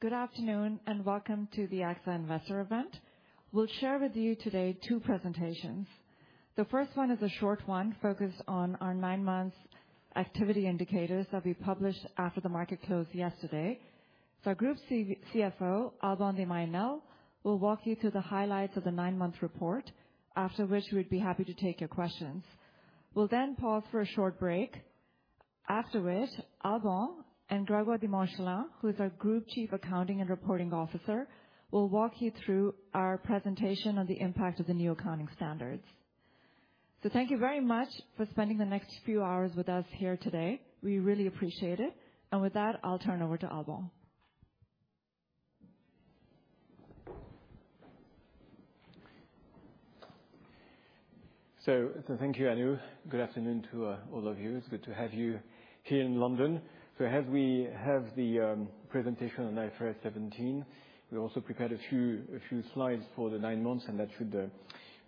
Good afternoon, and welcome to the AXA Investor Event. We'll share with you today two presentations. The first one is a short one focused on our nine months activity indicators that we published after the market closed yesterday. Our Group CFO, Alban de Mailly Nesle, will walk you through the highlights of the nine-month report, after which we'd be happy to take your questions. We'll then pause for a short break. After which, Alban de Mailly Nesle and Grégoire de Montchalin, who is our Group Chief Accounting and Reporting Officer, will walk you through our presentation on the impact of the new accounting standards. Thank you very much for spending the next few hours with us here today. We really appreciate it. With that, I'll turn over to Alban de Mailly Nesle. Thank you, Anu. Good afternoon to all of you. It's good to have you here in London. As we have the presentation on IFRS 17, we also prepared a few slides for the nine months, and that should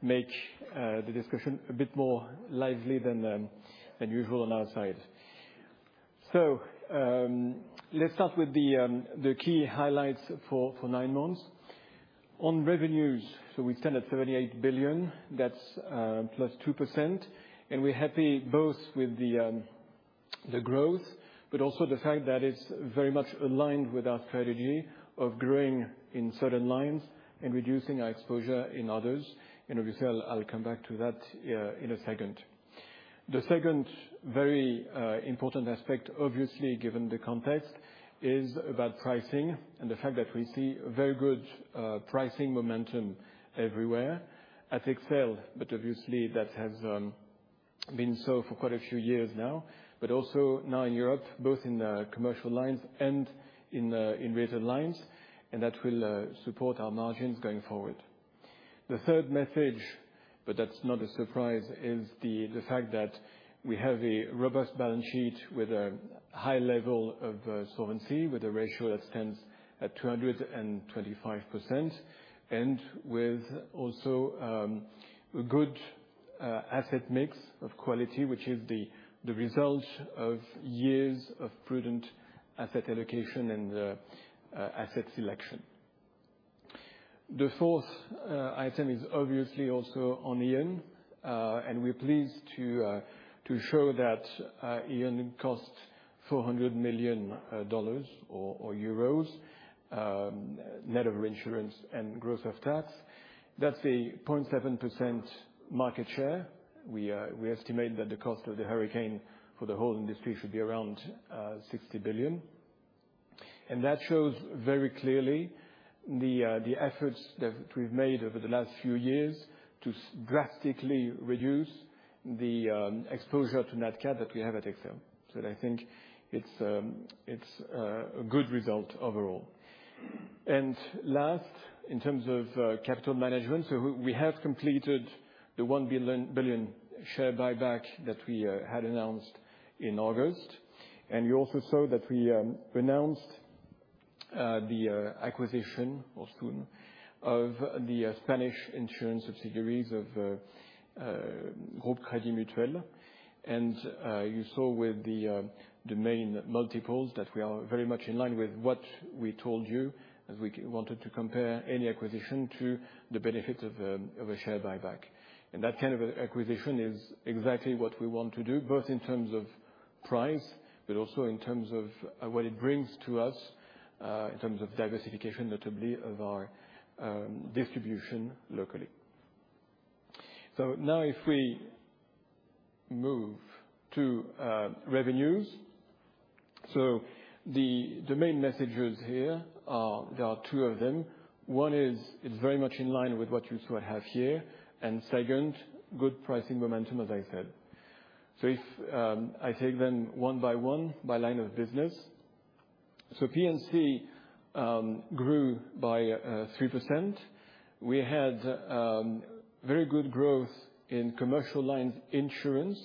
make the discussion a bit more lively than usual on our side. Let's start with the key highlights for nine months. On revenues, we stand at 38 billion, that's +2%. We're happy both with the growth, but also the fact that it's very much aligned with our strategy of growing in certain lines and reducing our exposure in others. Obviously, I'll come back to that in a second. The second very important aspect, obviously, given the context, is about pricing and the fact that we see very good pricing momentum everywhere. At AXA XL, but obviously that has been so for quite a few years now. Also now in Europe, both in the commercial lines and in retail lines, and that will support our margins going forward. The third message, that's not a surprise, is the fact that we have a robust balance sheet with a high level of solvency, with a ratio that stands at 225%, and with also a good asset mix of quality, which is the result of years of prudent asset allocation and asset selection. The fourth item is obviously also on Ian, and we're pleased to show that Ian cost $400 million or EUR 400 million net of insurance and gross of tax. That's a 0.7% market share. We estimate that the cost of the hurricane for the whole industry should be around $60 billion. That shows very clearly the efforts that we've made over the last few years to drastically reduce the exposure to net cat that we have at AXA XL. I think it's a good result overall. Last, in terms of capital management, we have completed the 1 billion share buyback that we had announced in August. You also saw that we announced the acquisition of the Spanish insurance subsidiaries of Groupe Crédit Mutuel. You saw with the main multiples that we are very much in line with what we told you as we wanted to compare any acquisition to the benefit of a share buyback. That kind of an acquisition is exactly what we want to do, both in terms of price, but also in terms of what it brings to us in terms of diversification, notably of our distribution locally. Now if we move to revenues. The main messages here are, there are two of them. One is it's very much in line with what you saw half year, and second, good pricing momentum, as I said. If I take them one by one, by line of business. P&C grew by 3%. We had very good growth in commercial lines insurance,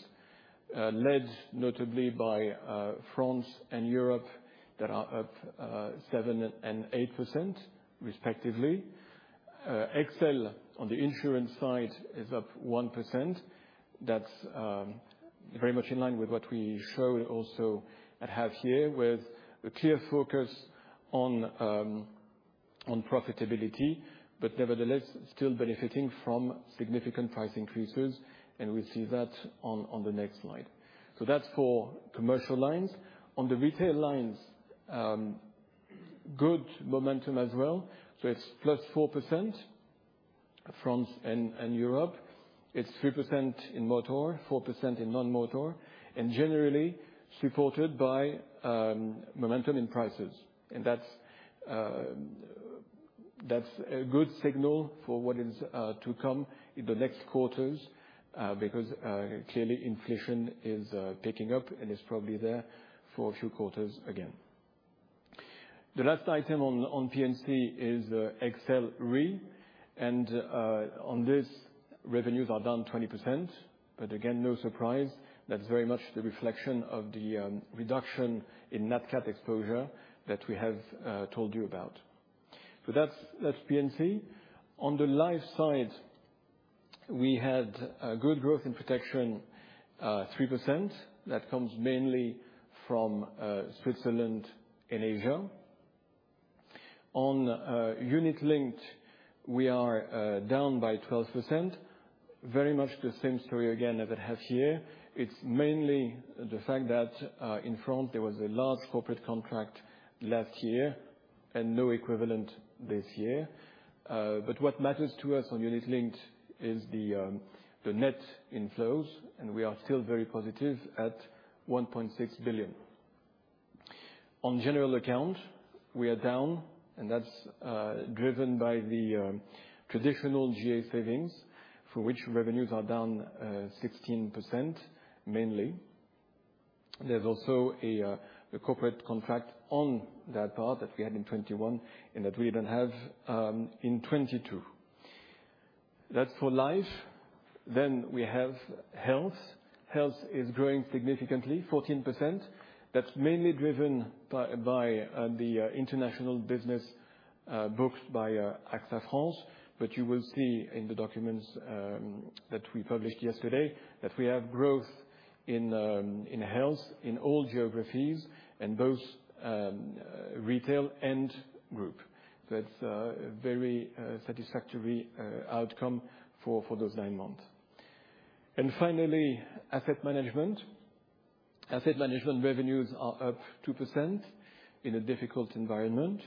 led notably by France and Europe that are up 7% and 8% respectively. AXA XL on the insurance side is up 1%. That's very much in line with what we show also at half year with a clear focus on profitability, but nevertheless, still benefiting from significant price increases. We see that on the next slide. That's for commercial lines. On the retail lines, good momentum as well. It's plus 4%, France and Europe. It's 3% in motor, 4% in non-motor, and generally supported by momentum in prices. That's a good signal for what is to come in the next quarters, because clearly inflation is picking up and is probably there for a few quarters again. The last item on P&C is AXA XL Re, and on this, revenues are down 20%. Again, no surprise. That's very much the reflection of the reduction in net cat exposure that we have told you about. That's P&C. On the life side, we had a good growth in protection, 3%. That comes mainly from Switzerland and Asia. On unit-linked, we are down by 12%. Very much the same story again as it has here. It's mainly the fact that in France, there was a large corporate contract last year and no equivalent this year. What matters to us on unit-linked is the net inflows, and we are still very positive at 1.6 billion. On general account, we are down, and that's driven by the traditional GA savings for which revenues are down 16% mainly. There's also a corporate contract on that part that we had in 2021, and that we don't have in 2022. That's for life. We have health. Health is growing significantly, 14%. That's mainly driven by the international business booked by AXA France. You will see in the documents that we published yesterday, that we have growth in health in all geographies and both retail and group. That's a very satisfactory outcome for those nine months. Finally, asset management. Asset management revenues are up 2% in a difficult environment.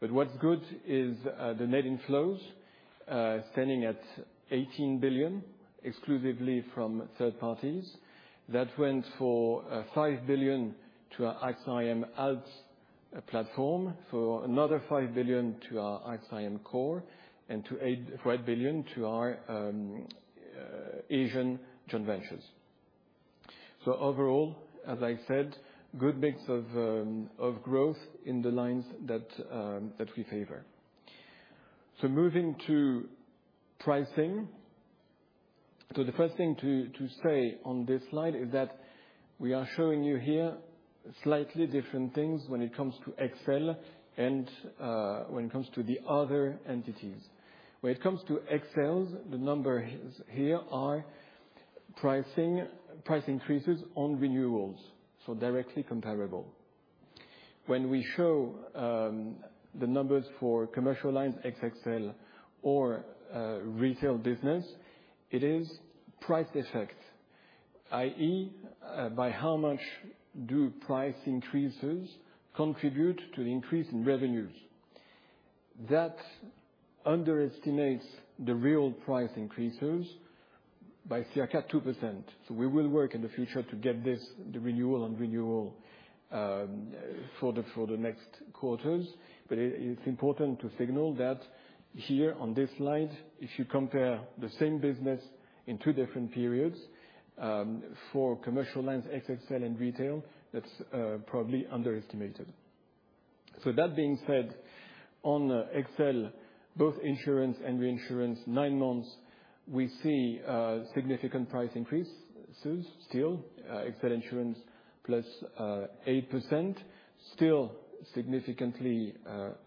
What's good is, the net inflows, standing at 18 billion, exclusively from third parties. That went for, 5 billion to our AXA IM Alts platform, for another 5 billion to our AXA IM Core, and 5 billion to our Asian joint ventures. Overall, as I said, good mix of growth in the lines that we favor. Moving to pricing. The first thing to say on this slide is that we are showing you here slightly different things when it comes to AXA XL and, when it comes to the other entities. When it comes to AXA XL's, the numbers here are pricing, price increases on renewals, so directly comparable. When we show the numbers for commercial lines, AXA XL or retail business, it is price effect, i.e., by how much do price increases contribute to the increase in revenues. That underestimates the real price increases by circa 2%. We will work in the future to get this, the renewal on renewal, for the next quarters. It's important to signal that here on this slide, if you compare the same business in two different periods, for commercial lines, AXA XL and retail, that's probably underestimated. That being said, on XL, both insurance and reinsurance, 9 months, we see significant price increases still. AXA XL Insurance +8%, still significantly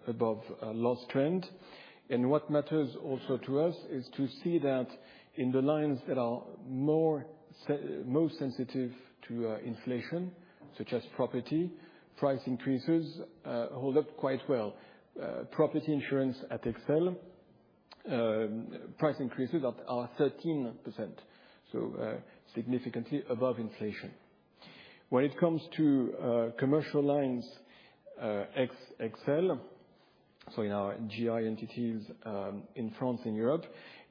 above loss trend. What matters also to us is to see that in the lines that are more most sensitive to inflation, such as property, price increases hold up quite well. Property insurance at AXA XL, price increases are 13%, so significantly above inflation. When it comes to commercial lines, AXA XL, so in our GI entities in France and Europe,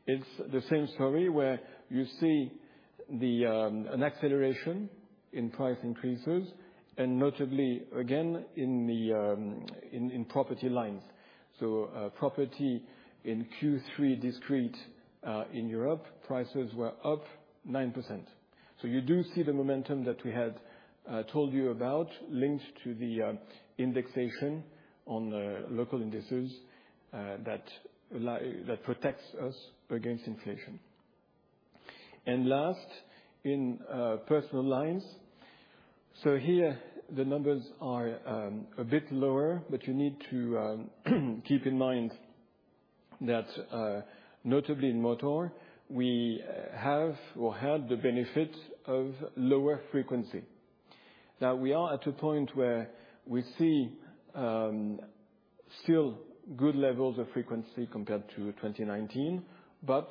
it's the same story where you see an acceleration in price increases, and notably, again, in property lines. Property in Q3, discrete in Europe, prices were up 9%. You do see the momentum that we had told you about linked to the indexation on local indices that protects us against inflation. Last, in personal lines. Here the numbers are a bit lower, but you need to keep in mind that, notably in motor, we have or had the benefit of lower frequency. Now we are at a point where we see still good levels of frequency compared to 2019, but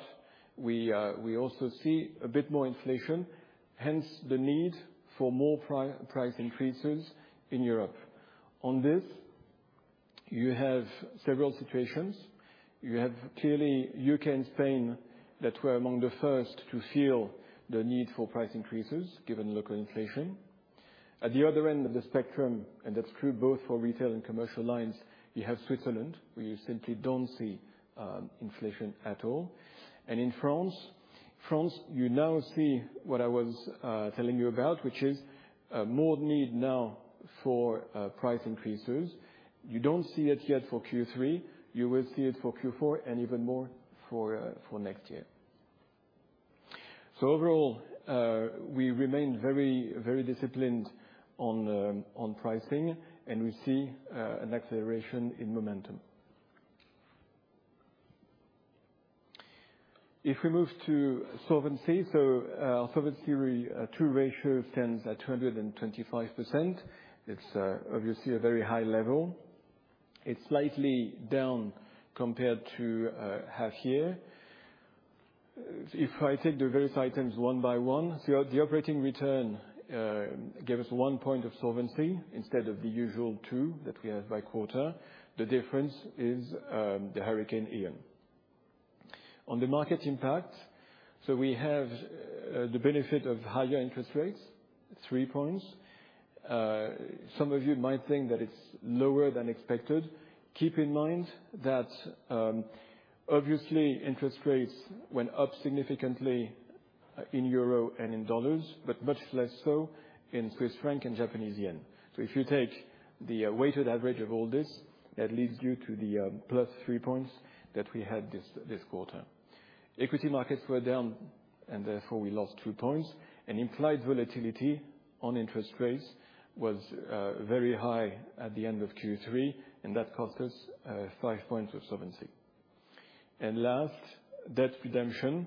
we also see a bit more inflation, hence the need for more price increases in Europe. On this, you have several situations. You have clearly UK and Spain that were among the first to feel the need for price increases given local inflation. At the other end of the spectrum, and that's true both for retail and commercial lines, you have Switzerland, where you simply don't see inflation at all. In France, you now see what I was telling you about, which is more need now for price increases. You don't see it yet for Q3. You will see it for Q4 and even more for next year. Overall, we remain very, very disciplined on pricing, and we see an acceleration in momentum. If we move to solvency, our Solvency II ratio stands at 225%. It's obviously a very high level. It's slightly down compared to half year. If I take the various items one by one, the operating return gave us one point of solvency instead of the usual two that we have by quarter. The difference is the Hurricane Ian. On the market impact, we have the benefit of higher interest rates, three points. Some of you might think that it's lower than expected. Keep in mind that, obviously, interest rates went up significantly in euro and in dollars, but much less so in Swiss franc and Japanese yen. If you take the weighted average of all this, that leads you to the +3 points that we had this quarter. Equity markets were down, and therefore we lost 2 points. Implied volatility on interest rates was very high at the end of Q3, and that cost us 5 points of solvency. Last, debt redemption.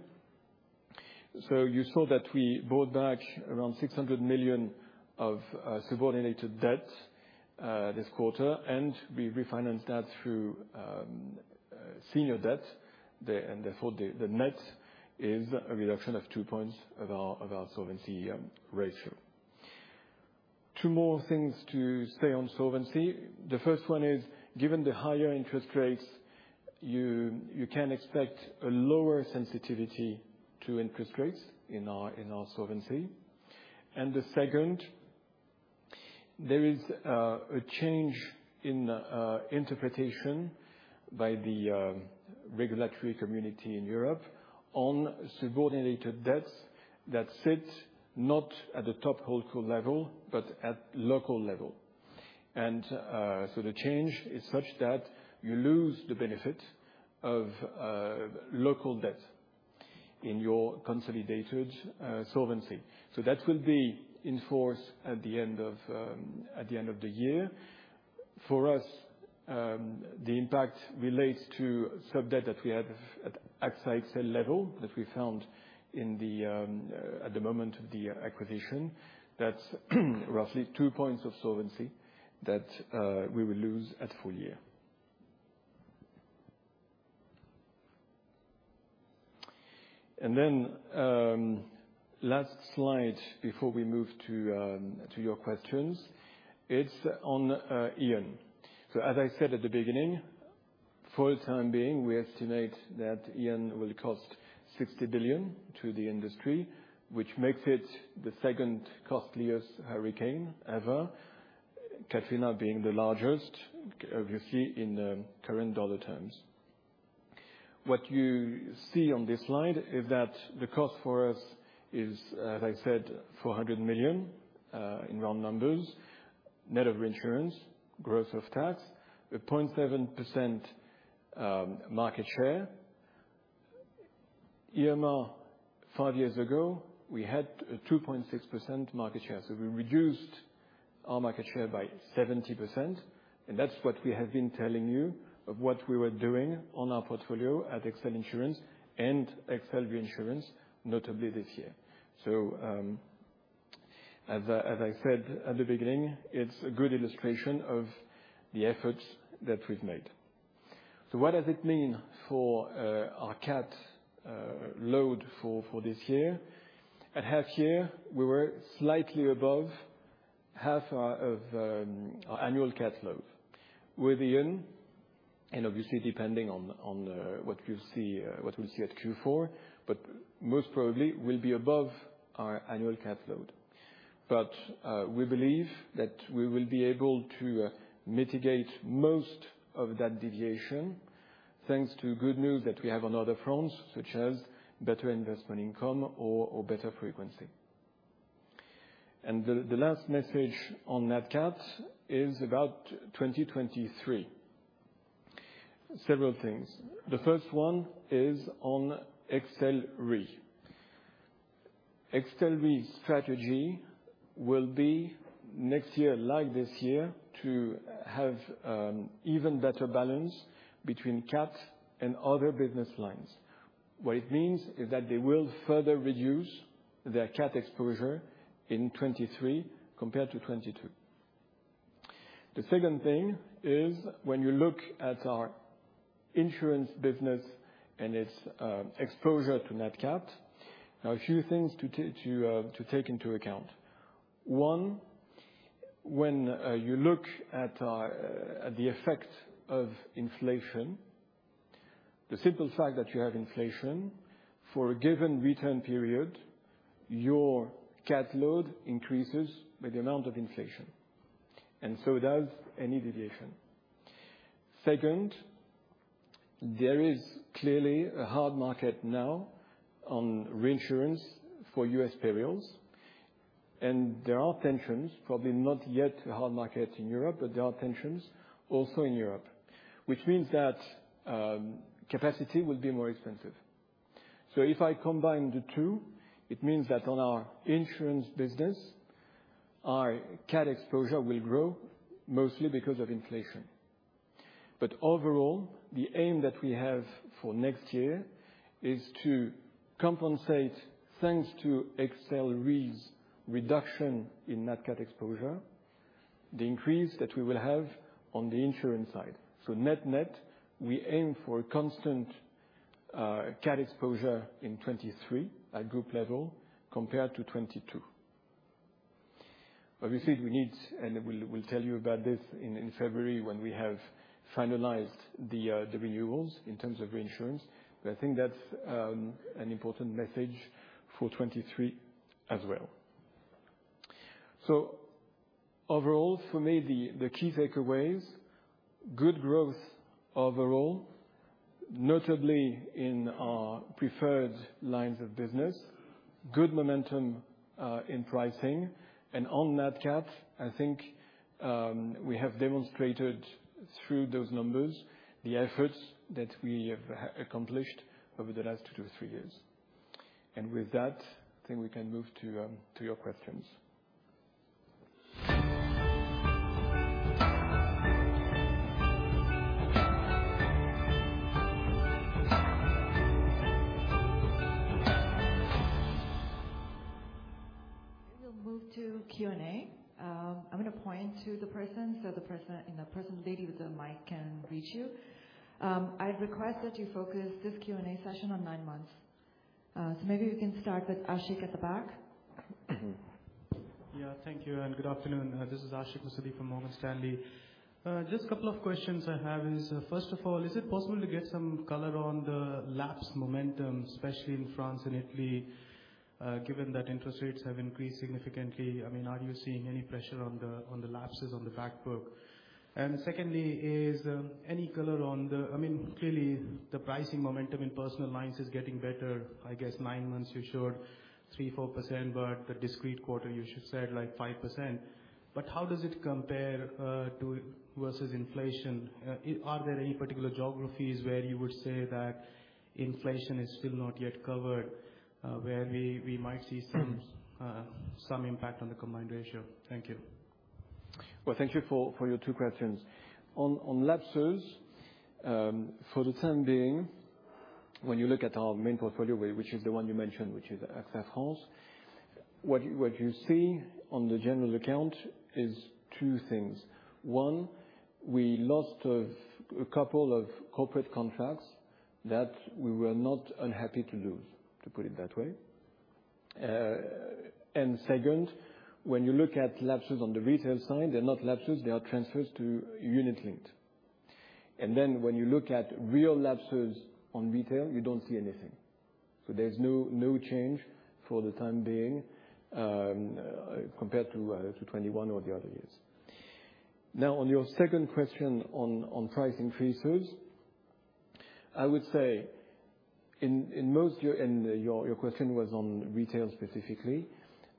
You saw that we bought back around 600 million of subordinated debt this quarter, and we refinanced that through senior debt. And therefore, the net is a reduction of 2 points of our solvency ratio. Two more things to say on solvency. The first one is, given the higher interest rates, you can expect a lower sensitivity to interest rates in our solvency. The second, there is a change in interpretation by the regulatory community in Europe on subordinated debts that sit not at the top holdco level, but at local level. The change is such that you lose the benefit of local debt in your consolidated solvency. That will be in force at the end of the year. For us, the impact relates to sub-debt that we have at AXA XL level that we found at the moment of the acquisition. That's roughly two points of solvency that we will lose at full year. Last slide before we move to your questions, it's on Ian. As I said at the beginning, for the time being, we estimate that Ian will cost $60 billion to the industry, which makes it the second costliest hurricane ever, Katrina being the largest, obviously in current dollar terms. What you see on this slide is that the cost for us is, as I said, $400 million in round numbers, net of reinsurance, gross of tax, with 0.7% market share. Five years ago, we had a 2.6% market share, so we reduced our market share by 70%, and that's what we have been telling you of what we were doing on our portfolio at AXA XL Insurance and AXA XL Reinsurance, notably this year. As I said at the beginning, it's a good illustration of the efforts that we've made. What does it mean for our cat load for this year? At half year, we were slightly above half of our annual cat load. With Ian, and obviously depending on what we'll see at Q4, most probably we will be above our annual cat load. We believe that we will be able to mitigate most of that deviation, thanks to good news that we have on other fronts, such as better investment income or better frequency. The last message on net cats is about 2023. Several things. The first one is on XLRe. AXA XL Re's strategy will be next year, like this year, to have even better balance between cats and other business lines. What it means is that they will further reduce their cat exposure in 2023 compared to 2022. The second thing is when you look at our insurance business and its exposure to net cat. Now a few things to take into account. One, when you look at the effect of inflation, the simple fact that you have inflation, for a given return period, your cat load increases with the amount of inflation, and so does any deviation. Second, there is clearly a hard market now on reinsurance for U.S. perils. There are tensions, probably not yet hard markets in Europe, but there are tensions also in Europe, which means that capacity will be more expensive. If I combine the two, it means that on our insurance business, our cat exposure will grow mostly because of inflation. Overall, the aim that we have for next year is to compensate, thanks to XL Re's reduction in net cat exposure, the increase that we will have on the insurance side. Net-net, we aim for a constant cat exposure in 2023 at group level compared to 2022. Obviously, we need, and we'll tell you about this in February when we have finalized the renewals in terms of reinsurance. I think that's an important message for 2023 as well. Overall for me, the key takeaways, good growth overall, notably in our preferred lines of business, good momentum in pricing. On net cat, I think we have demonstrated through those numbers the efforts that we have accomplished over the last 2-3 years. With that, I think we can move to your questions. We'll move to Q&A. I'm gonna point to the person so, you know, the lady with the mic can reach you. I'd request that you focus this Q&A session on nine months. Maybe we can start with Ashik at the back. Yeah. Thank you and good afternoon. This is Ashik Musaddi from Morgan Stanley. Just a couple of questions I have is, first of all, is it possible to get some color on the lapse momentum, especially in France and Italy, given that interest rates have increased significantly? I mean, are you seeing any pressure on the lapses on the back book? And secondly, is any color on the. I mean, clearly the pricing momentum in personal lines is getting better. I guess nine months you showed 3%-4%, but the discrete quarter you just said like 5%. But how does it compare to versus inflation? Are there any particular geographies where you would say that inflation is still not yet covered, where we might see some impact on the combined ratio? Thank you. Well, thank you for your two questions. On lapses, for the time being, when you look at our main portfolio, which is the one you mentioned, which is AXA France, what you see on the general account is two things. One, we lost a couple of corporate contracts that we were not unhappy to lose, to put it that way. And second, when you look at lapses on the retail side, they're not lapses, they are transfers to unit-linked. And then when you look at real lapses on retail, you don't see anything. So there's no change for the time being, compared to 2021 or the other years. Now, on your second question on price increases, I would say in most your. And your question was on retail specifically.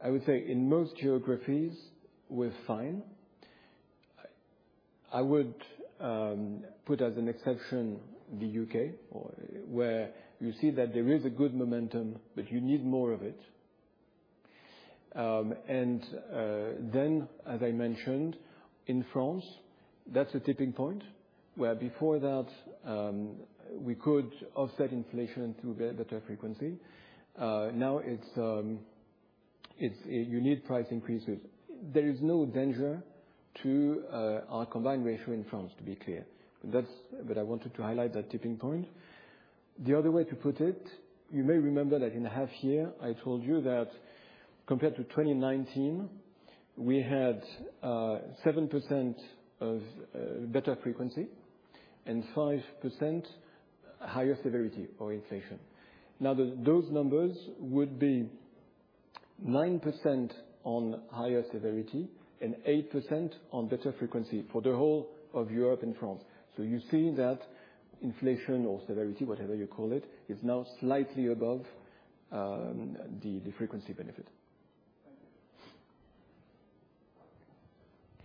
I would say in most geographies, we're fine. I would put as an exception the U.K., where you see that there is a good momentum but you need more of it. As I mentioned in France, that's a tipping point, where before that, we could offset inflation through better frequency. Now it's you need price increases. There is no danger to our Combined Ratio in France, to be clear. That's. I wanted to highlight that tipping point. The other way to put it, you may remember that in the half year, I told you that compared to 2019, we had 7% of better frequency and 5% higher severity or inflation. Now those numbers would be 9% on higher severity and 8% on better frequency for the whole of Europe and France. You see that inflation or severity, whatever you call it, is now slightly above the frequency benefit.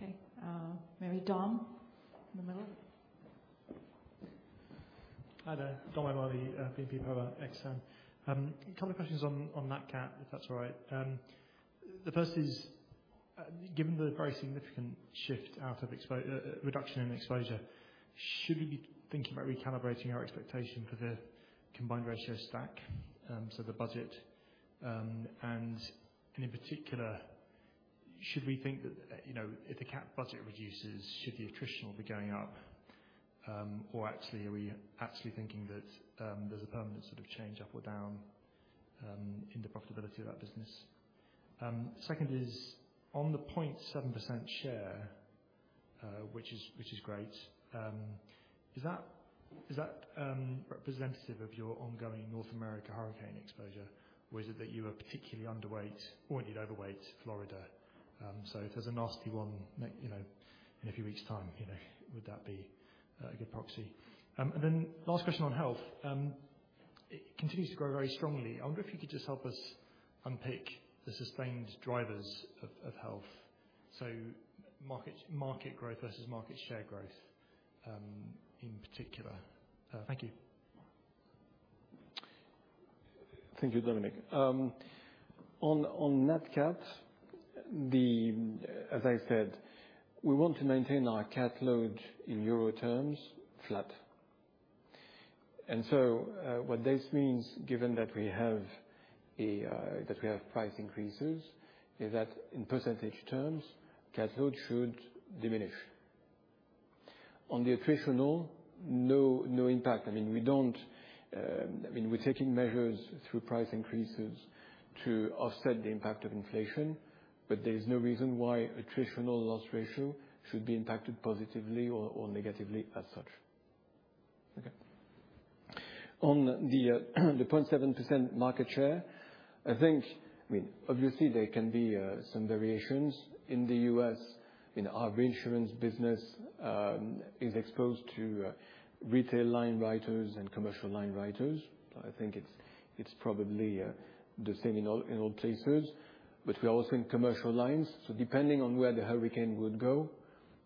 Thank you. Okay. Maybe Dom in the middle. Hi there. Dominic O'Mahony, BNP Paribas Exane. A couple of questions on that cat, if that's all right. The first is, given the very significant reduction in exposure, should we be thinking about recalibrating our expectation for the combined ratio stack, so the budget. In particular, should we think that, you know, if the cat budget reduces, should the attrition be going up? Or actually are we thinking that there's a permanent sort of change up or down, in the profitability of that business? Second is on the 0.7% share, which is great. Is that representative of your ongoing North America hurricane exposure, or is it that you are particularly underweight or indeed overweight Florida? If there's a nasty one, you know, in a few weeks' time, you know, would that be a good proxy? Last question on health. It continues to grow very strongly. I wonder if you could just help us unpick the sustained drivers of health, so market growth versus market share growth, in particular. Thank you. Thank you, Dominic. On natural catastrophe, as I said, we want to maintain our cat load in euro terms flat. What this means, given that we have price increases, is that in percentage terms, cat load should diminish. On the attritional, no impact. I mean, we don't, I mean, we're taking measures through price increases to offset the impact of inflation, but there is no reason why attritional loss ratio should be impacted positively or negatively as such. Okay. On the 0.7% market share, I think, I mean, obviously there can be some variations in the US. In our reinsurance business is exposed to retail line writers and commercial line writers. I think it's probably the same in all places. We're also in commercial lines, so depending on where the hurricane would go,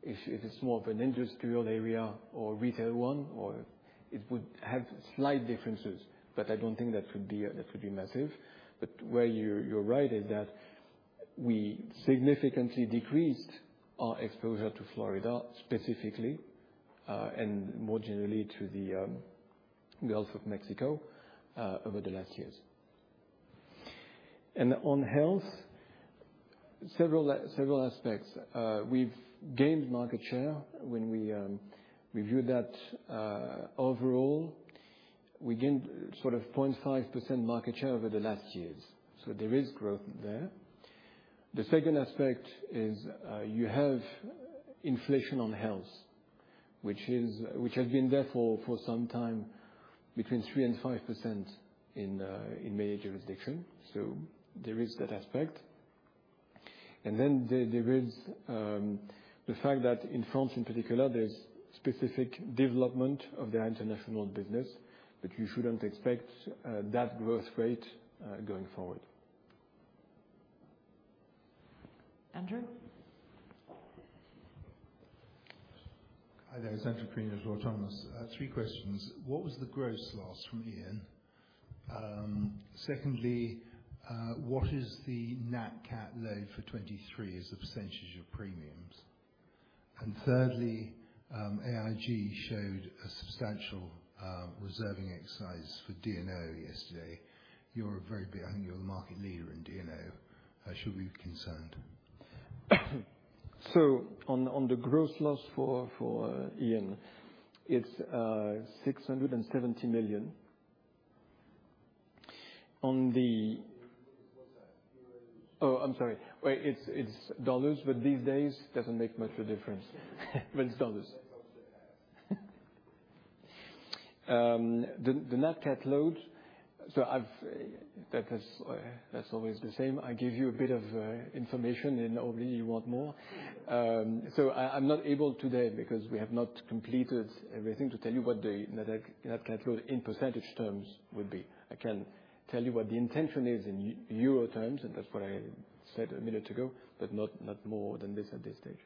if it's more of an industrial area or a retail one, or it would have slight differences, but I don't think that would be massive. Where you're right is that we significantly decreased our exposure to Florida specifically, and more generally to the Gulf of Mexico, over the last years. On health, several aspects. We've gained market share when we review that overall. We gained sort of 0.5% market share over the last years, so there is growth there. The second aspect is, you have inflation on health, which has been there for some time, between 3%-5% in many jurisdictions. There is that aspect. There is the fact that in France in particular, there's specific development of their international business that you shouldn't expect that growth rate going forward. Andrew? Hi there. It's Andrew Crean at Autonomous. Three questions. What was the gross loss from Ian? Second, what is the nat cat load for 2023 as a % of premiums? Third, AIG showed a substantial reserving exercise for D&O yesterday. You're a very big, I think you're a market leader in D&O. Should we be concerned? On the gross loss for Ian, it's $670 million. On the What's that? Euros? Oh, I'm sorry. It's dollars, but these days doesn't make much of a difference. It's dollars. Okay. Gotcha. The natural catastrophe load. That's always the same. I give you a bit of information and obviously you want more. I'm not able today because we have not completed everything to tell you what the natural catastrophe load in percentage terms would be. I can tell you what the intention is in euro terms, and that's what I said a minute ago, but not more than this at this stage.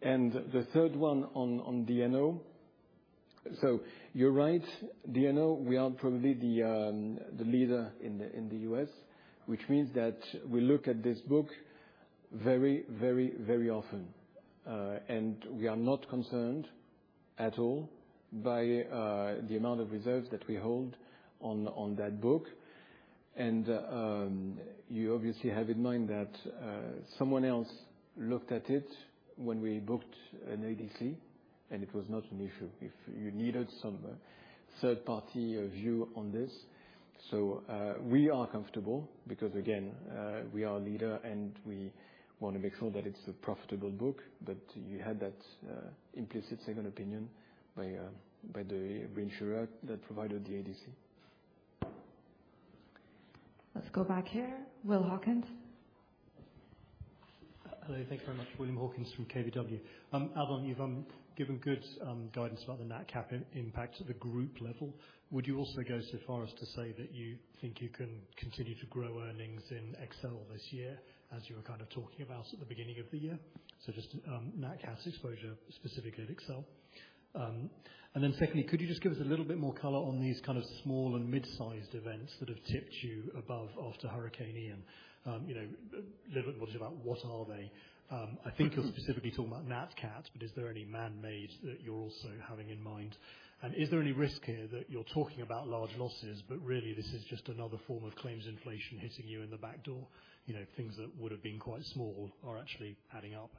The third one on D&O. You're right. D&O, we are probably the leader in the U.S., which means that we look at this book very often. We are not concerned at all by the amount of reserves that we hold on that book. You obviously have in mind that someone else looked at it when we booked an ADC, and it was not an issue if you needed some third-party view on this. We are comfortable because again we are a leader, and we wanna make sure that it's a profitable book, but you had that implicit second opinion by the reinsurer that provided the ADC. Let's go back here. Will Hawkins. Hello, thank you very much. William Hawkins from KBW. Alban, you've given good guidance about the nat cat impact at the group level. Would you also go so far as to say that you think you can continue to grow earnings in XL this year as you were kind of talking about at the beginning of the year? Just nat cat exposure specifically at XL. Then secondly, could you just give us a little bit more color on these kind of small and mid-sized events that have tipped you above after Hurricane Ian? You know, a little bit more just about what are they. I think you're specifically talking about nat cats, but is there any man-made that you're also having in mind? Is there any risk here that you're talking about large losses, but really this is just another form of claims inflation hitting you in the back door? You know, things that would've been quite small are actually adding up.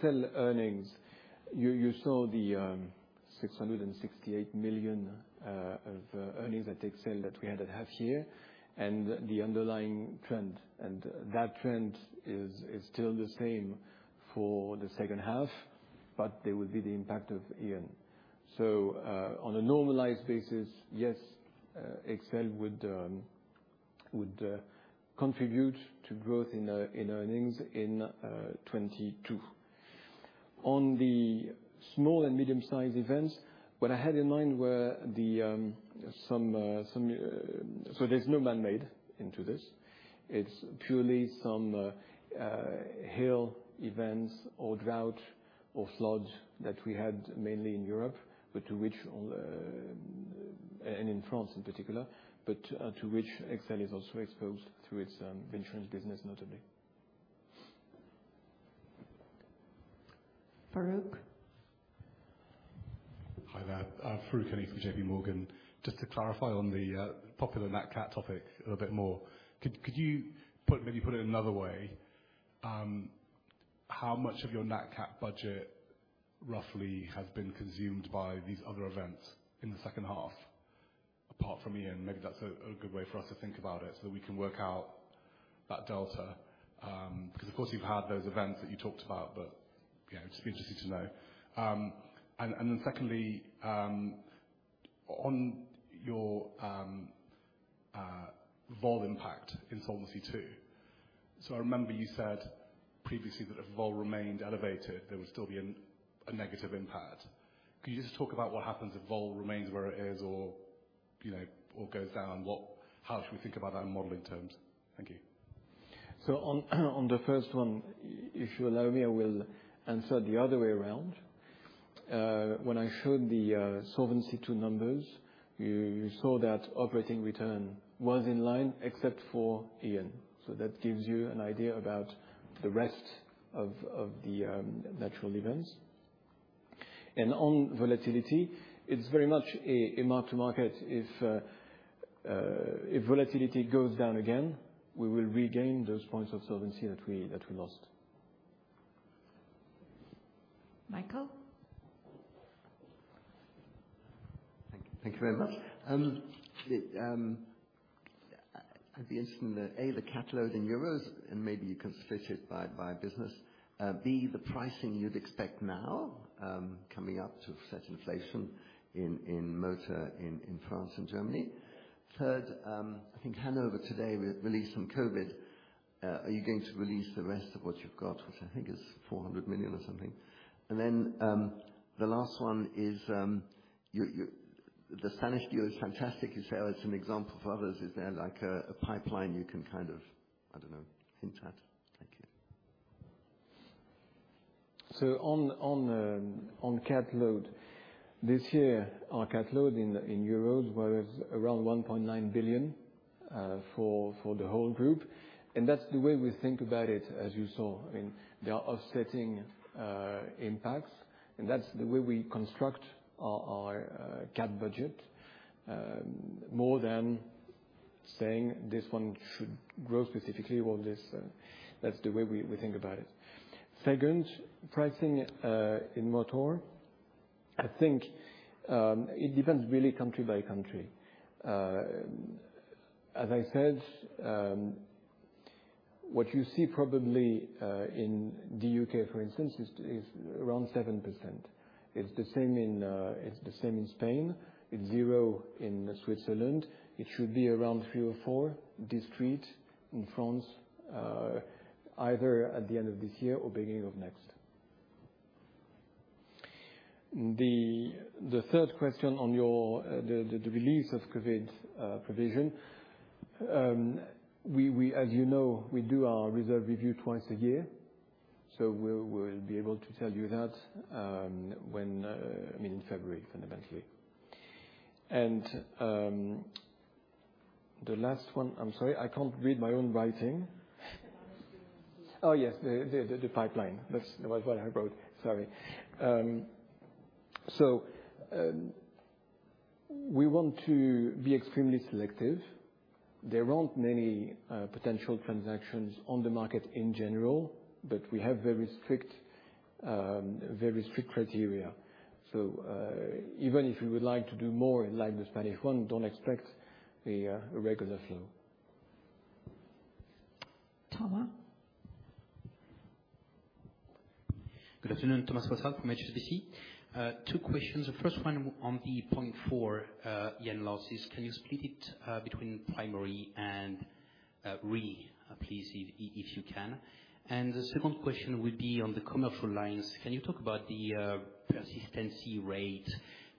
XL earnings, you saw the 668 million of earnings at XL that we had at half-year and the underlying trend, and that trend is still the same for the second half. There will be the impact of Ian. On a normalized basis, yes, XL would contribute to growth in earnings in 2022. On the small and medium-sized events, what I had in mind were the some, so there's no man-made into this. It's purely some hail events or drought or floods that we had mainly in Europe, but to which AXA and in France in particular, but to which XL is also exposed through its insurance business notably. Farouk? Hi there. Farooq Hanif from J.P. Morgan. Just to clarify on the popular nat cat topic a little bit more. Could you put it another way, how much of your nat cat budget roughly has been consumed by these other events in the second half, apart from Ian? Maybe that's a good way for us to think about it so we can work out that delta. Because, of course, you've had those events that you talked about, but you know, it'd just be interesting to know. And then secondly, on your vol impact in Solvency II. I remember you said previously that if vol remained elevated, there would still be a negative impact. Could you just talk about what happens if vol remains where it is or, you know, or goes down? How should we think about that in modeling terms? Thank you. On the first one, if you allow me, I will answer the other way around. When I showed the Solvency II numbers, you saw that operating return was in line except for Ian. That gives you an idea about the rest of the natural events. On volatility, it's very much a mark to market. If volatility goes down again, we will regain those points of solvency that we lost. Michael? Thank you. Thank you very much. I'd be interested in the A, the cat load in euros, and maybe you can split it by business. B, the pricing you'd expect now, coming up to match inflation in motor in France and Germany. Third, I think Hannover Re today released some COVID. Are you going to release the rest of what you've got, which I think is 400 million or something? The last one is, the Spanish deal is fantastic. You say as an example for others, is there like a pipeline you can kind of, I don't know, hint at? Thank you. On cat load this year, our cat load in euros was around 1.9 billion for the whole group. That's the way we think about it, as you saw, I mean, they are offsetting impacts, and that's the way we construct our cat budget more than saying this one should grow specifically. That's the way we think about it. Second, pricing in motor, I think it depends really country by country. As I said, what you see probably in the UK, for instance, is around 7%. It's the same in Spain. It's 0% in Switzerland. It should be around 3%-4%, discreet in France, either at the end of this year or beginning of next. The third question on the release of COVID provision, as you know, we do our reserve review twice a year, so we'll be able to tell you that when, I mean, in February, fundamentally. The last one, I'm sorry, I can't read my own writing. The Spanish deal. Oh, yes, the pipeline. That was what I wrote. Sorry. We want to be extremely selective. There aren't many potential transactions on the market in general, but we have very strict criteria. Even if we would like to do more in line with Spanish one, don't expect a regular flow. Thomas? Good afternoon. Thomas Fossard from HSBC. Two questions. The first one on the 0.4 yen losses. Can you split it between primary and re, please, if you can? The second question would be on the commercial lines. Can you talk about the persistency rate?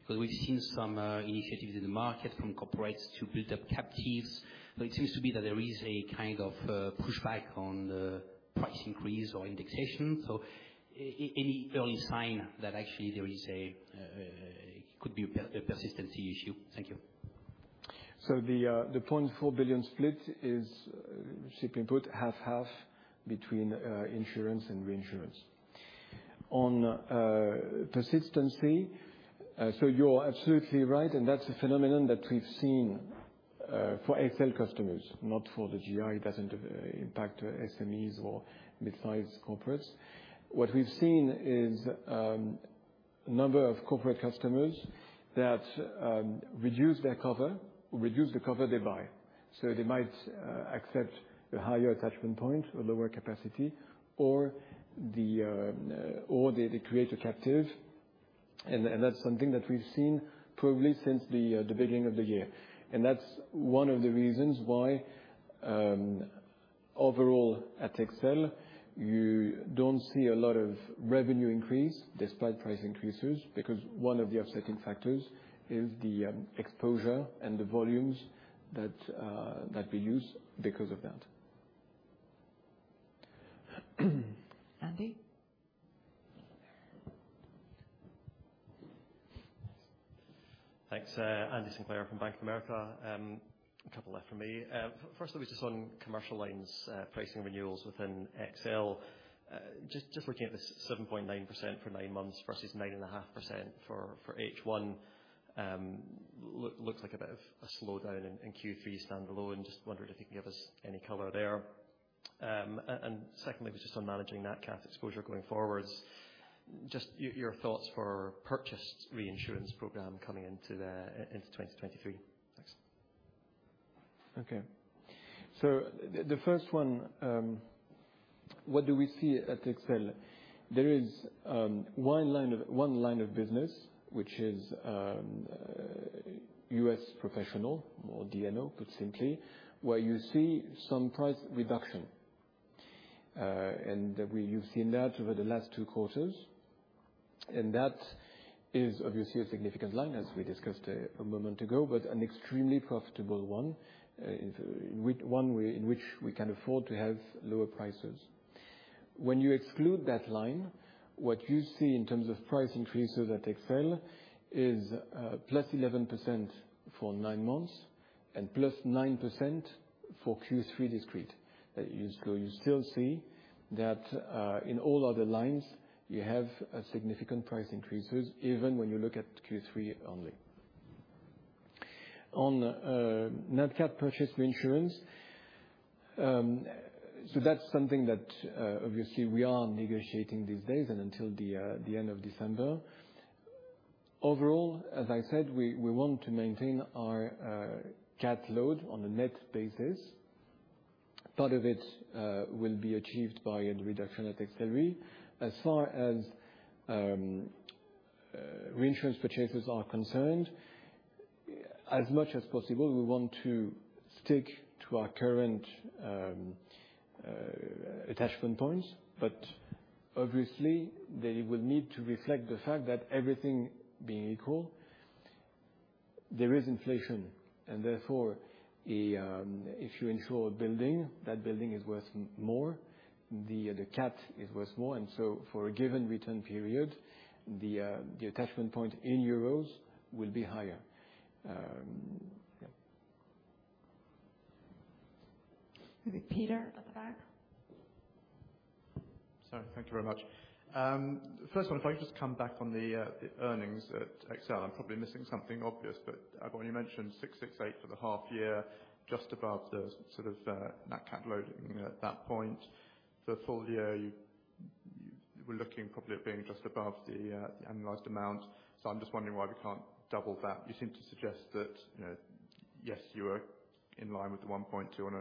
Because we've seen some initiatives in the market from corporates to build up captives, but it seems to be that there is a kind of pushback on the price increase or indexation. Any early sign that actually there is a could be a persistency issue? Thank you. The 0.4 billion split is simply put 50/50 between insurance and reinsurance. On persistency, you're absolutely right, and that's a phenomenon that we've seen for AXA XL customers, not for the GI. It doesn't impact SMEs or mid-sized corporates. What we've seen is a number of corporate customers that reduce their cover, so they might accept a higher attachment point or lower capacity, or they create a captive. That's something that we've seen probably since the beginning of the year. That's one of the reasons why, overall at AXA XL, you don't see a lot of revenue increase despite price increases, because one of the offsetting factors is the exposure and the volumes that we use because of that. Andy? Thanks. Andy Sinclair from Bank of America. A couple left for me. First it was just on commercial lines, pricing renewals within AXA XL. Just looking at the 7.9% for nine months versus 9.5% for H1, looks like a bit of a slowdown in Q3 standalone. Just wondering if you can give us any color there. Secondly was just on managing that cat exposure going forwards. Just your thoughts for purchased reinsurance program coming into 2023. Thanks. The first one, what do we see at AXA XL? There is one line of business, which is US professional or D&O, put simply, where you see some price reduction. You've seen that over the last 2 quarters. That is obviously a significant line, as we discussed a moment ago, but an extremely profitable one, in which we can afford to have lower prices. When you exclude that line, what you see in terms of price increases at AXA XL is +11% for 9 months and +9% for Q3 discrete. You know, you still see that, in all other lines you have a significant price increases even when you look at Q3 only. On net cat purchase reinsurance, so that's something that obviously we are negotiating these days and until the end of December. Overall, as I said, we want to maintain our cat load on a net basis. Part of it will be achieved by a reduction at XL Re. As far as reinsurance purchases are concerned, as much as possible, we want to stick to our current attachment points, but obviously they will need to reflect the fact that everything being equal, there is inflation and therefore if you insure a building, that building is worth more, the cat is worth more. For a given return period, the attachment point in euros will be higher. Maybe Peter at the back. Sorry. Thank you very much. First one, if I could just come back on the earnings at AXA XL, I'm probably missing something obvious, but I've only mentioned 668 for the half year just above the sort of that cat loading at that point. For the full year, we're looking probably at being just above the annualized amount. I'm just wondering why we can't double that. You seem to suggest that, you know, yes, you were in line with the 1.2 on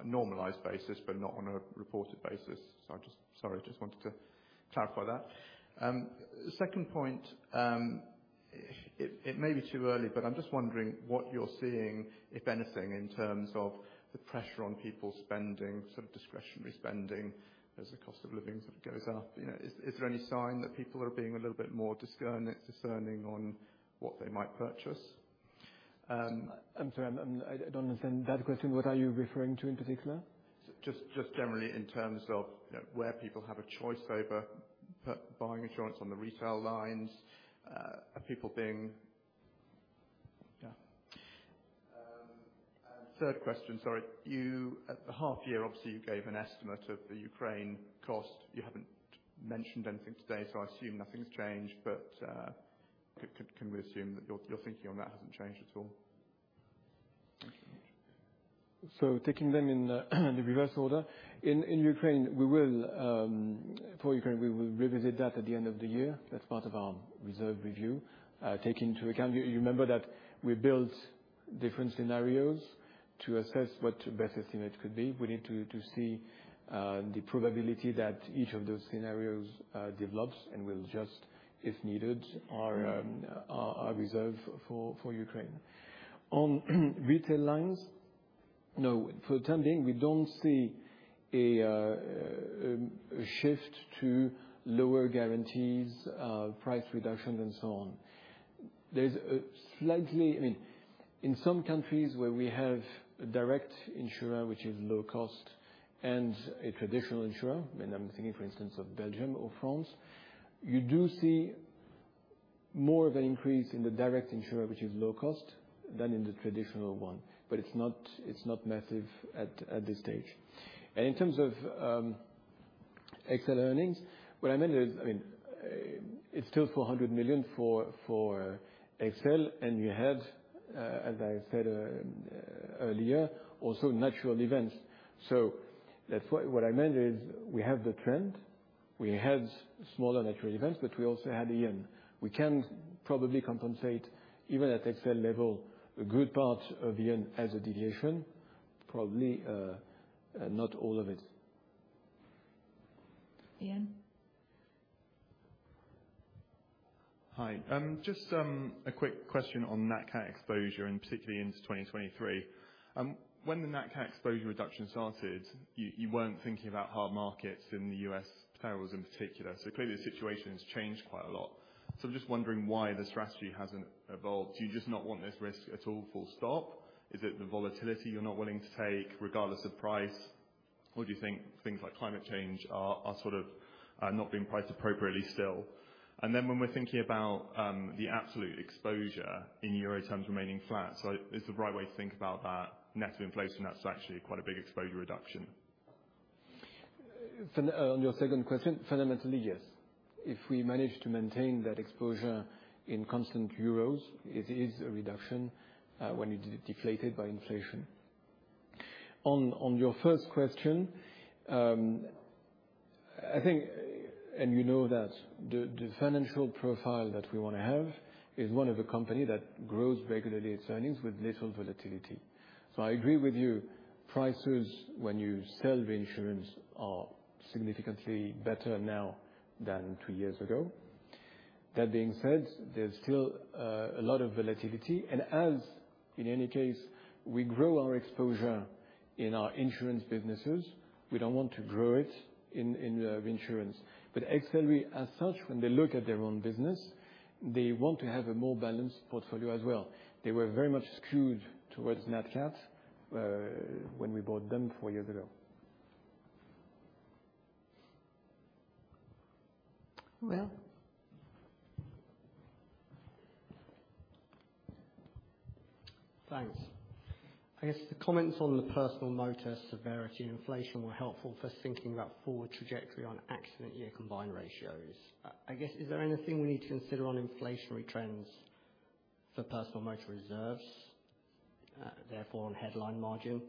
a normalized basis, but not on a reported basis. Sorry, just wanted to clarify that. Second point, it may be too early, but I'm just wondering what you're seeing, if anything, in terms of the pressure on people spending, sort of discretionary spending as the cost of living sort of goes up. You know, is there any sign that people are being a little bit more discerning on what they might purchase? I'm sorry, I don't understand that question. What are you referring to in particular? Just generally in terms of, you know, where people have a choice over buying insurance on the retail lines, are people being... Yeah. Third question. Sorry. You at the half year, obviously you gave an estimate of the Ukraine cost. You haven't mentioned anything today, so I assume nothing's changed. Can we assume that your thinking on that hasn't changed at all? Taking them in the reverse order. In Ukraine, we will revisit that at the end of the year. That's part of our reserve review, take into account. You remember that we built different scenarios to assess what best estimate could be. We need to see the probability that each of those scenarios develops, and we'll adjust, if needed, our reserve for Ukraine. On retail lines, no. For the time being, we don't see a shift to lower guarantees, price reductions and so on. There's a slightly, I mean, in some countries where we have a direct insurer, which is low cost, and a traditional insurer, and I'm thinking for instance of Belgium or France, you do see more of an increase in the direct insurer, which is low cost, than in the traditional one. It's not massive at this stage. In terms of XL earnings, what I meant is, I mean, it's still 400 million for XL, and you have, as I said earlier, also natural events. That's what I meant is we have the trend. We had smaller natural events, but we also had the yen. We can probably compensate, even at XL level, a good part of yen as a deviation, probably, not all of it. Ian? Hi. Just a quick question on Nat Cat exposure, and particularly into 2023. When the Nat Cat exposure reduction started, you weren't thinking about hard markets in the U.S. perils in particular. Clearly the situation has changed quite a lot. I'm just wondering why the strategy hasn't evolved. Do you just not want this risk at all, full stop? Is it the volatility you're not willing to take regardless of price, or do you think things like climate change are sort of not being priced appropriately still? Then when we're thinking about the absolute exposure in euro terms remaining flat, is the right way to think about that net of inflation? That's actually quite a big exposure reduction. On your second question, fundamentally, yes. If we manage to maintain that exposure in constant euros, it is a reduction, when it is deflated by inflation. On your first question, I think, and you know that the financial profile that we wanna have is one of a company that grows regularly its earnings with little volatility. I agree with you. Prices when you sell reinsurance are significantly better now than two years ago. That being said, there's still a lot of volatility. As in any case, we grow our exposure in our insurance businesses, we don't want to grow it in reinsurance. AXA XL as such, when they look at their own business, they want to have a more balanced portfolio as well. They were very much skewed towards Nat Cat, when we bought them four years ago. Will? Thanks. I guess the comments on the personal motor severity and inflation were helpful for thinking about forward trajectory on accident year combined ratios. I guess, is there anything we need to consider on inflationary trends for personal motor reserves, therefore on headline margin?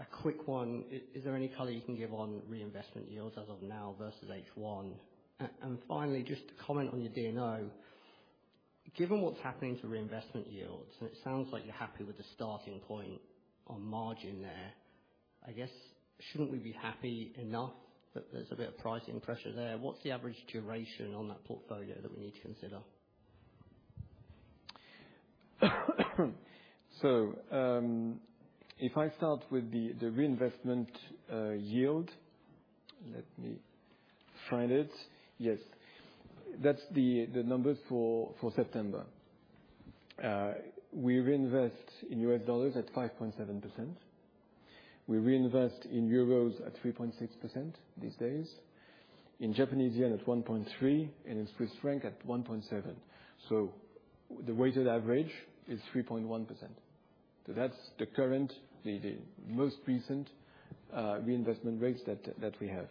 A quick one. Is there any color you can give on reinvestment yields as of now versus H1? And finally, just a comment on your D&O. Given what's happening to reinvestment yields, and it sounds like you're happy with the starting point on margin there, I guess, shouldn't we be happy enough that there's a bit of pricing pressure there? What's the average duration on that portfolio that we need to consider? If I start with the reinvestment yield, let me find it. Yes. That's the numbers for September. We reinvest in US dollars at 5.7%. We reinvest in euros at 3.6% these days, in Japanese yen at 1.3%, and in Swiss franc at 1.7%. The weighted average is 3.1%. That's the current, the most recent reinvestment rates that we have.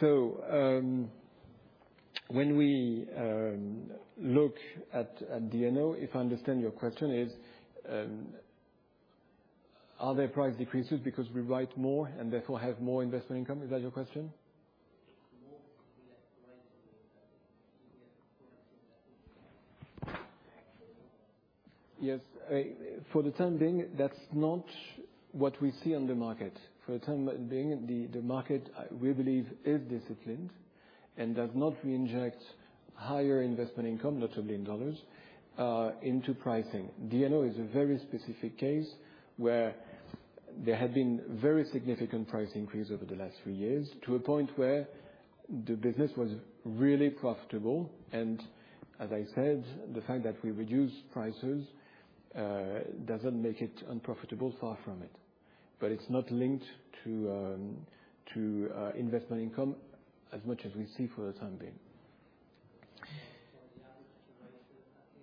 When we look at D&O, if I understand your question is, are there price decreases because we write more and therefore have more investment income? Is that your question? More Yes. For the time being, that's not what we see on the market. For the time being, the market, we believe is disciplined and does not reinject higher investment income, notably in dollars, into pricing. D&O is a very specific case, where there had been very significant price increase over the last three years to a point where the business was really profitable. As I said, the fact that we reduced prices doesn't make it unprofitable, far from it. It's not linked to investment income as much as we see for the time being. For the average duration of that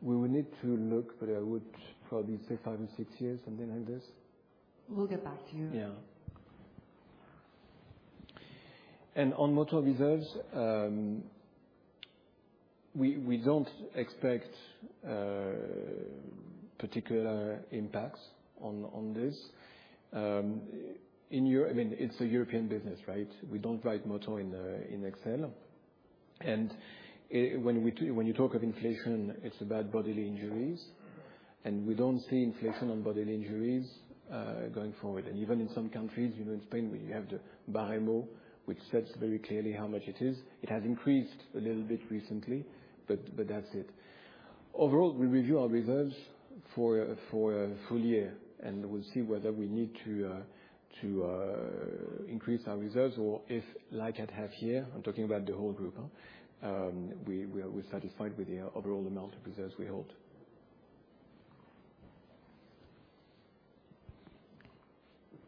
deal. We will need to look, but I would probably say 5-6 years, something like this. We'll get back to you. Yeah. On motor reserves, we don't expect particular impacts on this. I mean, it's a European business, right? We don't write motor in XL. When you talk of inflation, it's about bodily injuries, and we don't see inflation on bodily injuries going forward. Even in some countries, even in Spain, where you have the Baremo, which sets very clearly how much it is, it has increased a little bit recently, but that's it. Overall, we review our reserves for a full year, and we'll see whether we need to increase our reserves or if like at half year, I'm talking about the whole group, we're satisfied with the overall amount of reserves we hold.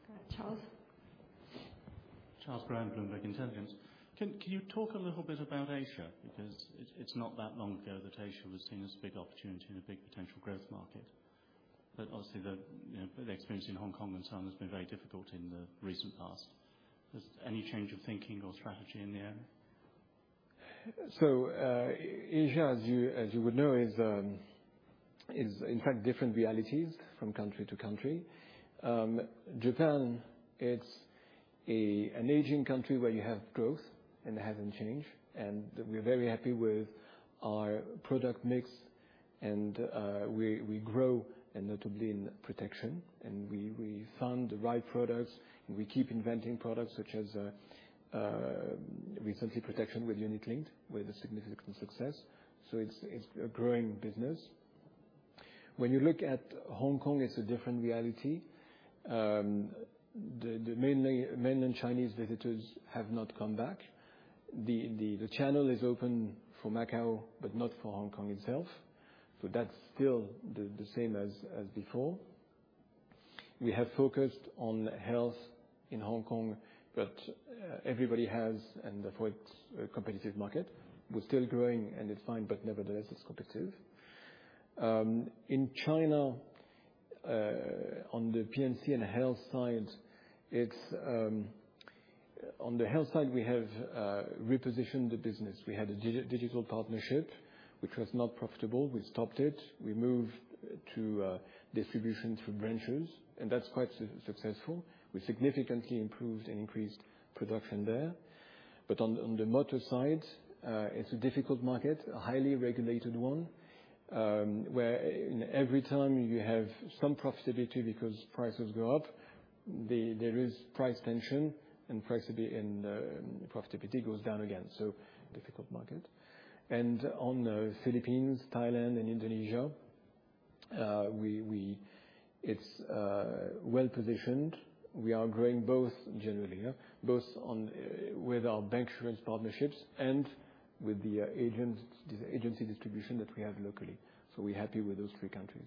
Go ahead, Charles. Charles Brown, Bloomberg Intelligence. Can you talk a little bit about Asia? Because it's not that long ago that Asia was seen as a big opportunity and a big potential growth market. But obviously, you know, the experience in Hong Kong and China has been very difficult in the recent past. Is any change of thinking or strategy in the air? Asia, as you would know, is in fact different realities from country to country. Japan, it's an aging country where you have growth and it hasn't changed, and we're very happy with our product mix and we grow and notably in protection. We found the right products, and we keep inventing products such as recently protection with unit-linked with a significant success. It's a growing business. When you look at Hong Kong, it's a different reality. Mainland Chinese visitors have not come back. The channel is open for Macau, but not for Hong Kong itself. That's still the same as before. We have focused on health in Hong Kong, but everybody has and therefore it's a competitive market. We're still growing and it's fine, but nevertheless, it's competitive. In China, on the P&C and health side, it's. On the health side, we have repositioned the business. We had a digital partnership which was not profitable. We stopped it. We moved to distribution through branches, and that's quite successful. We significantly improved and increased production there. But on the motor side, it's a difficult market, a highly regulated one, where every time you have some profitability because prices go up, there is price tension and profitability, and profitability goes down again, so difficult market. On the Philippines, Thailand and Indonesia, we. It's well-positioned. We are growing both generally with our bancassurance partnerships and with the agents, agency distribution that we have locally. So we're happy with those three countries.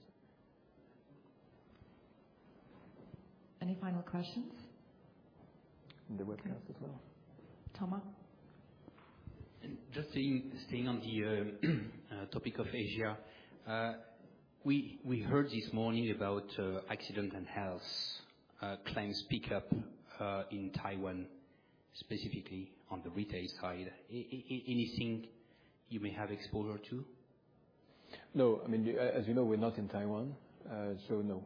Any final questions? The webcast as well. Thomas? Just staying on the topic of Asia. We heard this morning about accident and health claims pickup in Taiwan, specifically on the retail side. Anything you may have exposure to? No. I mean, as you know, we're not in Taiwan, so no.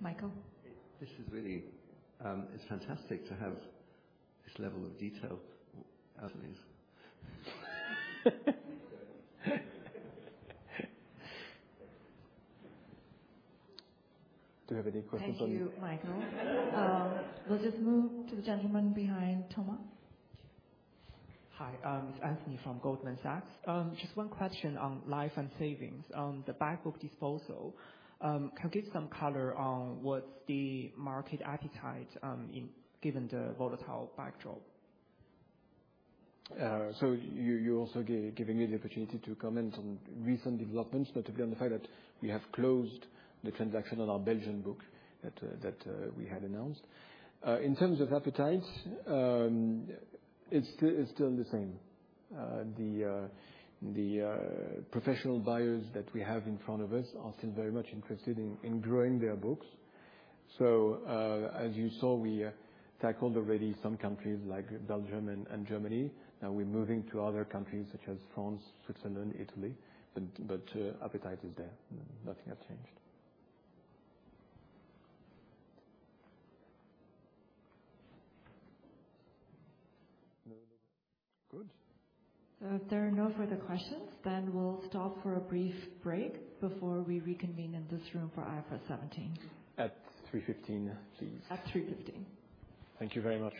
We Michael? This is really, it's fantastic to have this level of detail, at least. Do you have any questions on? Thank you, Michael. We'll just move to the gentleman behind Thomas. Hi, it's Anthony from Goldman Sachs. Just one question on life and savings. On the back book disposal, can you give some color on what's the market appetite, in, given the volatile backdrop? You're also giving me the opportunity to comment on recent developments, notably on the fact that we have closed the transaction on our Belgian book that we had announced. In terms of appetite, it's still the same. The professional buyers that we have in front of us are still very much interested in growing their books. As you saw, we tackled already some countries like Belgium and Germany. Now we're moving to other countries such as France, Switzerland, Italy. Appetite is there. Nothing has changed. Good. If there are no further questions, then we'll stop for a brief break before we reconvene in this room for IFRS 17. At 3:15 P.M., please. At 3:15 P.M. Thank you very much.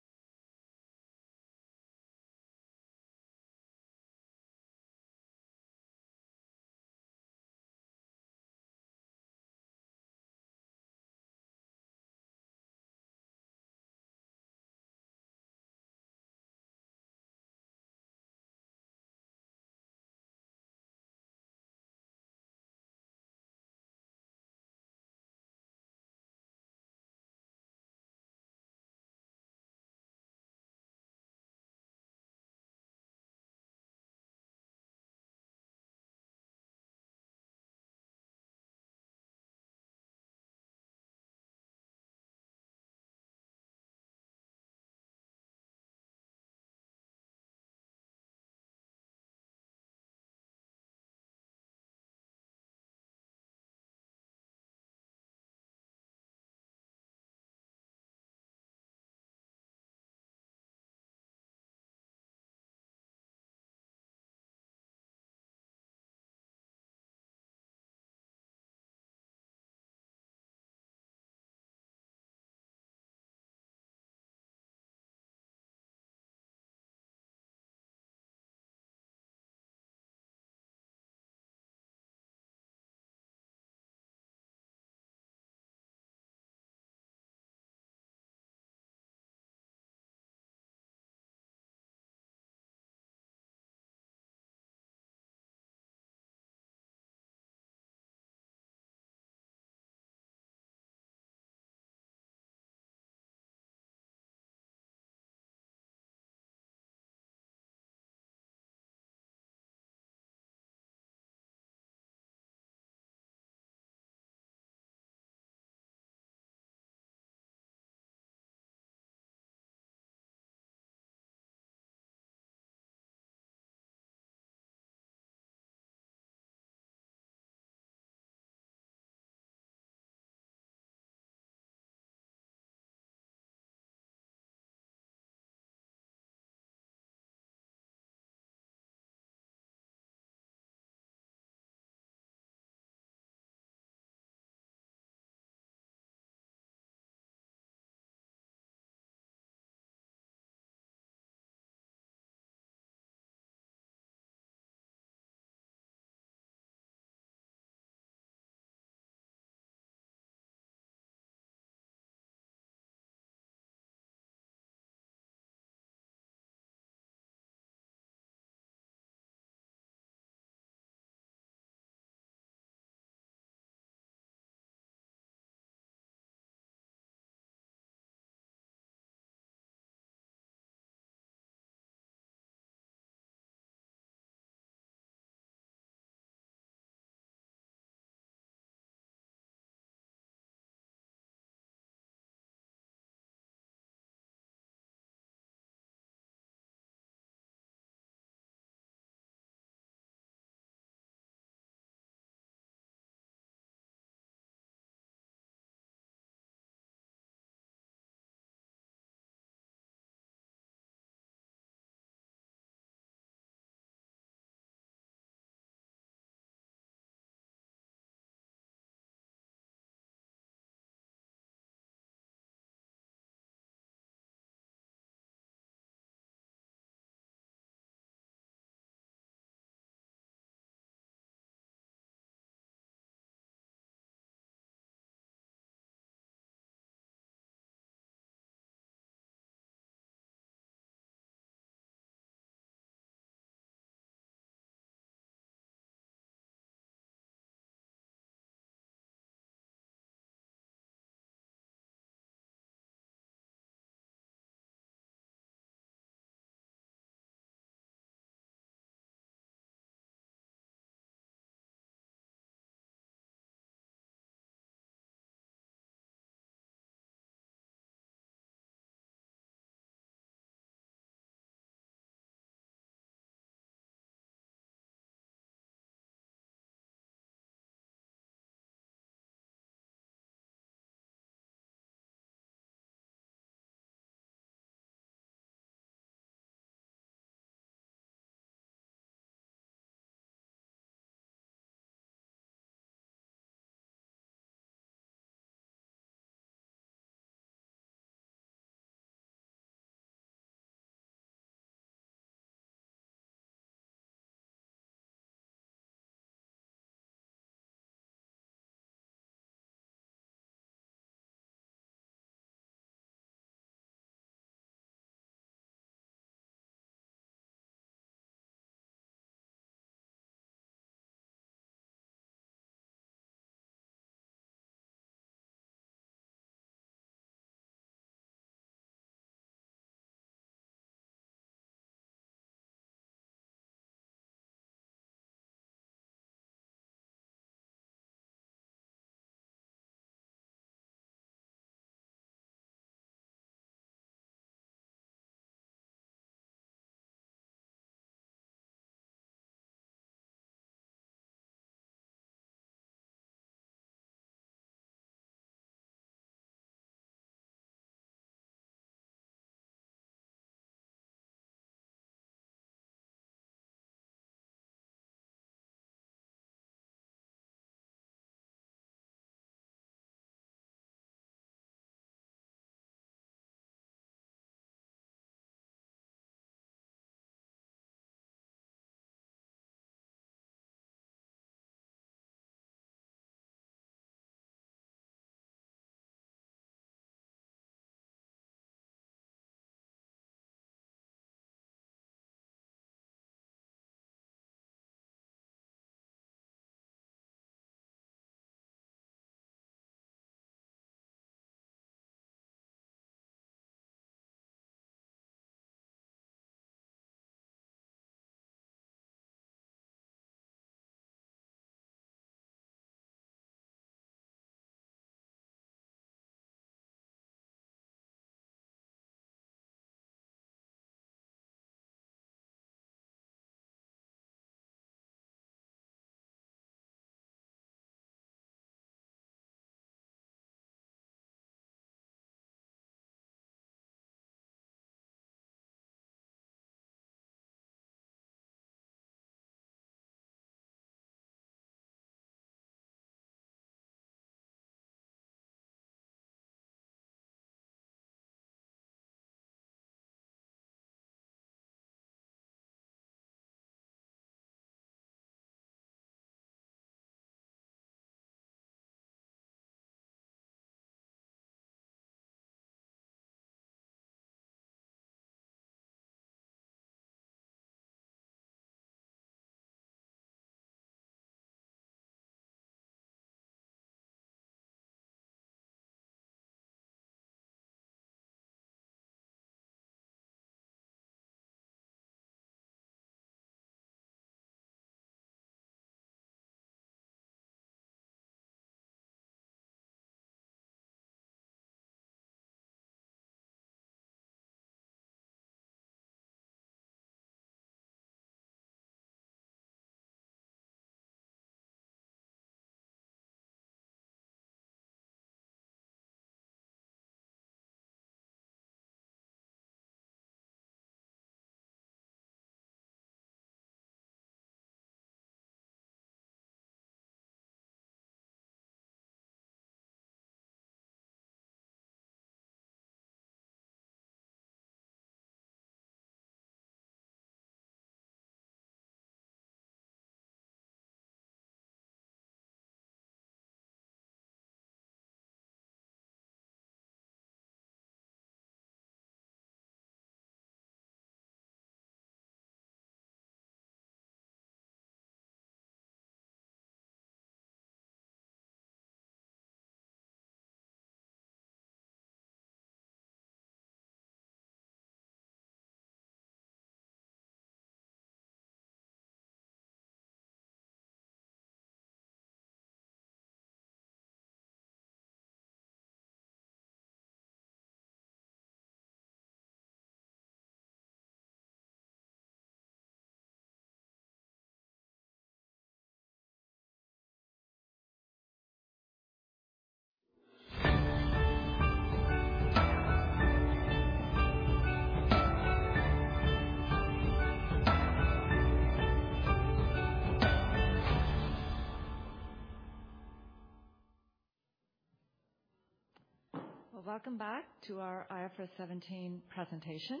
Well, welcome back to our IFRS 17 presentation.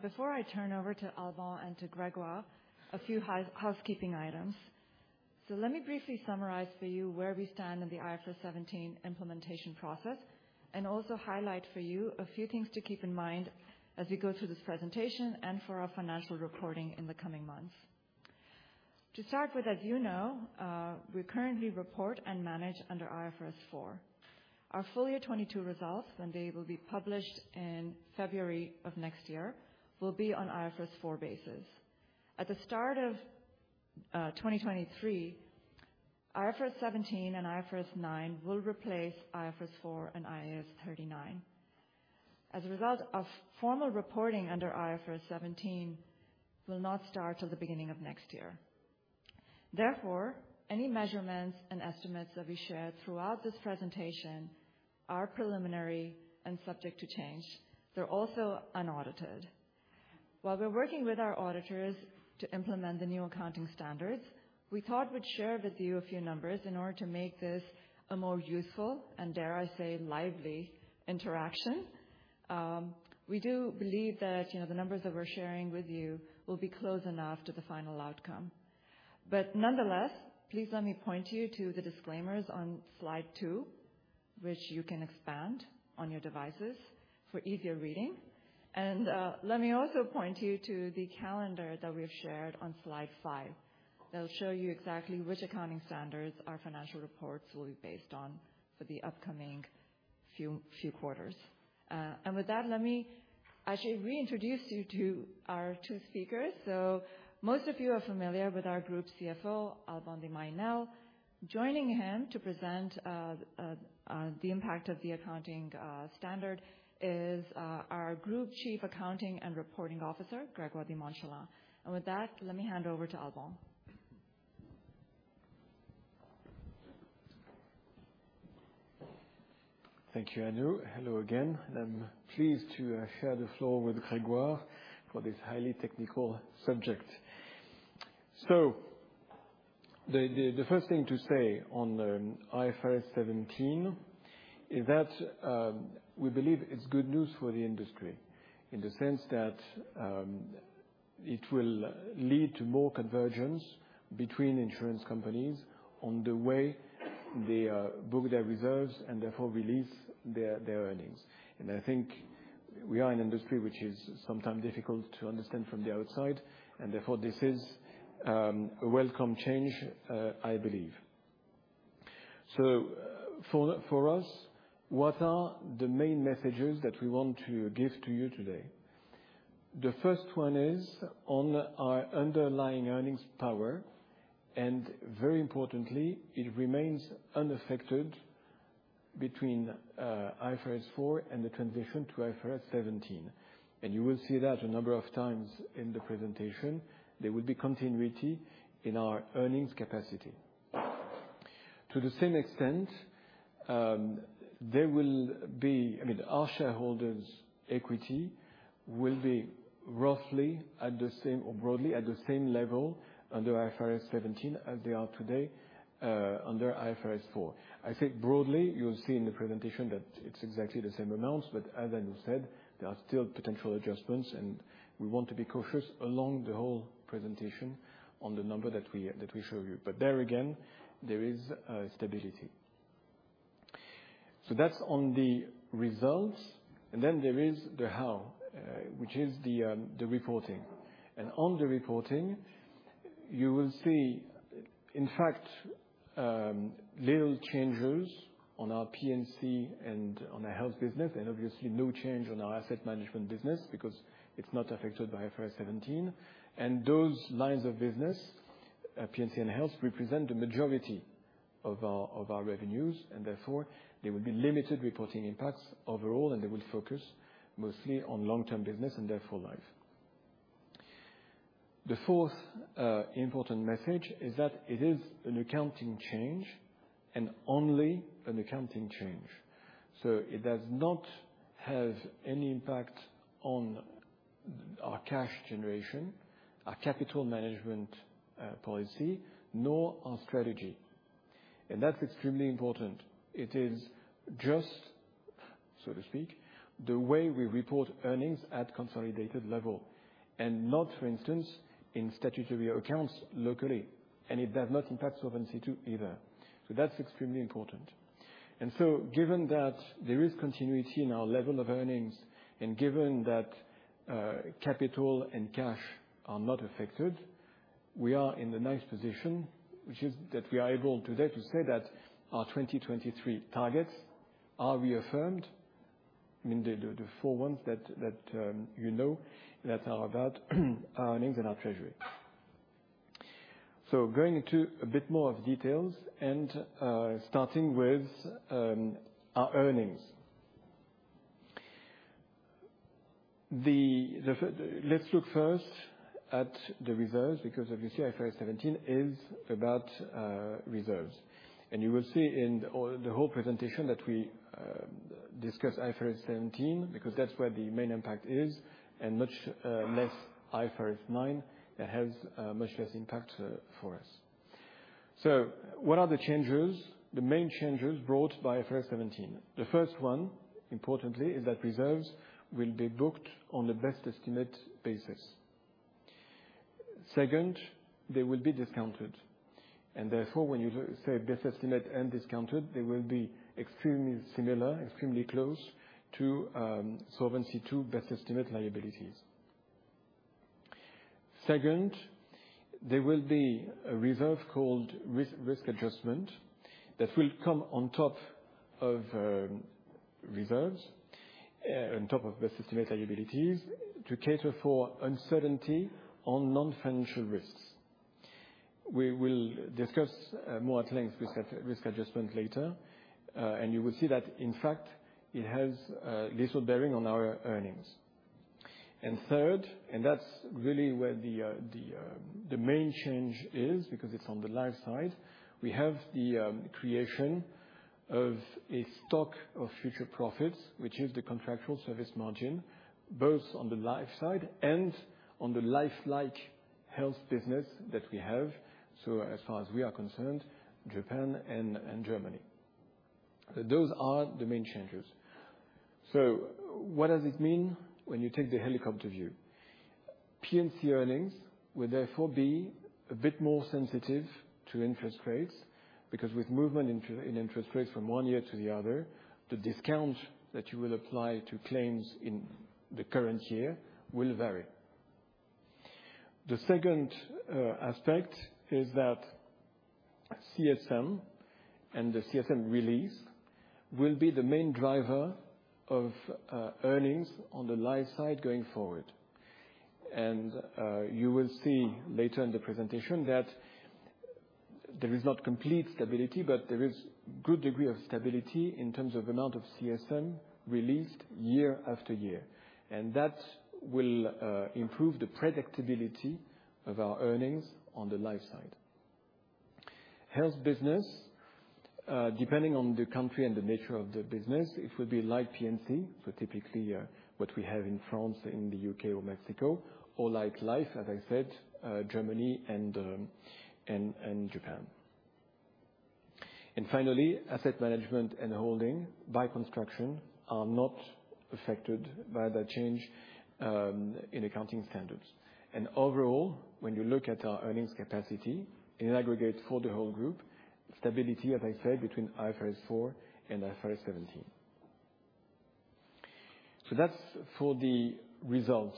Before I turn over to Alban and to Grégoire, a few housekeeping items. Let me briefly summarize for you where we stand in the IFRS 17 implementation process, and also highlight for you a few things to keep in mind as we go through this presentation and for our financial reporting in the coming months. To start with, as you know, we currently report and manage under IFRS 4. Our full year 2022 results, when they will be published in February of next year, will be on IFRS 4 basis. At the start of 2023, IFRS 17 and IFRS 9 will replace IFRS 4 and IAS 39. As a result, formal reporting under IFRS 17 will not start till the beginning of next year. Therefore, any measurements and estimates that we share throughout this presentation are preliminary and subject to change. They're also unaudited. While we're working with our auditors to implement the new accounting standards, we thought we'd share with you a few numbers in order to make this a more useful, and dare I say, lively interaction. We do believe that, you know, the numbers that we're sharing with you will be close enough to the final outcome. Nonetheless, please let me point you to the disclaimers on slide two, which you can expand on your devices for easier reading. Let me also point you to the calendar that we've shared on slide five. That'll show you exactly which accounting standards our financial reports will be based on for the upcoming few quarters. With that, let me actually reintroduce you to our two speakers. Most of you are familiar with our Group CFO, Alban de Mailly Nesle. Joining him to present on the impact of the accounting standard is our Group Chief Accounting and Reporting Officer, Grégoire de Montchalin. With that, let me hand over to Alban. Thank you, Anu. Hello again. I'm pleased to share the floor with Grégoire for this highly technical subject. The first thing to say on IFRS 17 is that we believe it's good news for the industry in the sense that it will lead to more convergence between insurance companies on the way they book their reserves and therefore release their earnings. I think we are an industry which is sometimes difficult to understand from the outside, and therefore this is a welcome change, I believe. For us, what are the main messages that we want to give to you today? The first one is on our underlying earnings power, and very importantly, it remains unaffected between IFRS 4 and the transition to IFRS 17. You will see that a number of times in the presentation there will be continuity in our earnings capacity. To the same extent, there will be, I mean, our shareholders' equity will be roughly at the same, or broadly at the same level under IFRS 17 as they are today, under IFRS 4. I said broadly, you'll see in the presentation that it's exactly the same amounts. As Anu said, there are still potential adjustments, and we want to be cautious along the whole presentation on the number that we show you. There again, there is stability. That's on the results. Then there is the how, which is the reporting. On the reporting, you will see in fact little changes on our P&C and on the health business and obviously no change on our asset management business because it's not affected by IFRS 17. Those lines of business, P&C and health, represent the majority of our revenues, and therefore there will be limited reporting impacts overall, and they will focus mostly on long-term business and therefore life. The fourth important message is that it is an accounting change and only an accounting change. It does not have any impact on our cash generation, our capital management policy, nor our strategy. That's extremely important. It is just, so to speak, the way we report earnings at consolidated level and not, for instance, in statutory accounts locally. It does not impact Solvency II either. That's extremely important. Given that there is continuity in our level of earnings, and given that capital and cash are not affected, we are in the nice position, which is that we are able today to say that our 2023 targets are reaffirmed. I mean the four ones that you know that are about our earnings and our treasury. Going into a bit more of details and starting with our earnings. Let's look first at the reserves because obviously IFRS 17 is about reserves. You will see in the whole presentation that we discuss IFRS 17 because that's where the main impact is, and much less IFRS 9. It has much less impact for us. What are the changes, the main changes brought by IFRS 17? The first one, importantly, is that reserves will be booked on the best estimate basis. Second, they will be discounted. Therefore, when you say best estimate and discounted, they will be extremely similar, extremely close to Solvency II best estimate liabilities. Second, there will be a reserve called Risk Adjustment that will come on top of reserves on top of best estimate liabilities to cater for uncertainty on non-financial risks. We will discuss more at length Risk Adjustment later, and you will see that in fact it has little bearing on our earnings. Third, and that's really where the main change is because it's on the life side. We have the creation of a stock of future profits, which is the contractual service margin both on the life side and on the life and health business that we have. As far as we are concerned, Japan and Germany. Those are the main changes. What does it mean when you take the helicopter view? P&C earnings will therefore be a bit more sensitive to interest rates because with movement in interest rates from one year to the other, the discount that you will apply to claims in the current year will vary. The second aspect is that CSM and the CSM release will be the main driver of earnings on the life side going forward. You will see later in the presentation that there is not complete stability, but there is good degree of stability in terms of amount of CSM released year after year. That will improve the predictability of our earnings on the life side. Health business, depending on the country and the nature of the business, it will be like P&C. Typically, what we have in France, in the UK or Mexico, or like life, as I said, Germany and Japan. Finally, asset management and holding by construction are not affected by the change in accounting standards. Overall, when you look at our earnings capacity in aggregate for the whole group, stability, as I said, between IFRS 4 and IFRS 17. That's for the results.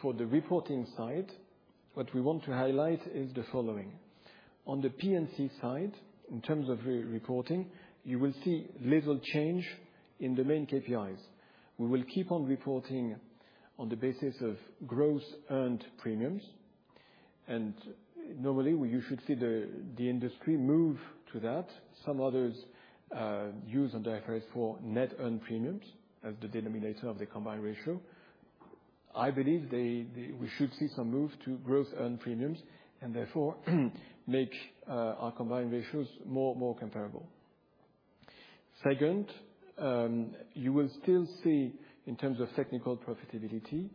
For the reporting side, what we want to highlight is the following. On the P&C side, in terms of re-reporting, you will see little change in the main KPIs. We will keep on reporting on the basis of gross earned premiums. Normally, you should see the industry move to that. Some others use under IFRS 4 net earned premiums as the denominator of the combined ratio. I believe we should see some move to gross earned premiums and therefore make our combined ratios more comparable. Second, you will still see, in terms of technical profitability,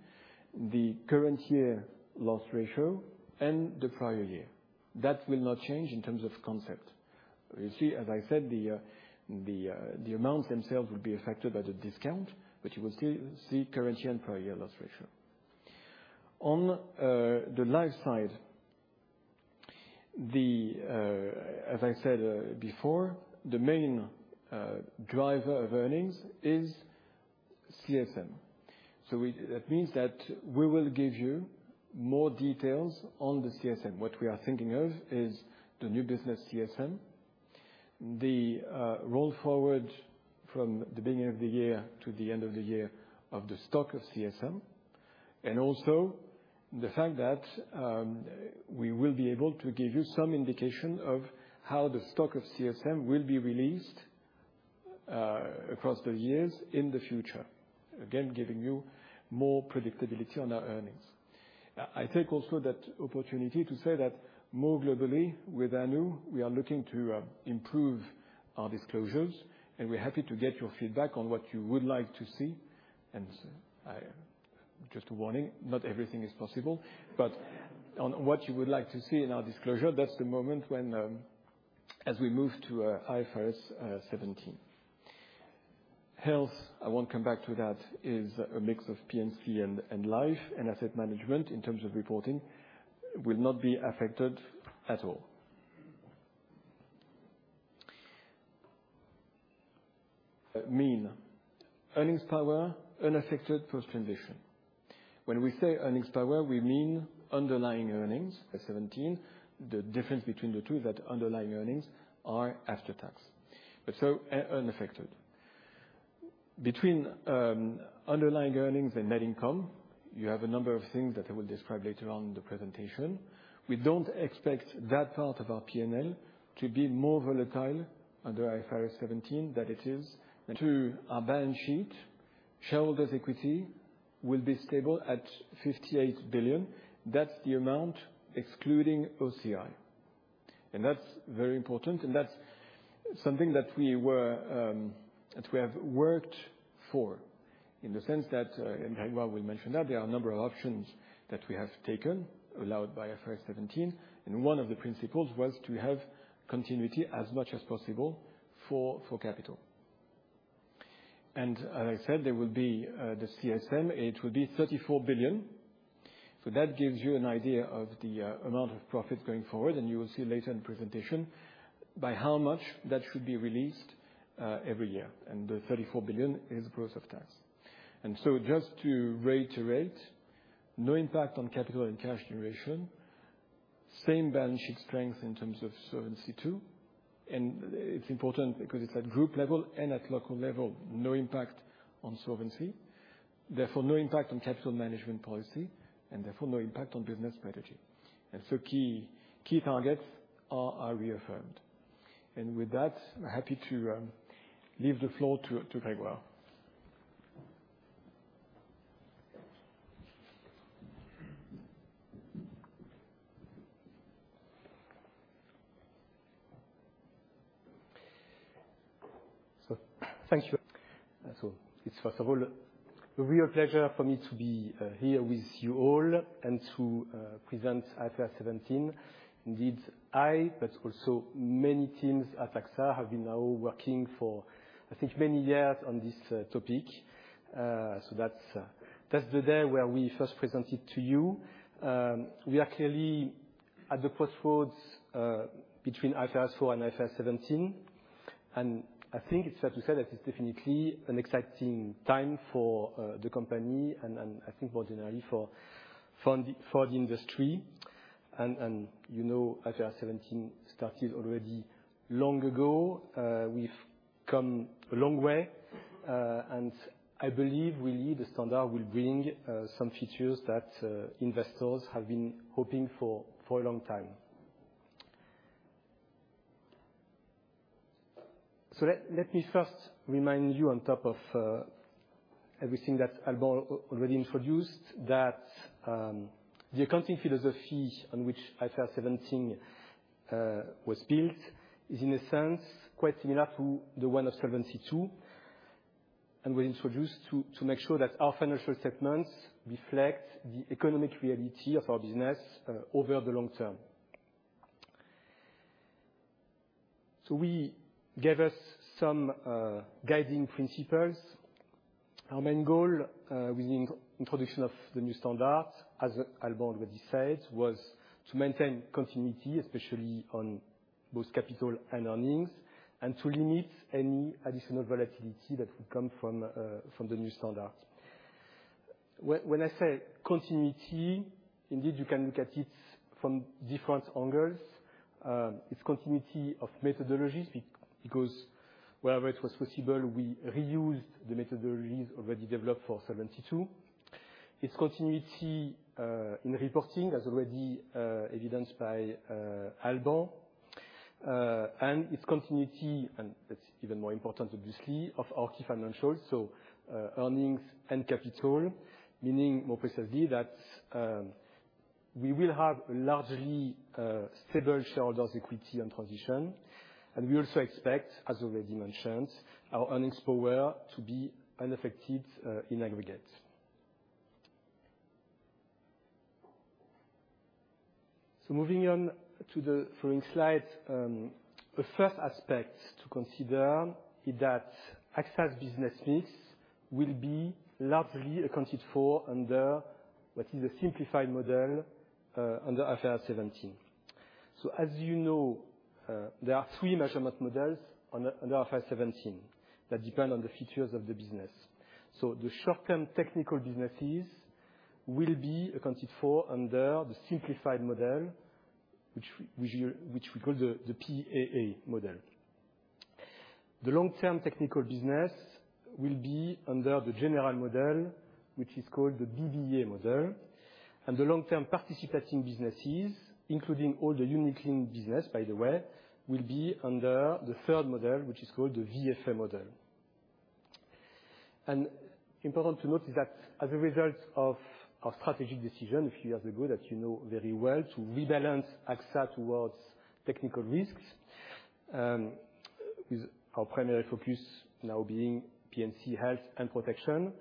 the current year loss ratio and the prior year. That will not change in terms of concept. You see, as I said, the amounts themselves will be affected by the discount, but you will still see current year and prior year loss ratio. On the life side, as I said before, the main driver of earnings is CSM. That means that we will give you more details on the CSM. What we are thinking of is the new business CSM, the roll forward from the beginning of the year to the end of the year of the stock of CSM, and also the fact that we will be able to give you some indication of how the stock of CSM will be released across the years in the future. Again, giving you more predictability on our earnings. I take also that opportunity to say that more globally with Anu, we are looking to improve our disclosures, and we're happy to get your feedback on what you would like to see. Just a warning, not everything is possible. On what you would like to see in our disclosure, that's the moment when, as we move to IFRS 17. Health, I won't come back to that, is a mix of P&C and life, and asset management in terms of reporting will not be affected at all. Mean earnings power unaffected post transition. When we say earnings power, we mean underlying earnings at 17. The difference between the two is that underlying earnings are after tax, but so unaffected. Between underlying earnings and net income, you have a number of things that I will describe later on in the presentation. We don't expect that part of our P&L to be more volatile under IFRS 17 than it is. To our balance sheet, shareholders' equity will be stable at 58 billion. That's the amount excluding OCI, and that's very important, and that's something that we have worked for in the sense that, and Grégoire will mention that there are a number of options that we have taken allowed by IFRS 17, and one of the principles was to have continuity as much as possible for capital. As I said, there will be the CSM. It will be 34 billion. So that gives you an idea of the amount of profits going forward, and you will see later in presentation by how much that should be released every year. The 34 billion is gross of tax. Just to reiterate, no impact on capital and cash generation, same balance sheet strength in terms of solvency too, and it's important because it's at group level and at local level, no impact on solvency, therefore, no impact on capital management policy and therefore no impact on business strategy. Key targets are reaffirmed. With that, I'm happy to leave the floor to Grégoire. Thank you. It's first of all a real pleasure for me to be here with you all and to present IFRS 17. Indeed, but also many teams at AXA have been now working for, I think, many years on this topic. That's the day where we first present it to you. We are clearly at the crossroads between IFRS 4 and IFRS 17, and I think it's fair to say that it's definitely an exciting time for the company and I think more generally for the industry. You know, IFRS 17 started already long ago. We've come a long way, and I believe really the standard will bring some features that investors have been hoping for for a long time. Let me first remind you on top of everything that Alban already introduced that the accounting philosophy on which IFRS 17 was built is in a sense quite similar to the one of Solvency II. We introduced to make sure that our financial statements reflect the economic reality of our business over the long term. We gave us some guiding principles. Our main goal with the introduction of the new standard, as Alban already said, was to maintain continuity, especially on both capital and earnings, and to limit any additional volatility that could come from the new standard. When I say continuity, indeed, you can look at it from different angles. It's continuity of methodologies because wherever it was possible, we reused the methodologies already developed for Solvency II. It's continuity in reporting as already evidenced by Alban. It's continuity, and that's even more important obviously of our key financials, earnings and capital. Meaning more precisely that we will have largely stable shareholders' equity on transition. We also expect, as already mentioned, our earnings power to be unaffected in aggregate. Moving on to the following slide. The first aspect to consider is that AXA's business mix will be largely accounted for under what is a simplified model under IFRS 17. As you know, there are three measurement models under IFRS 17 that depend on the features of the business. The short-term technical businesses will be accounted for under the simplified model, which we call the PAA model. The long-term technical business will be under the general model, which is called the BBA model. The long-term participating businesses, including all the unit-linked business, by the way, will be under the third model, which is called the VFA model. Important to note is that as a result of our strategic decision a few years ago, that you know very well, to rebalance AXA towards technical risks, with our primary focus now being P&C health and protection.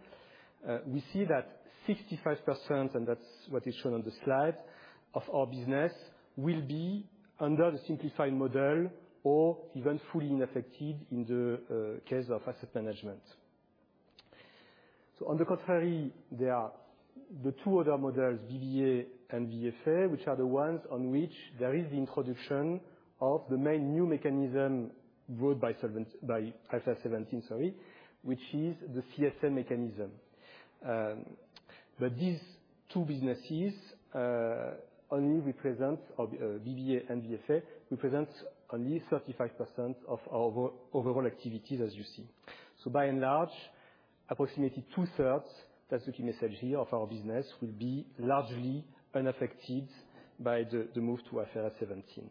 We see that 65%, and that's what is shown on the slide, of our business will be under the simplified model or even fully unaffected in the case of asset management. On the contrary, there are the two other models, BBA and VFA, which are the ones on which there is the introduction of the main new mechanism brought by Solvency II, by IFRS 17, sorry, which is the CSM mechanism. These two businesses only represent, BBA and VFA represents only 35% of our overall activities, as you see. By and large, approximately two-thirds, that's the key message here, of our business will be largely unaffected by the move to IFRS 17.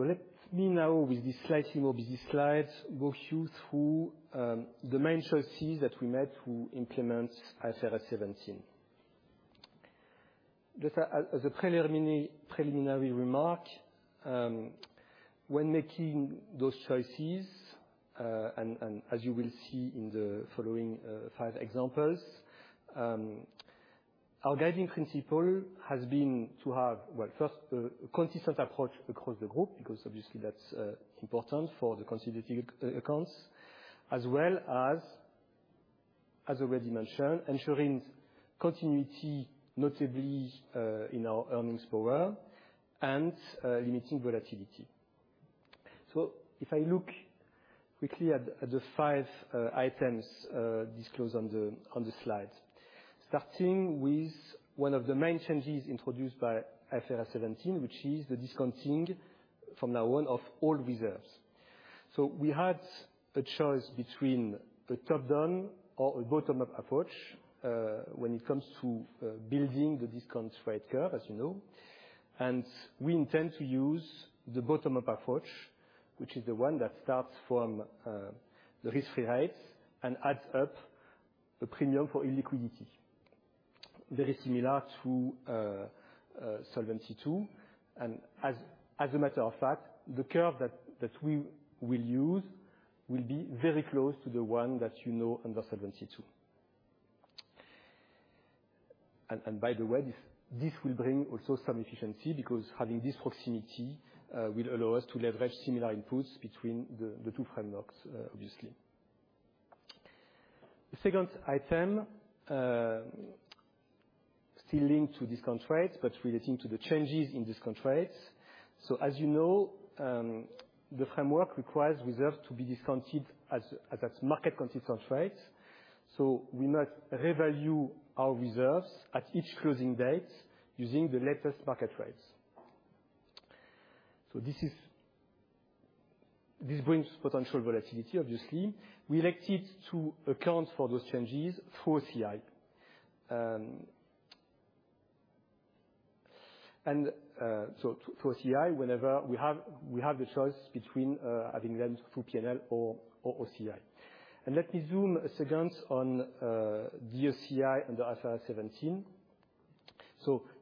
Let me now, with this slightly more busy slide, walk you through the main choices that we made to implement IFRS 17. Just as a preliminary remark, when making those choices, and as you will see in the following five examples, our guiding principle has been to have, well, first, a consistent approach across the group, because obviously that's important for the consolidated accounts, as well as already mentioned, ensuring continuity, notably, in our earnings power and limiting volatility. If I look quickly at the five items disclosed on this slide. Starting with one of the main changes introduced by IFRS 17, which is the discounting from now on of all reserves. We had a choice between a top-down or a bottom-up approach, when it comes to building the discount rate curve, as you know. We intend to use the bottom-up approach, which is the one that starts from the risk-free rates and adds up the premium for illiquidity. Very similar to Solvency II. As a matter of fact, the curve that we will use will be very close to the one that you know under Solvency II. By the way, this will bring also some efficiency because having this proximity will allow us to leverage similar inputs between the two frameworks, obviously. The second item, still linked to discount rates, but relating to the changes in discount rates. As you know, the framework requires reserves to be discounted as at market-consistent rates. We must revalue our reserves at each closing date using the latest market rates. This brings potential volatility, obviously. We elected to account for those changes through OCI. For OCI, whenever we have the choice between having them through P&L or OCI. Let me zoom in a second on the OCI under IFRS 17.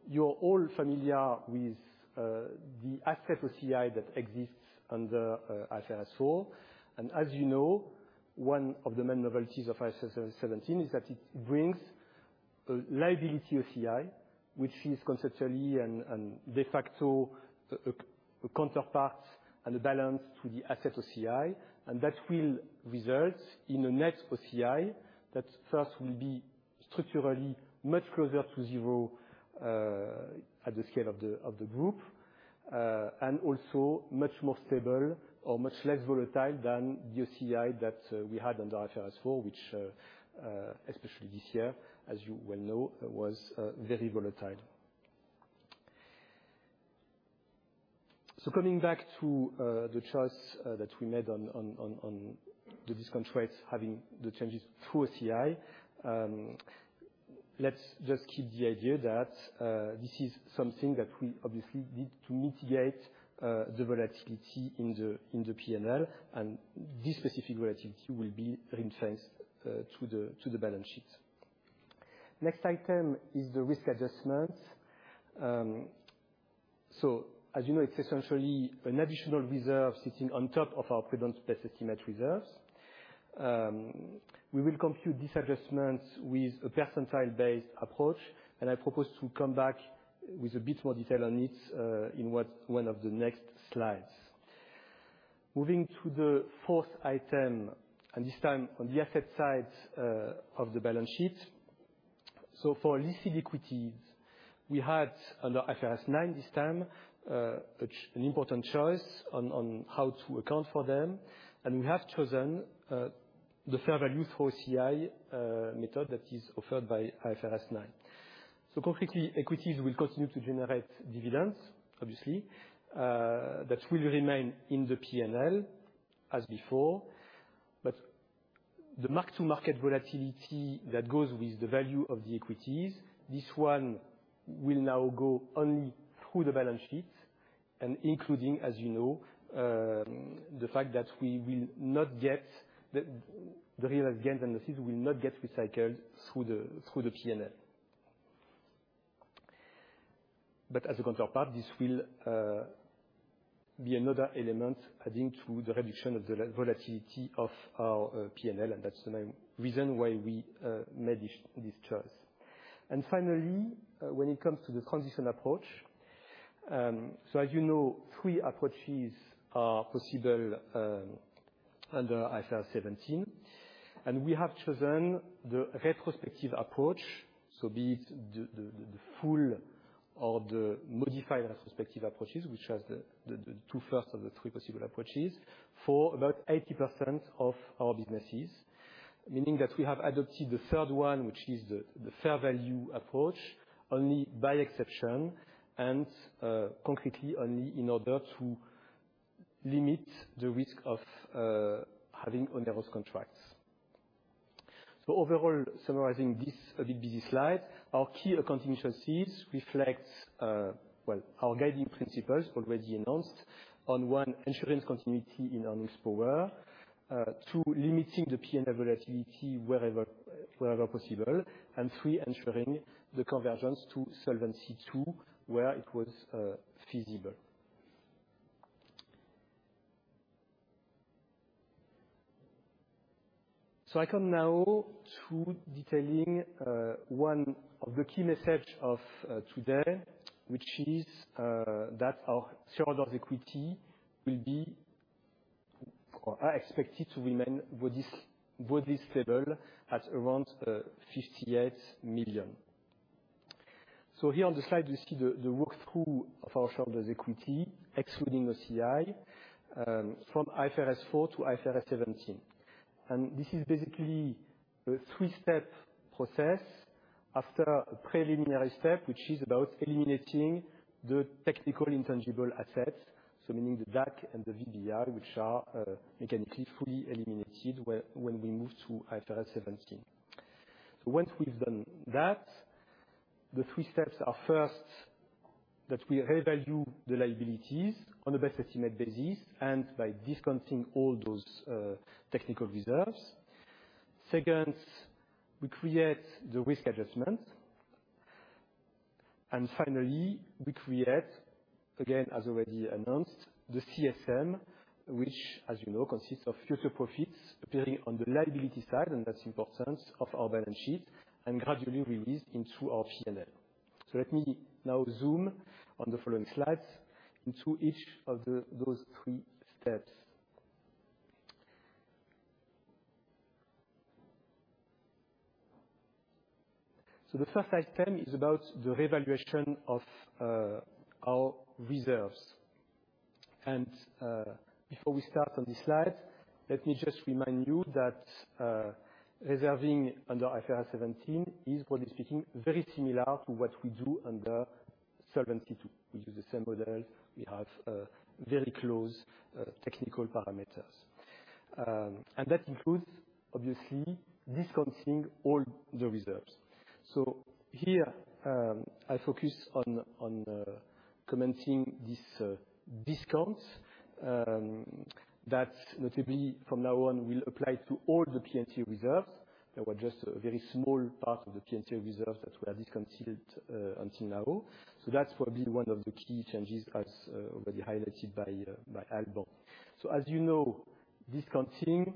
You're all familiar with the asset OCI that exists under IFRS 4. As you know, one of the main novelties of IFRS 17 is that it brings a liability OCI, which is conceptually and de facto a counterpart and a balance to the asset OCI. That will result in the net OCI that first will be structurally much closer to zero at the scale of the group. also much more stable or much less volatile than the OCI that we had under IFRS 4, which especially this year, as you well know, was very volatile. Coming back to the choice that we made on the discount rates having the changes through OCI. Let's just keep the idea that this is something that we obviously need to mitigate the volatility in the P&L, and this specific volatility will be ring-fenced to the balance sheet. Next item is the risk adjustment. As you know, it's essentially an additional reserve sitting on top of our prudent best estimate reserves. We will compute these adjustments with a percentile-based approach, and I propose to come back with a bit more detail on it, in what's one of the next slides. Moving to the fourth item, this time on the asset side, of the balance sheet. For listed equities, we had under IFRS 9 this time, an important choice on how to account for them. We have chosen the fair value through OCI method that is offered by IFRS 9. Concretely, equities will continue to generate dividends, obviously. That will remain in the P&L as before, but the mark-to-market volatility that goes with the value of the equities, this one will now go only through the balance sheet and including, as you know, the fact that we will not get the realized gains and the fees will not get recycled through the P&L. But as a counterpart, this will be another element adding to the reduction of the volatility of our P&L, and that's the main reason why we made this choice. Finally, when it comes to the transition approach, as you know, three approaches are possible under IFRS 17, and we have chosen the retrospective approach. Be it the full or the modified retrospective approaches, which has the two first of the three possible approaches for about 80% of our businesses. Meaning that we have adopted the third one, which is the fair value approach, only by exception and concretely only in order to limit the risk of having onerous contracts. Overall, summarizing this a bit busy slide, our key accounting choices reflects our guiding principles already announced. One, ensuring continuity in earnings power. Two, limiting the P&L volatility wherever possible. Three, ensuring the convergence to Solvency II, where it was feasible. I come now to detailing one of the key message of today, which is that our shareholders' equity will be or are expected to remain with this, with this level at around 58 million. Here on the slide you see the walk-through of our shareholders' equity, excluding OCI, from IFRS 4 to IFRS 17. This is basically a three-step process after a preliminary step, which is about eliminating the technical intangible assets. Meaning the DAC and the VBI, which are mechanically fully eliminated when we move to IFRS 17. Once we've done that, the three steps are first, that we revalue the liabilities on a best estimate basis and by discounting all those technical reserves. Second, we create the risk adjustment. Finally, we create, again, as already announced, the CSM, which, as you know, consists of future profits appearing on the liability side, and that's an important part of our balance sheet and gradually released into our P&L. Let me now zoom in on the following slides into each of those three steps. The first item is about the revaluation of our reserves. Before we start on this slide, let me just remind you that reserving under IFRS 17 is, broadly speaking, very similar to what we do under Solvency II. We use the same models. We have very close technical parameters. And that includes, obviously, discounting all the reserves. Here, I focus on commenting these discounts that notably from now on will apply to all the P&C reserves. There were just a very small part of the P&C reserves that were discounted, until now. That's probably one of the key changes as, already highlighted by Alban. As you know, discounting,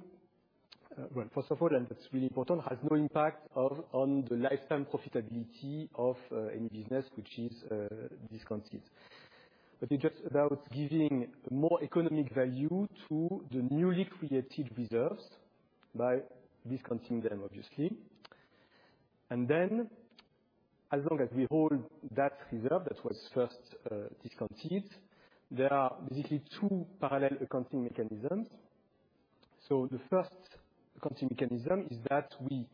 well, first of all, and that's really important, has no impact on the lifetime profitability of, any business which is, discounted. But it's just about giving more economic value to the newly created reserves by discounting them obviously. Then as long as we hold that reserve that was first, discounted, there are basically two parallel accounting mechanisms. The first accounting mechanism is that we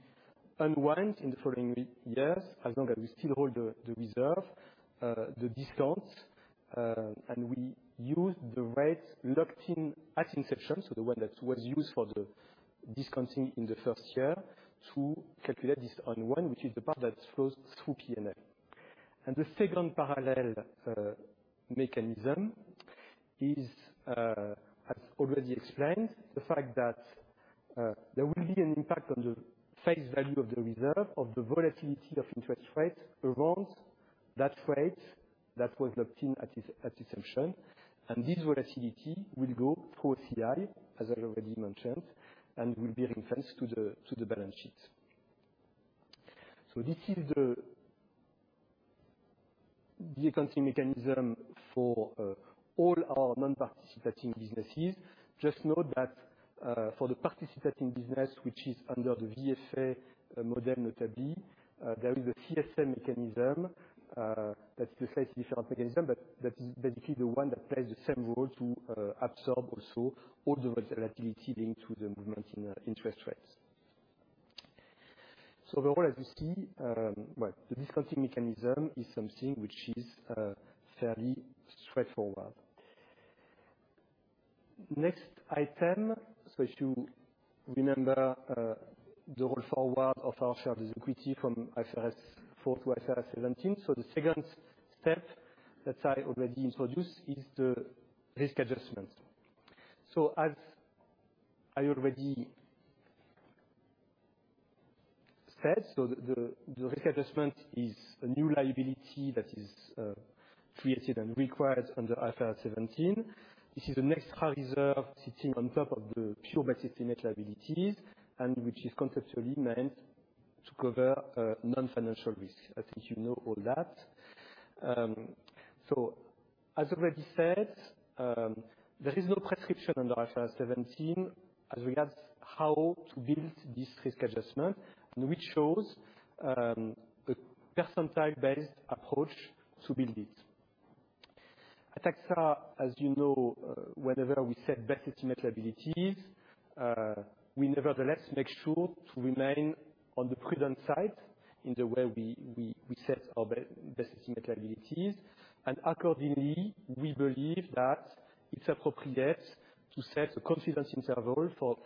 unwind in the following years, as long as we still hold the reserve, the discounts. We use the rate locked in at inception, so the one that was used for the discounting in the first year, to calculate this unwind, which is the part that flows through P&L. The second parallel mechanism is, as already explained, the fact that there will be an impact on the face value of the reserve of the volatility of interest rates around that rate that was locked in at its inception. This volatility will go through CI, as I already mentioned, and will be referenced to the balance sheet. This is the accounting mechanism for all our non-participating businesses. Just note that, for the participating business, which is under the VFA model notably, there is a CSM mechanism, that's a slightly different mechanism, but that is basically the one that plays the same role to, absorb also all the volatility linked to the movement in, interest rates. Overall as you see, well, the discounting mechanism is something which is, fairly straightforward. Next item, as you remember, the roll forward of our shareholders' equity from IFRS 4 to IFRS 17. The second step that I already introduced is the risk adjustment. As I already said, the risk adjustment is a new liability that is, created and required under IFRS 17. This is the risk adjustment sitting on top of the best estimate liabilities, and which is conceptually meant to cover non-financial risk. I think you know all that. So as already said, there is no prescription under IFRS 17 as regards how to build this risk adjustment, and we chose a percentile-based approach to build it. At AXA, as you know, whenever we set best estimate liabilities, we nevertheless make sure to remain on the prudent side in the way we set our best estimate liabilities. Accordingly, we believe that it's appropriate to set the confidence interval for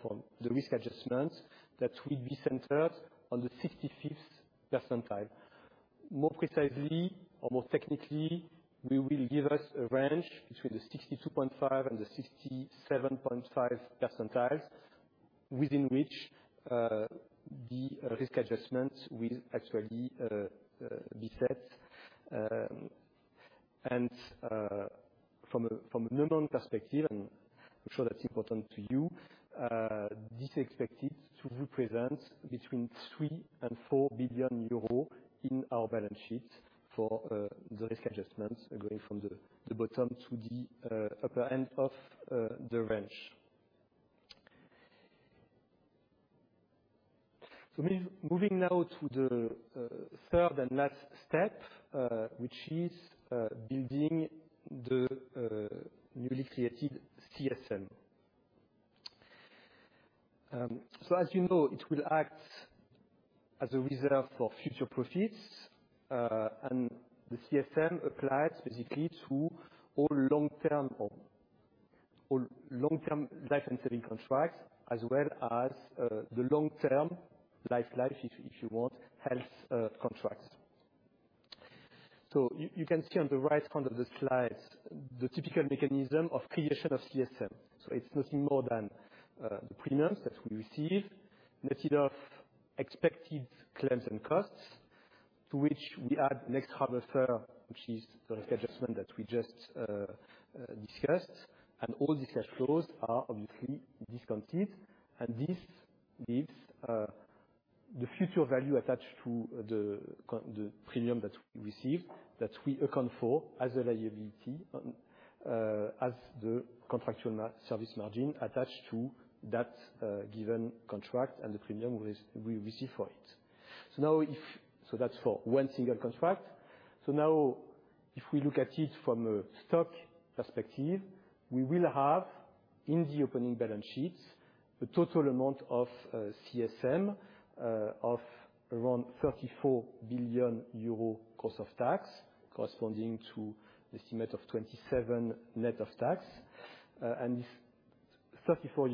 the risk adjustment that will be centered on the 65th percentile. More precisely or more technically, we will give us a range between the 62.5 and the 67.5 percentiles, within which the risk adjustment will actually be set. From a numerical perspective, and I'm sure that's important to you, this is expected to represent between 3 billion and 4 billion euros in our balance sheet for the risk adjustments going from the bottom to the upper end of the range. Moving now to the third and last step, which is building the newly created CSM. As you know, it will act as a reserve for future profits, and the CSM applies basically to all long-term life insurance contracts as well as the long-term life, if you want, health contracts. You can see on the right corner of the slide the typical mechanism of creation of CSM. It's nothing more than the premiums that we receive, net of expected claims and costs, to which we add next harvest fair, which is the risk adjustment that we just discussed. All these cash flows are obviously discounted. This needs the future value attached to the premium that we receive, that we account for as a liability, as the contractual service margin attached to that given contract and the premium we receive for it. That's for one single contract. Now if we look at it from a stock perspective, we will have in the opening balance sheets the total amount of CSM of around 34 billion euro gross of tax, corresponding to estimate of 27 net of tax. This 34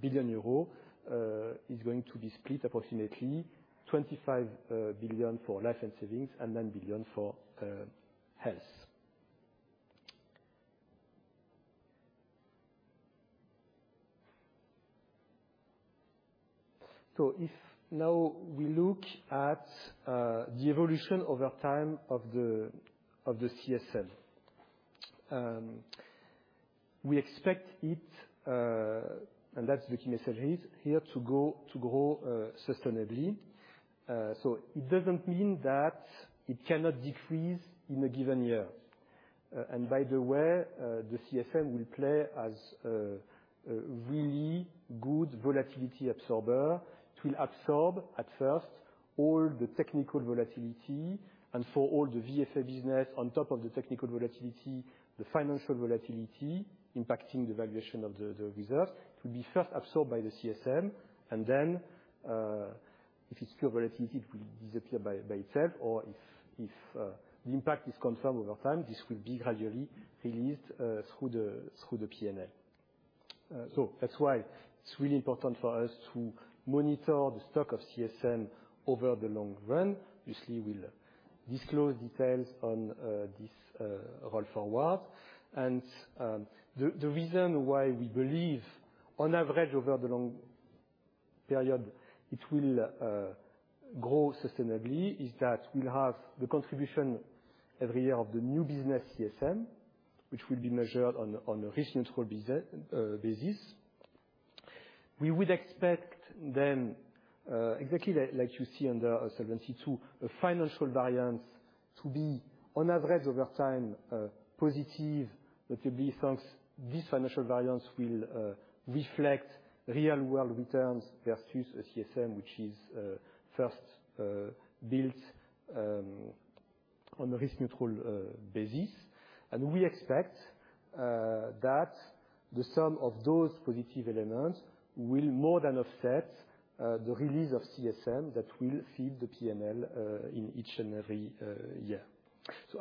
billion euro is going to be split approximately 25 billion for life and savings and 9 billion for health. If now we look at the evolution over time of the CSM, we expect it and that's the key message here to grow sustainably. It doesn't mean that it cannot decrease in a given year. By the way, the CSM will play as a really good volatility absorber. It will absorb at first all the technical volatility. For all the VFA business on top of the technical volatility, the financial volatility impacting the valuation of the reserves, it will be first absorbed by the CSM, and then, if it's pure volatility, it will disappear by itself. Or if the impact is confirmed over time, this will be gradually released through the P&L. So that's why it's really important for us to monitor the stock of CSM over the long run. Obviously, we'll disclose details on this roll forward. The reason why we believe on average, over the long period, it will grow sustainably is that we'll have the contribution every year of the new business CSM, which will be measured on a risk-neutral basis. We would expect then exactly like you see under segment C2, a financial variance to be on average over time positive. This financial variance will reflect real world returns versus a CSM, which is first built on a risk-neutral basis. We expect that the sum of those positive elements will more than offset the release of CSM that will feed the P&L in each and every year.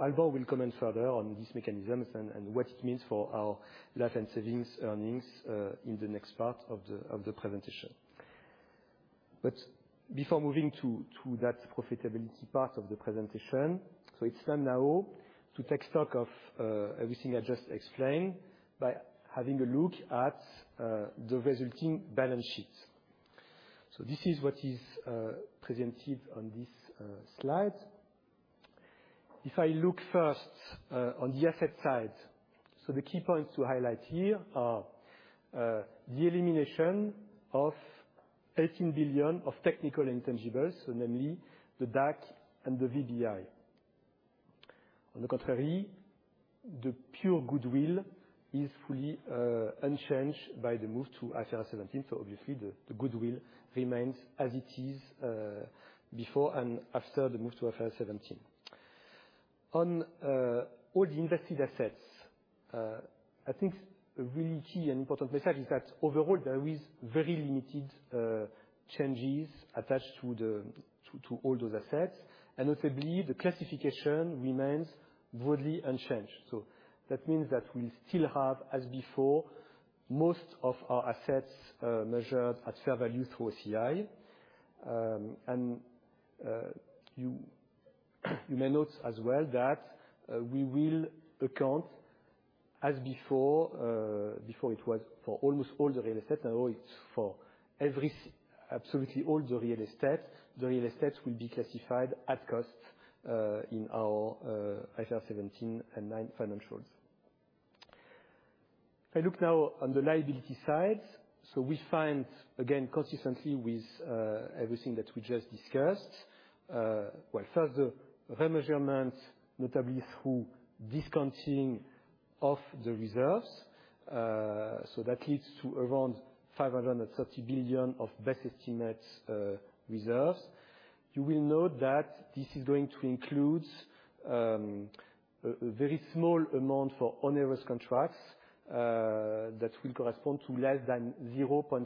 Alban de Mailly Nesle will comment further on this mechanism and what it means for our life and savings earnings in the next part of the presentation. Before moving to that profitability part of the presentation, so it's time now to take stock of everything I just explained by having a look at the resulting balance sheet. This is what is presented on this slide. If I look first on the asset side, the key points to highlight here are the elimination of 18 billion of technical intangibles, namely the DAC and the VBI. On the contrary, the pure goodwill is fully unchanged by the move to IFRS 17, obviously the goodwill remains as it is before and after the move to IFRS 17. On all the invested assets, I think a really key and important message is that overall there is very limited changes attached to all those assets, and notably the classification remains broadly unchanged. That means that we still have, as before, most of our assets measured at fair value through OCI. You may note as well that we will account as before. Before it was for almost all the real estate. Now it's for every, absolutely all the real estate. The real estate will be classified at cost in our IFRS 17 and 9 financials. If I look now on the liability side, we find again consistency with everything that we just discussed. First, the remeasurement, notably through discounting of the reserves. That leads to around 530 billion of Best Estimate Liabilities. You will note that this is going to include a very small amount for Onerous Contracts that will correspond to less than 0.5%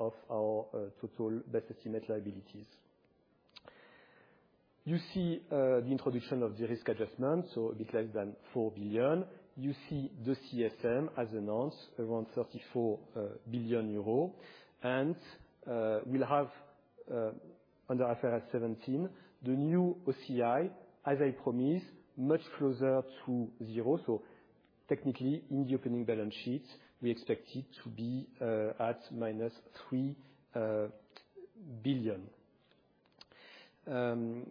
of our total Best Estimate Liabilities. You see, the introduction of the risk adjustment, so a bit less than 4 billion. You see the CSM as announced, around 34 billion euro. We'll have, under IFRS 17, the new OCI, as I promised, much closer to zero. Technically in the opening balance sheet, we expect it to be at -3 billion. All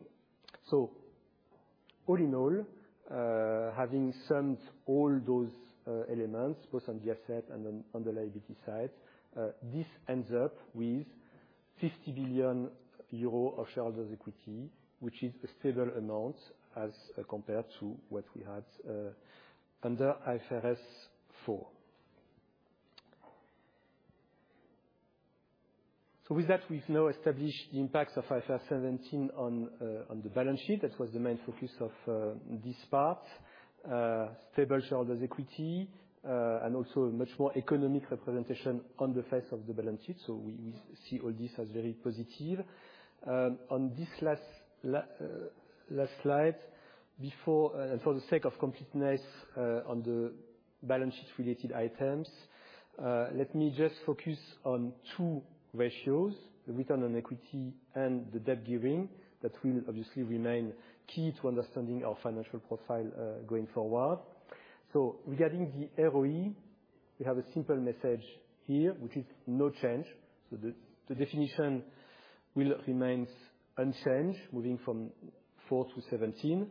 in all, having summed all those elements, both on the asset and on the liability side, this ends up with 50 billion euro of shareholders' equity, which is a stable amount as compared to what we had under IFRS 4. With that, we've now established the impacts of IFRS 17 on the balance sheet. That was the main focus of this part. Stable shareholders' equity, and also much more economic representation on the face of the balance sheet. We see all this as very positive. On this last slide, and for the sake of completeness, on the balance sheet-related items, let me just focus on two ratios, the return on equity and the debt gearing, that will obviously remain key to understanding our financial profile, going forward. Regarding the ROE, we have a simple message here, which is no change. The definition will remain unchanged moving from 4 to 17.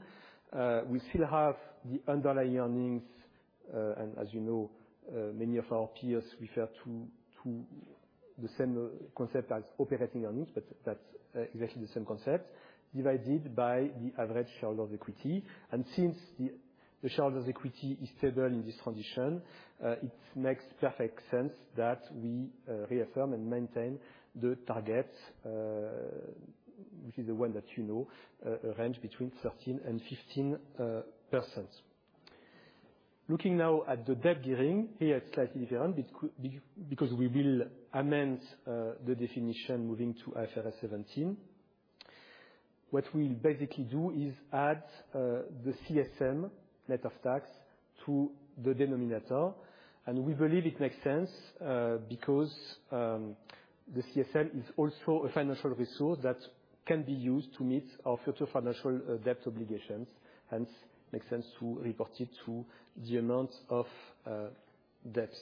We still have the underlying earnings, and as you know, many of our peers refer to the same concept as operating earnings, but that's exactly the same concept, divided by the average shareholder equity. Since the shareholders' equity is stable in this transition, it makes perfect sense that we reaffirm and maintain the targets, which is the one that you know, a range between 13%-15%. Looking now at the debt gearing, here it's slightly different because we will amend the definition moving to IFRS 17. What we'll basically do is add the CSM net of tax to the denominator, and we believe it makes sense because the CSM is also a financial resource that can be used to meet our future financial debt obligations, hence makes sense to report it to the amount of debts.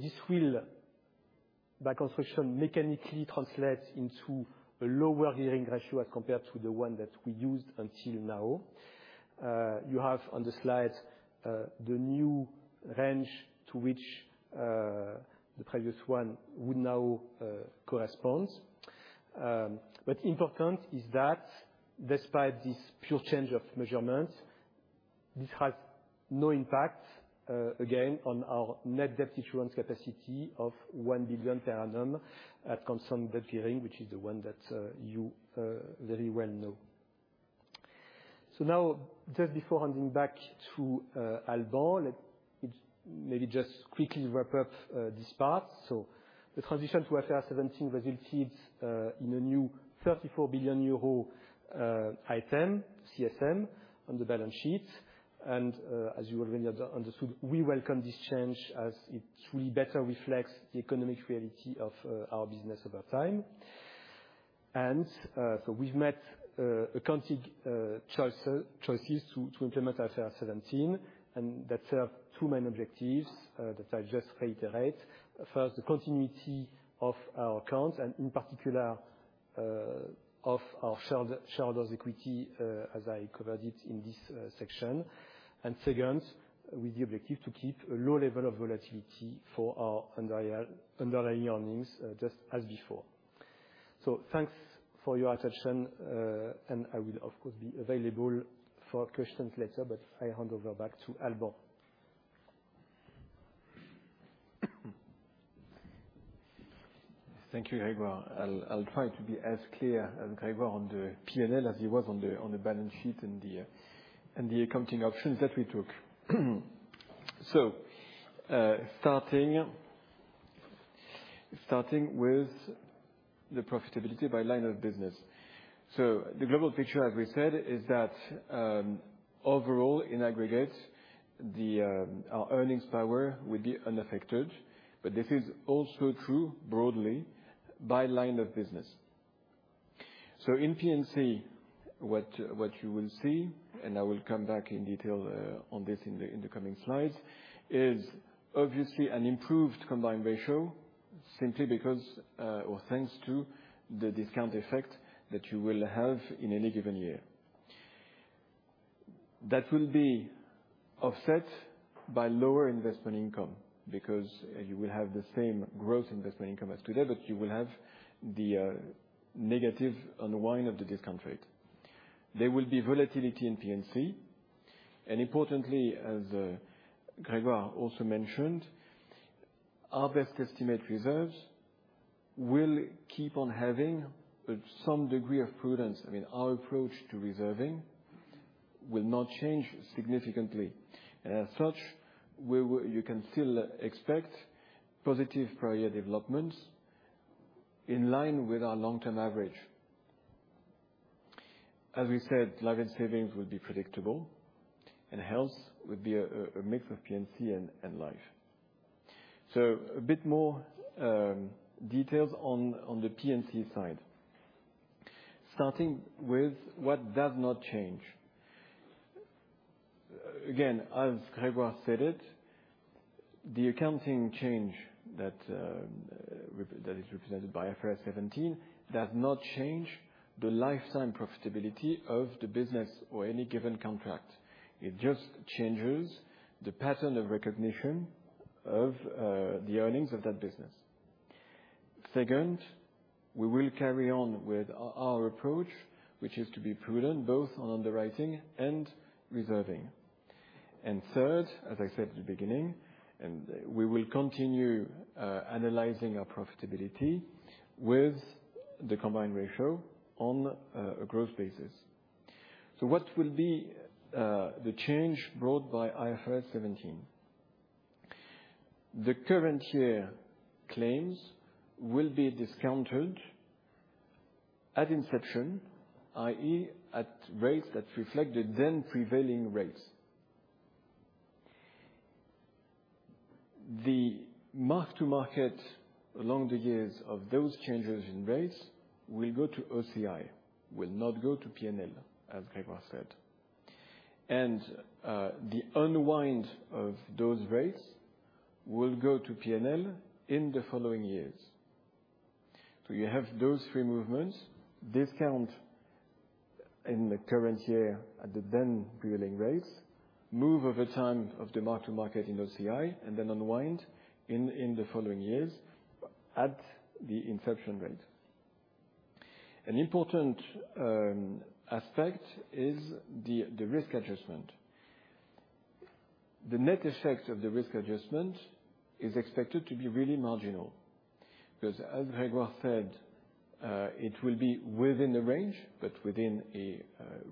This will, by construction, mechanically translate into a lower gearing ratio as compared to the one that we used until now. You have on the slides the new range to which the previous one would now correspond. Important is that despite this pure change of measurement, this has no impact again on our net debt issuance capacity of 1 billion per annum at constant debt gearing, which is the one that you very well know. Now, just before handing back to Alban, let me maybe just quickly wrap up this part. The transition to IFRS 17 resulted in a new 34 billion euro item, CSM, on the balance sheet. As you already understood, we welcome this change as it truly better reflects the economic reality of our business over time. We've made accounting choices to implement IFRS 17, and that served two main objectives that I'll just reiterate. First, the continuity of our accounts, and in particular, of our shareholders' equity, as I covered it in this section. Second, with the objective to keep a low level of volatility for our underlying earnings, just as before. Thanks for your attention. I will, of course, be available for questions later, but I hand over back to Alban. Thank you, Grégoire. I'll try to be as clear as Grégoire on the P&L as he was on the balance sheet and the accounting options that we took. Starting with the profitability by line of business. The global picture, as we said, is that overall, in aggregate, our earnings power will be unaffected, but this is also true broadly by line of business. In P&C, what you will see, and I will come back in detail on this in the coming slides, is obviously an improved combined ratio simply because or thanks to the discount effect that you will have in any given year. That will be offset by lower investment income, because you will have the same gross investment income as today, but you will have the negative unwind of the discount rate. There will be volatility in P&C, and importantly, as Grégoire also mentioned, our best estimate reserves will keep on having some degree of prudence. I mean, our approach to reserving will not change significantly. As such, you can still expect positive prior year developments in line with our long-term average. As we said, life and savings will be predictable, and health will be a mix of P&C and life. So a bit more details on the P&C side, starting with what does not change. Again, as Grégoire stated, the accounting change that is represented by IFRS 17 does not change the lifetime profitability of the business or any given contract. It just changes the pattern of recognition of the earnings of that business. Second, we will carry on with our approach, which is to be prudent both on underwriting and reserving. Third, as I said at the beginning, we will continue analyzing our profitability with the combined ratio on a gross basis. What will be the change brought by IFRS 17? The current year claims will be discounted at inception, i.e., at rates that reflect the then prevailing rates. The mark-to-market along the years of those changes in rates will go to OCI, will not go to P&L, as Grégoire said. The unwind of those rates will go to P&L in the following years. You have those three movements, discount in the current year at the then prevailing rates, move over time of the mark-to-market in OCI, and then unwind in the following years at the inception rate. An important aspect is the risk adjustment. The net effect of the risk adjustment is expected to be really marginal because as Grégoire said, it will be within the range, but within a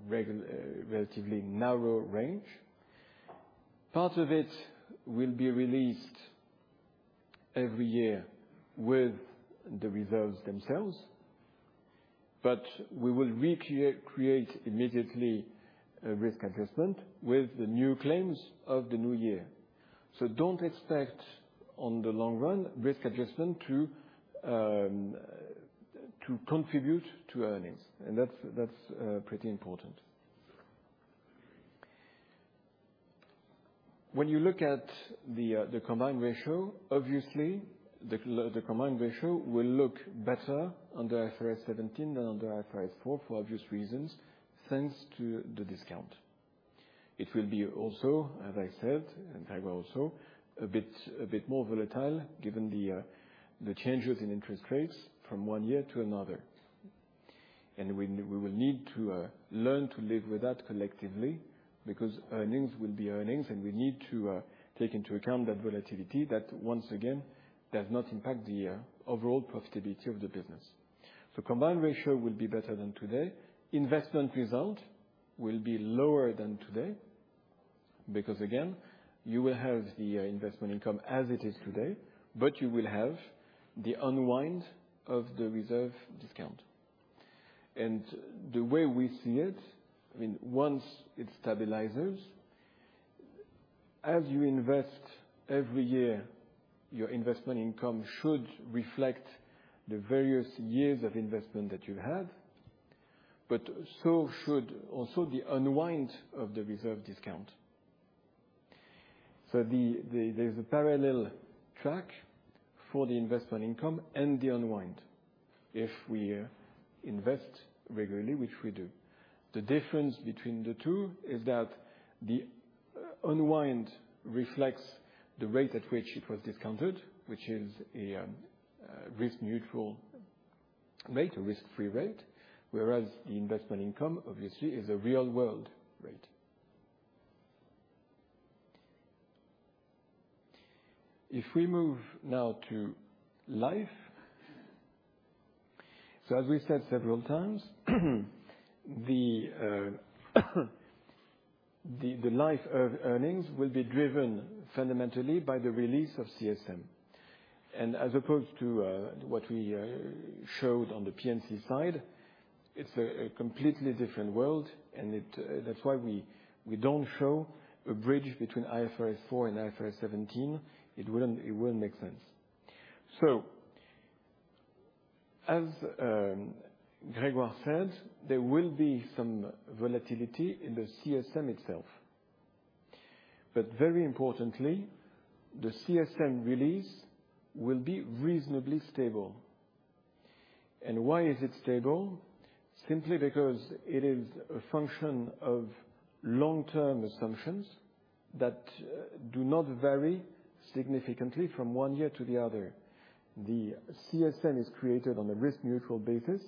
relatively narrow range. Part of it will be released every year with the reserves themselves, but we will recreate immediately a risk adjustment with the new claims of the new year. Don't expect on the long run risk adjustment to contribute to earnings. That's pretty important. When you look at the combined ratio, obviously, the combined ratio will look better under IFRS 17 than under IFRS 4 for obvious reasons, thanks to the discount. It will be also, as I said, and Grégoire also, a bit more volatile given the changes in interest rates from one year to another. We will need to learn to live with that collectively because earnings will be earnings, and we need to take into account that volatility that once again does not impact the overall profitability of the business. Combined ratio will be better than today. Investment result will be lower than today because again, you will have the investment income as it is today, but you will have the unwind of the reserve discount. The way we see it, I mean, once it stabilizes, as you invest every year, your investment income should reflect the various years of investment that you had, but so should also the unwind of the reserve discount. There's a parallel track for the investment income and the unwind if we invest regularly, which we do. The difference between the two is that the unwind reflects the rate at which it was discounted, which is a risk-neutral rate, a risk-free rate, whereas the investment income obviously is a real world rate. If we move now to Life. As we said several times, the Life earnings will be driven fundamentally by the release of CSM. As opposed to what we showed on the P&C side, it's a completely different world, and that's why we don't show a bridge between IFRS 4 and IFRS 17. It wouldn't make sense. As Grégoire said, there will be some volatility in the CSM itself. Very importantly, the CSM release will be reasonably stable. Why is it stable? Simply because it is a function of long-term assumptions that do not vary significantly from one year to the other. The CSM is created on a risk neutral basis,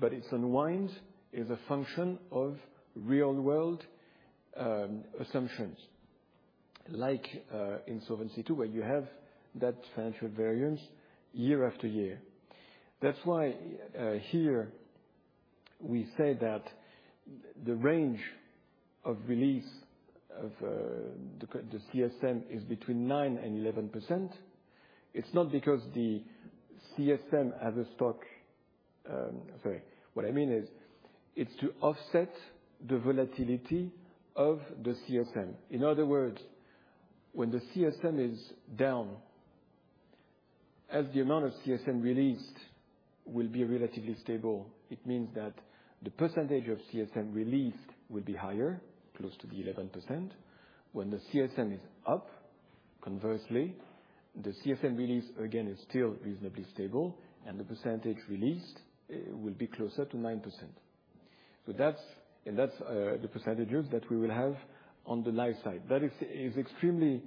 but its unwind is a function of real world assumptions, like in Solvency II where you have that financial variance year after year. That's why here we say that the range of release of the CSM is between 9%-11%. It's not because the CSM has a stock. What I mean is it's to offset the volatility of the CSM. In other words, when the CSM is down. As the amount of CSM released will be relatively stable, it means that the percentage of CSM released will be higher, close to the 11%. When the CSM is up, conversely, the CSM release again is still reasonably stable, and the percentage released will be closer to 9%. So that's the percentages that we will have on the life side. That is extremely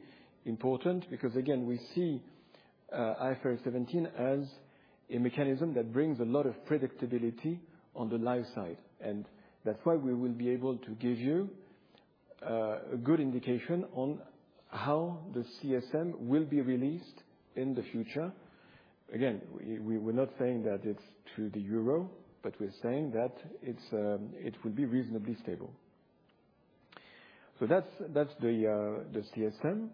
important because again, we see IFRS 17 as a mechanism that brings a lot of predictability on the life side. That's why we will be able to give you a good indication on how the CSM will be released in the future. Again, we're not saying that it's to the euro, but we're saying that it's it will be reasonably stable. That's the CSM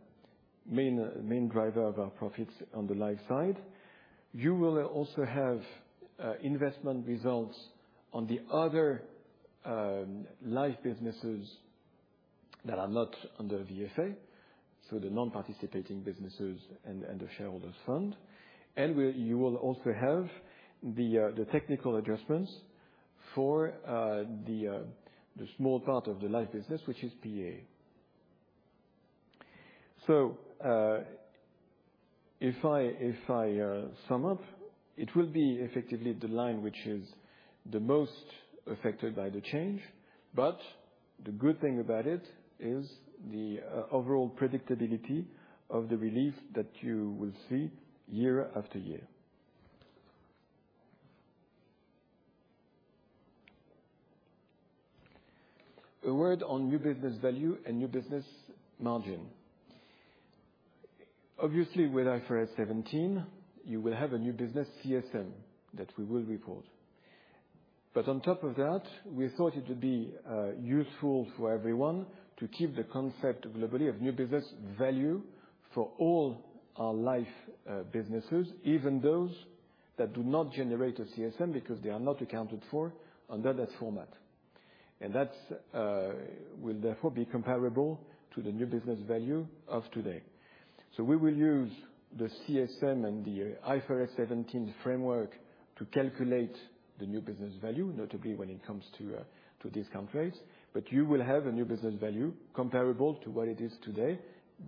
main driver of our profits on the life side. You will also have investment results on the other life businesses that are not under VFA, so the non-participating businesses and the shareholders fund. You will also have the technical adjustments for the small part of the life business, which is PA. If I sum up, it will be effectively the line which is the most affected by the change. The good thing about it is the overall predictability of the release that you will see year after year. A word on new business value and new business margin. Obviously, with IFRS 17, you will have a new business CSM that we will report. On top of that, we thought it would be useful for everyone to keep the concept globally of new business value for all our life businesses, even those that do not generate a CSM because they are not accounted for under that format. That will therefore be comparable to the new business value of today. We will use the CSM and the IFRS 17 framework to calculate the new business value, notably when it comes to discount rates. You will have a new business value comparable to what it is today,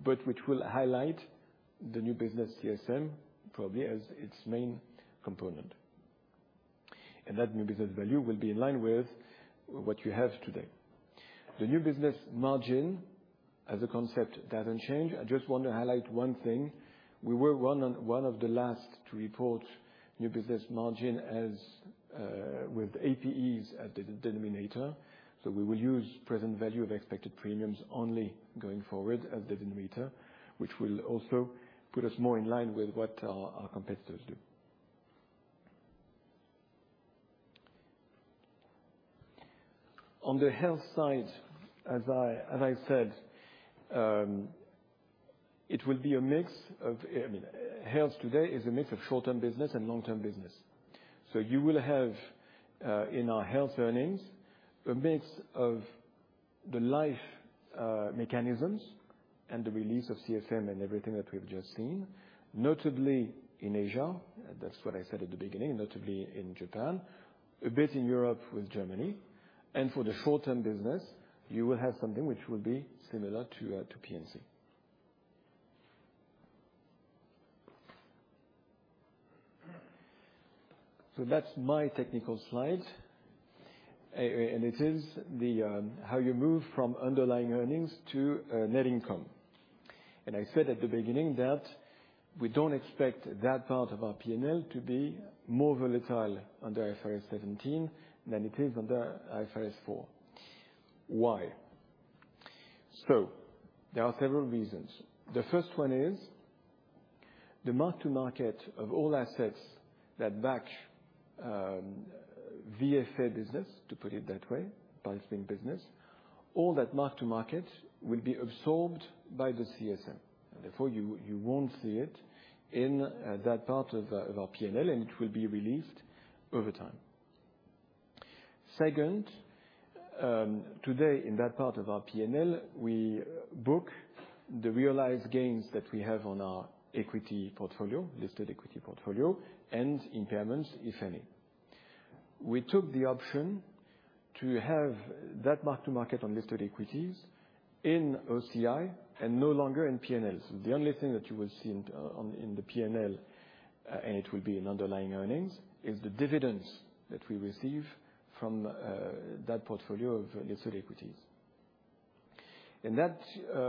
but which will highlight the new business CSM probably as its main component. That new business value will be in line with what you have today. The new business margin as a concept doesn't change. I just want to highlight one thing. We were one of the last to report new business margin as, with APEs as denominator. We will use present value of expected premiums only going forward as denominator, which will also put us more in line with what our competitors do. On the health side, as I said, it will be a mix of I mean, health today is a mix of short-term business and long-term business. You will have, in our health earnings, a mix of the life mechanisms and the release of CSM and everything that we've just seen, notably in Asia. That's what I said at the beginning, notably in Japan, a bit in Europe with Germany. For the short-term business, you will have something which will be similar to P&C. That's my technical slide. It is how you move from underlying earnings to net income. I said at the beginning that we don't expect that part of our P&L to be more volatile under IFRS 17 than it is under IFRS 4. Why? There are several reasons. The first one is the mark-to-market of all assets that back VFA business, to put it that way, buy-to-rent business. All that mark-to-market will be absorbed by the CSM. Therefore, you won't see it in that part of our P&L, and it will be released over time. Second, today in that part of our P&L, we book the realized gains that we have on our equity portfolio, listed equity portfolio, and impairments, if any. We took the option to have that mark-to-market on listed equities in OCI and no longer in P&L. The only thing that you will see in the P&L, and it will be in underlying earnings, is the dividends that we receive from that portfolio of listed equities. That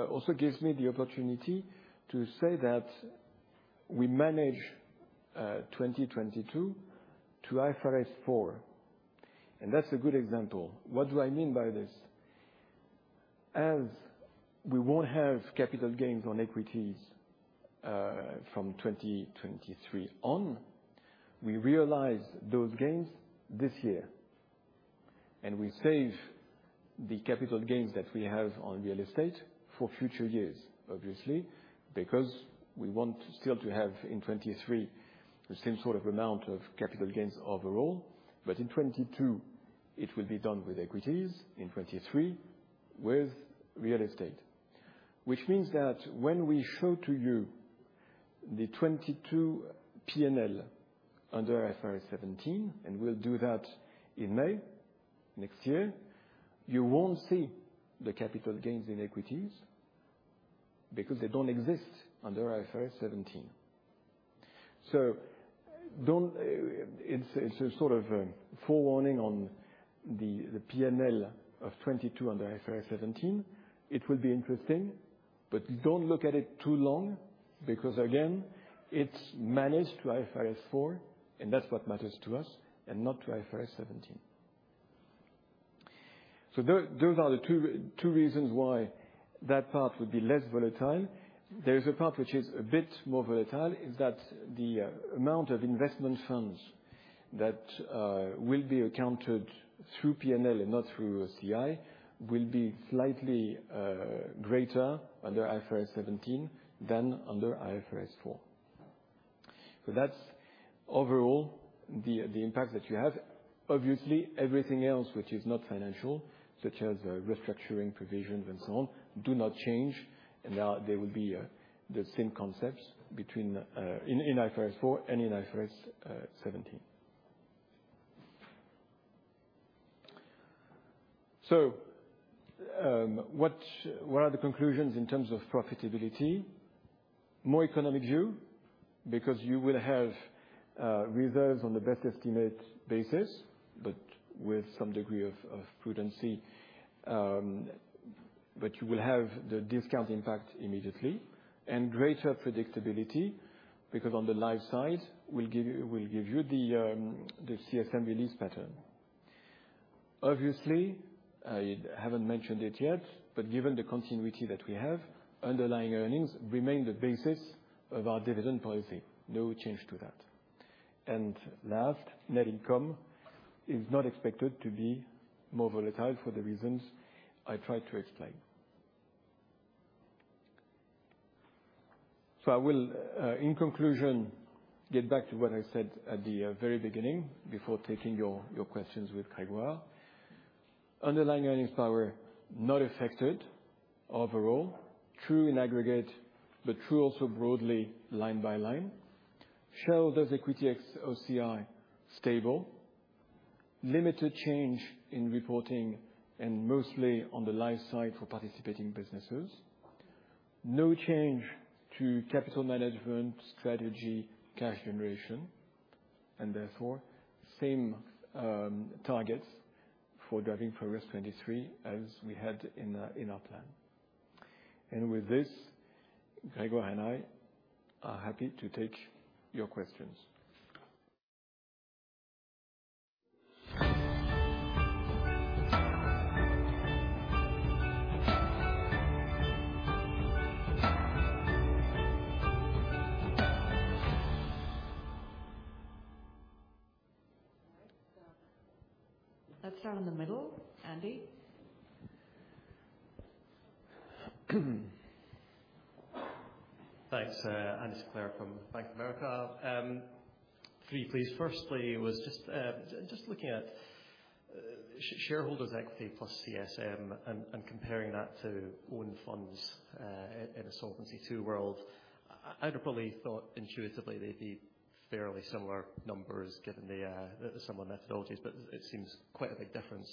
also gives me the opportunity to say that we manage 2022 to IFRS 4, and that's a good example. What do I mean by this? As we won't have capital gains on equities from 2023 on, we realize those gains this year, and we save the capital gains that we have on real estate for future years, obviously. Because we want still to have in 2023 the same sort of amount of capital gains overall. In 2022, it will be done with equities, in 2023 with real estate. Which means that when we show to you the 2022 P&L under IFRS 17, and we'll do that in May next year, you won't see the capital gains in equities because they don't exist under IFRS 17. It's a sort of a forewarning on the P&L of 2022 under IFRS 17. It will be interesting, but don't look at it too long because again, it's managed to IFRS 4, and that's what matters to us, and not to IFRS 17. Those are the two reasons why that part would be less volatile. There is a part which is a bit more volatile, that is the amount of investment funds that will be accounted through P&L and not through OCI will be slightly greater under IFRS 17 than under IFRS 4. That's overall the impact that you have. Obviously, everything else which is not financial, such as restructuring provisions and so on, do not change. They will be the same concepts between in IFRS 4 and in IFRS 17. What are the conclusions in terms of profitability? More economic view because you will have reserves on the best estimate basis, but with some degree of prudency. You will have the discount impact immediately and greater predictability because on the life side, we'll give you the CSM release pattern. Obviously, I haven't mentioned it yet, but given the continuity that we have, underlying earnings remain the basis of our dividend policy. No change to that. Last, net income is not expected to be more volatile for the reasons I tried to explain. I will, in conclusion, get back to what I said at the very beginning before taking your questions with Grégoire. Underlying earnings power not affected overall. True in aggregate, but true also broadly line by line. Shareholders' equity ex OCI stable. Limited change in reporting and mostly on the life side for participating businesses. No change to capital management strategy, cash generation, and therefore same targets for Driving Progress 2023 as we had in our plan. With this, Grégoire and I are happy to take your questions. Let's start in the middle. Andy? Thanks. Andrew Sinclair from Bank of America. Three please. Firstly was just looking at shareholders' equity plus CSM and comparing that to own funds in a Solvency II world. I'd have probably thought intuitively they'd be fairly similar numbers given the similar methodologies, but it seems quite a big difference,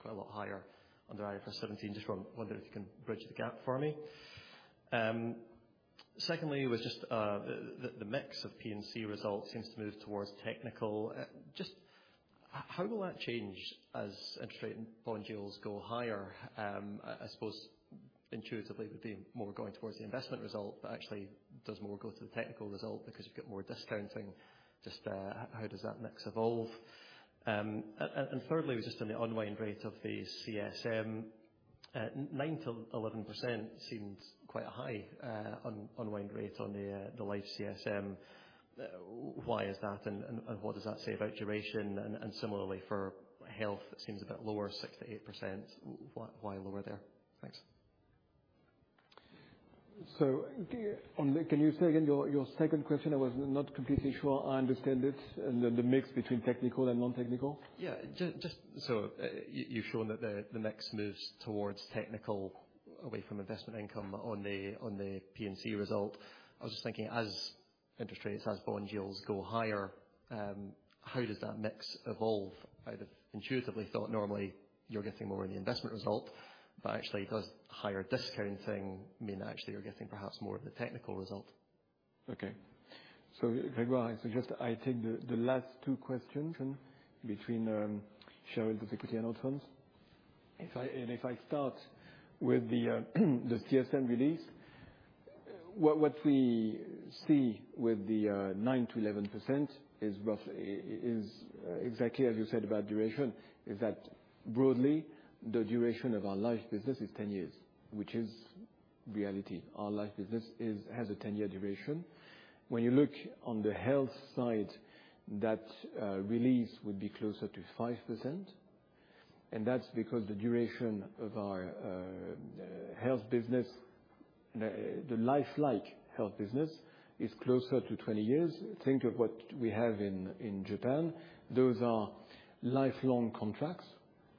quite a lot higher under IFRS 17. Just wonder if you can bridge the gap for me. Secondly was just the mix of P&C results seems to move towards technical. Just how will that change as interest rate and bond yields go higher? I suppose intuitively would be more going towards the investment result, but actually does more go to the technical result because you've got more discounting. Just how does that mix evolve? Thirdly was just on the unwind rate of the CSM. Nine to eleven percent seems quite high, unwind rate on the life CSM. Why is that? What does that say about duration? Similarly for health, it seems a bit lower, six to eight percent. Why lower there? Thanks. Can you say again your second question? I was not completely sure I understand it. The mix between technical and non-technical. Yeah. Just so you've shown that the mix moves towards technical away from investment income on the P&C result. I was just thinking as interest rates, as bond yields go higher, how does that mix evolve? I'd have intuitively thought normally you're getting more in the investment result, but actually does higher discounting mean actually you're getting perhaps more of the technical result? Okay. Grégoire, I suggest I take the last two questions then between shareholders' equity and our funds. If I start with the CSM release, what we see with the 9%-11% is exactly as you said about duration, that broadly, the duration of our life business is 10 years, which is reality. Our life business has a 10-year duration. When you look on the health side, that release would be closer to 5%, and that's because the duration of our health business, the life and health business is closer to 20 years. Think of what we have in Japan. Those are lifelong contracts,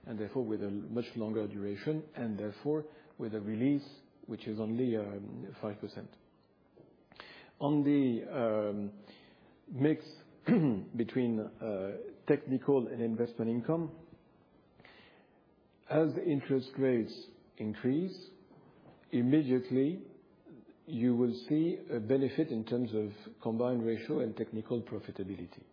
and therefore with a much longer duration and therefore with a release which is only 5%. On the mix between technical and investment income, as interest rates increase, immediately you will see a benefit in terms of combined ratio and technical profitability.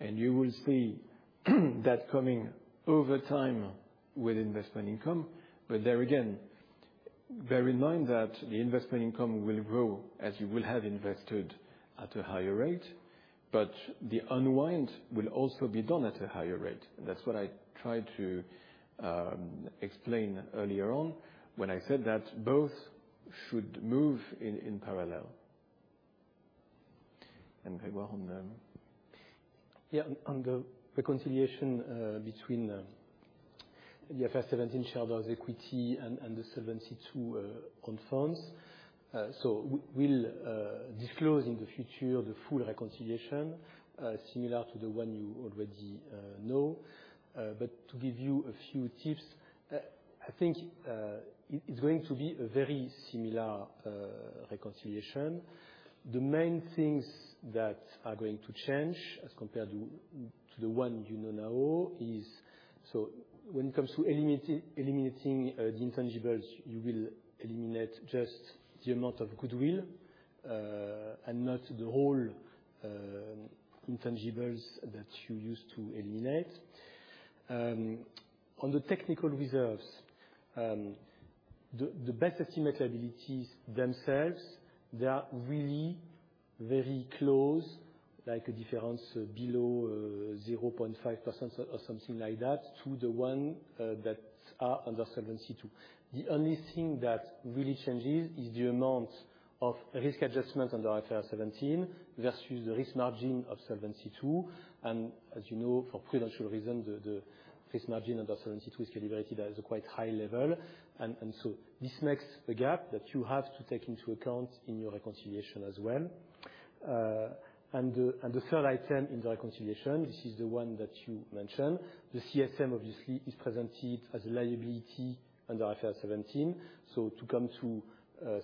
You will see that coming over time with investment income. There again, bear in mind that the investment income will grow as you will have invested at a higher rate, but the unwind will also be done at a higher rate. That's what I tried to explain earlier on when I said that both should move in parallel. Grégoire on the Yeah. On the reconciliation between the IFRS 17 shareholders' equity and the Solvency II own funds. We'll disclose in the future the full reconciliation similar to the one you already know. To give you a few tips, I think it's going to be a very similar reconciliation. The main things that are going to change as compared to the one you know now is. When it comes to eliminating the intangibles, you will eliminate just the amount of goodwill and not the whole intangibles that you used to eliminate. On the technical reserves, the best estimate liabilities themselves, they are really very close, like a difference below 0.5% or something like that, to the one that are under Solvency II. The only thing that really changes is the amount of risk adjustment under IFRS 17 versus the risk margin of Solvency II. As you know, for prudential reasons, the risk margin under Solvency II is calibrated at a quite high level. This makes a gap that you have to take into account in your reconciliation as well. The third item in the reconciliation, this is the one that you mentioned, the CSM obviously is presented as a liability under IFRS 17. To come to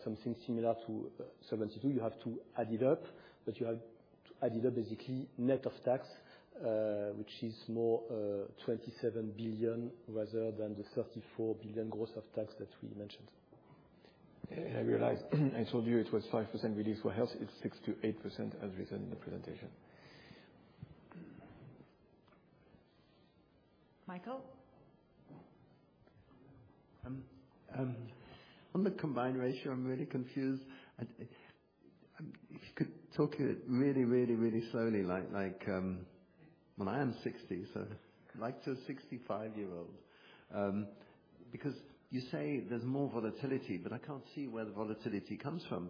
something similar to Solvency II, you have to add it up, but you have to add it up basically net of tax, which is more 27 billion rather than the 34 billion gross of tax that we mentioned. I realize I told you it was 5% relief for health. It's 6%-8% as written in the presentation. Michael? On the Combined Ratio, I'm really confused. If you could talk really slowly like, well, I am sixty, so like to a sixty-five-year-old. Because you say there's more volatility, but I can't see where the volatility comes from.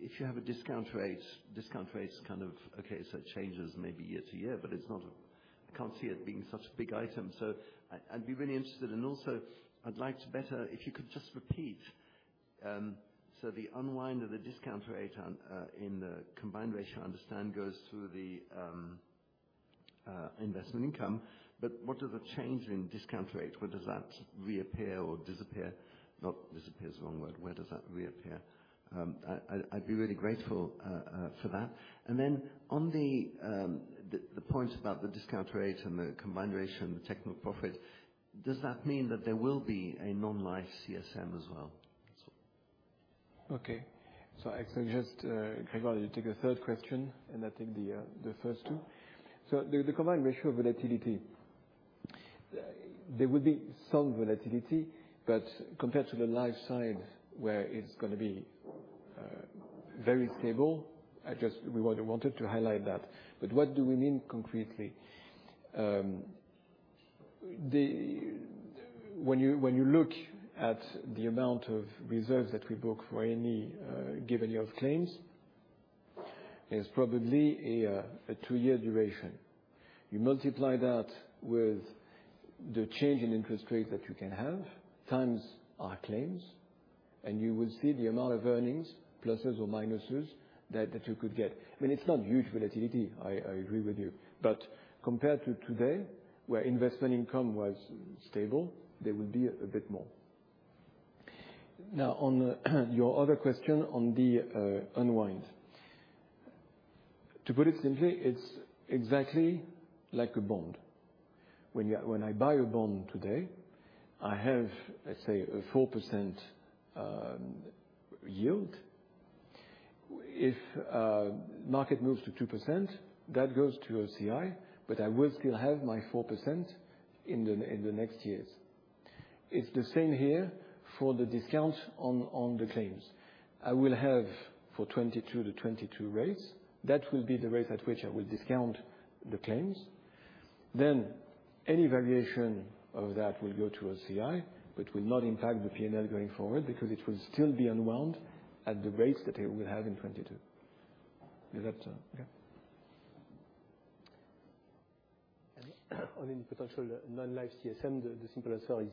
If you have a discount rate, discount rate is kind of okay, so it changes maybe year to year, but it's not. I can't see it being such a big item. So I'd be really interested. I'd like to better if you could just repeat so the unwind of the discount rate in the Combined Ratio, I understand, goes through the investment income, but what are the change in discount rate? Where does that reappear or disappear? Not disappear is the wrong word. Where does that reappear? I'd be really grateful for that. On the point about the discount rate and the Combined Ratio and the technical profit, does that mean that there will be a non-life CSM as well? Okay. I suggest, Grégoire, you take the third question, and I take the first two. The combined ratio of volatility, there would be some volatility, but compared to the life side, where it's gonna be very stable, we wanted to highlight that. What do we mean concretely? When you look at the amount of reserves that we book for any given year of claims, it's probably a two-year duration. You multiply that with the change in interest rates that you can have times our claims, and you will see the amount of earnings, pluses or minuses, that you could get. I mean, it's not huge volatility, I agree with you. Compared to today, where investment income was stable, there will be a bit more. Now on your other question on the unwind. To put it simply, it's exactly like a bond. When I buy a bond today, I have, let's say, a 4% yield. If market moves to 2%, that goes to OCI, but I will still have my 4% in the next years. It's the same here for the discount on the claims. I will have for 2022, the 2022 rates. That will be the rate at which I will discount the claims. Then any variation of that will go to OCI, but will not impact the P&L going forward because it will still be unwound at the rates that it will have in 2022. Is that yeah? On any potential non-life CSM, the simple answer is,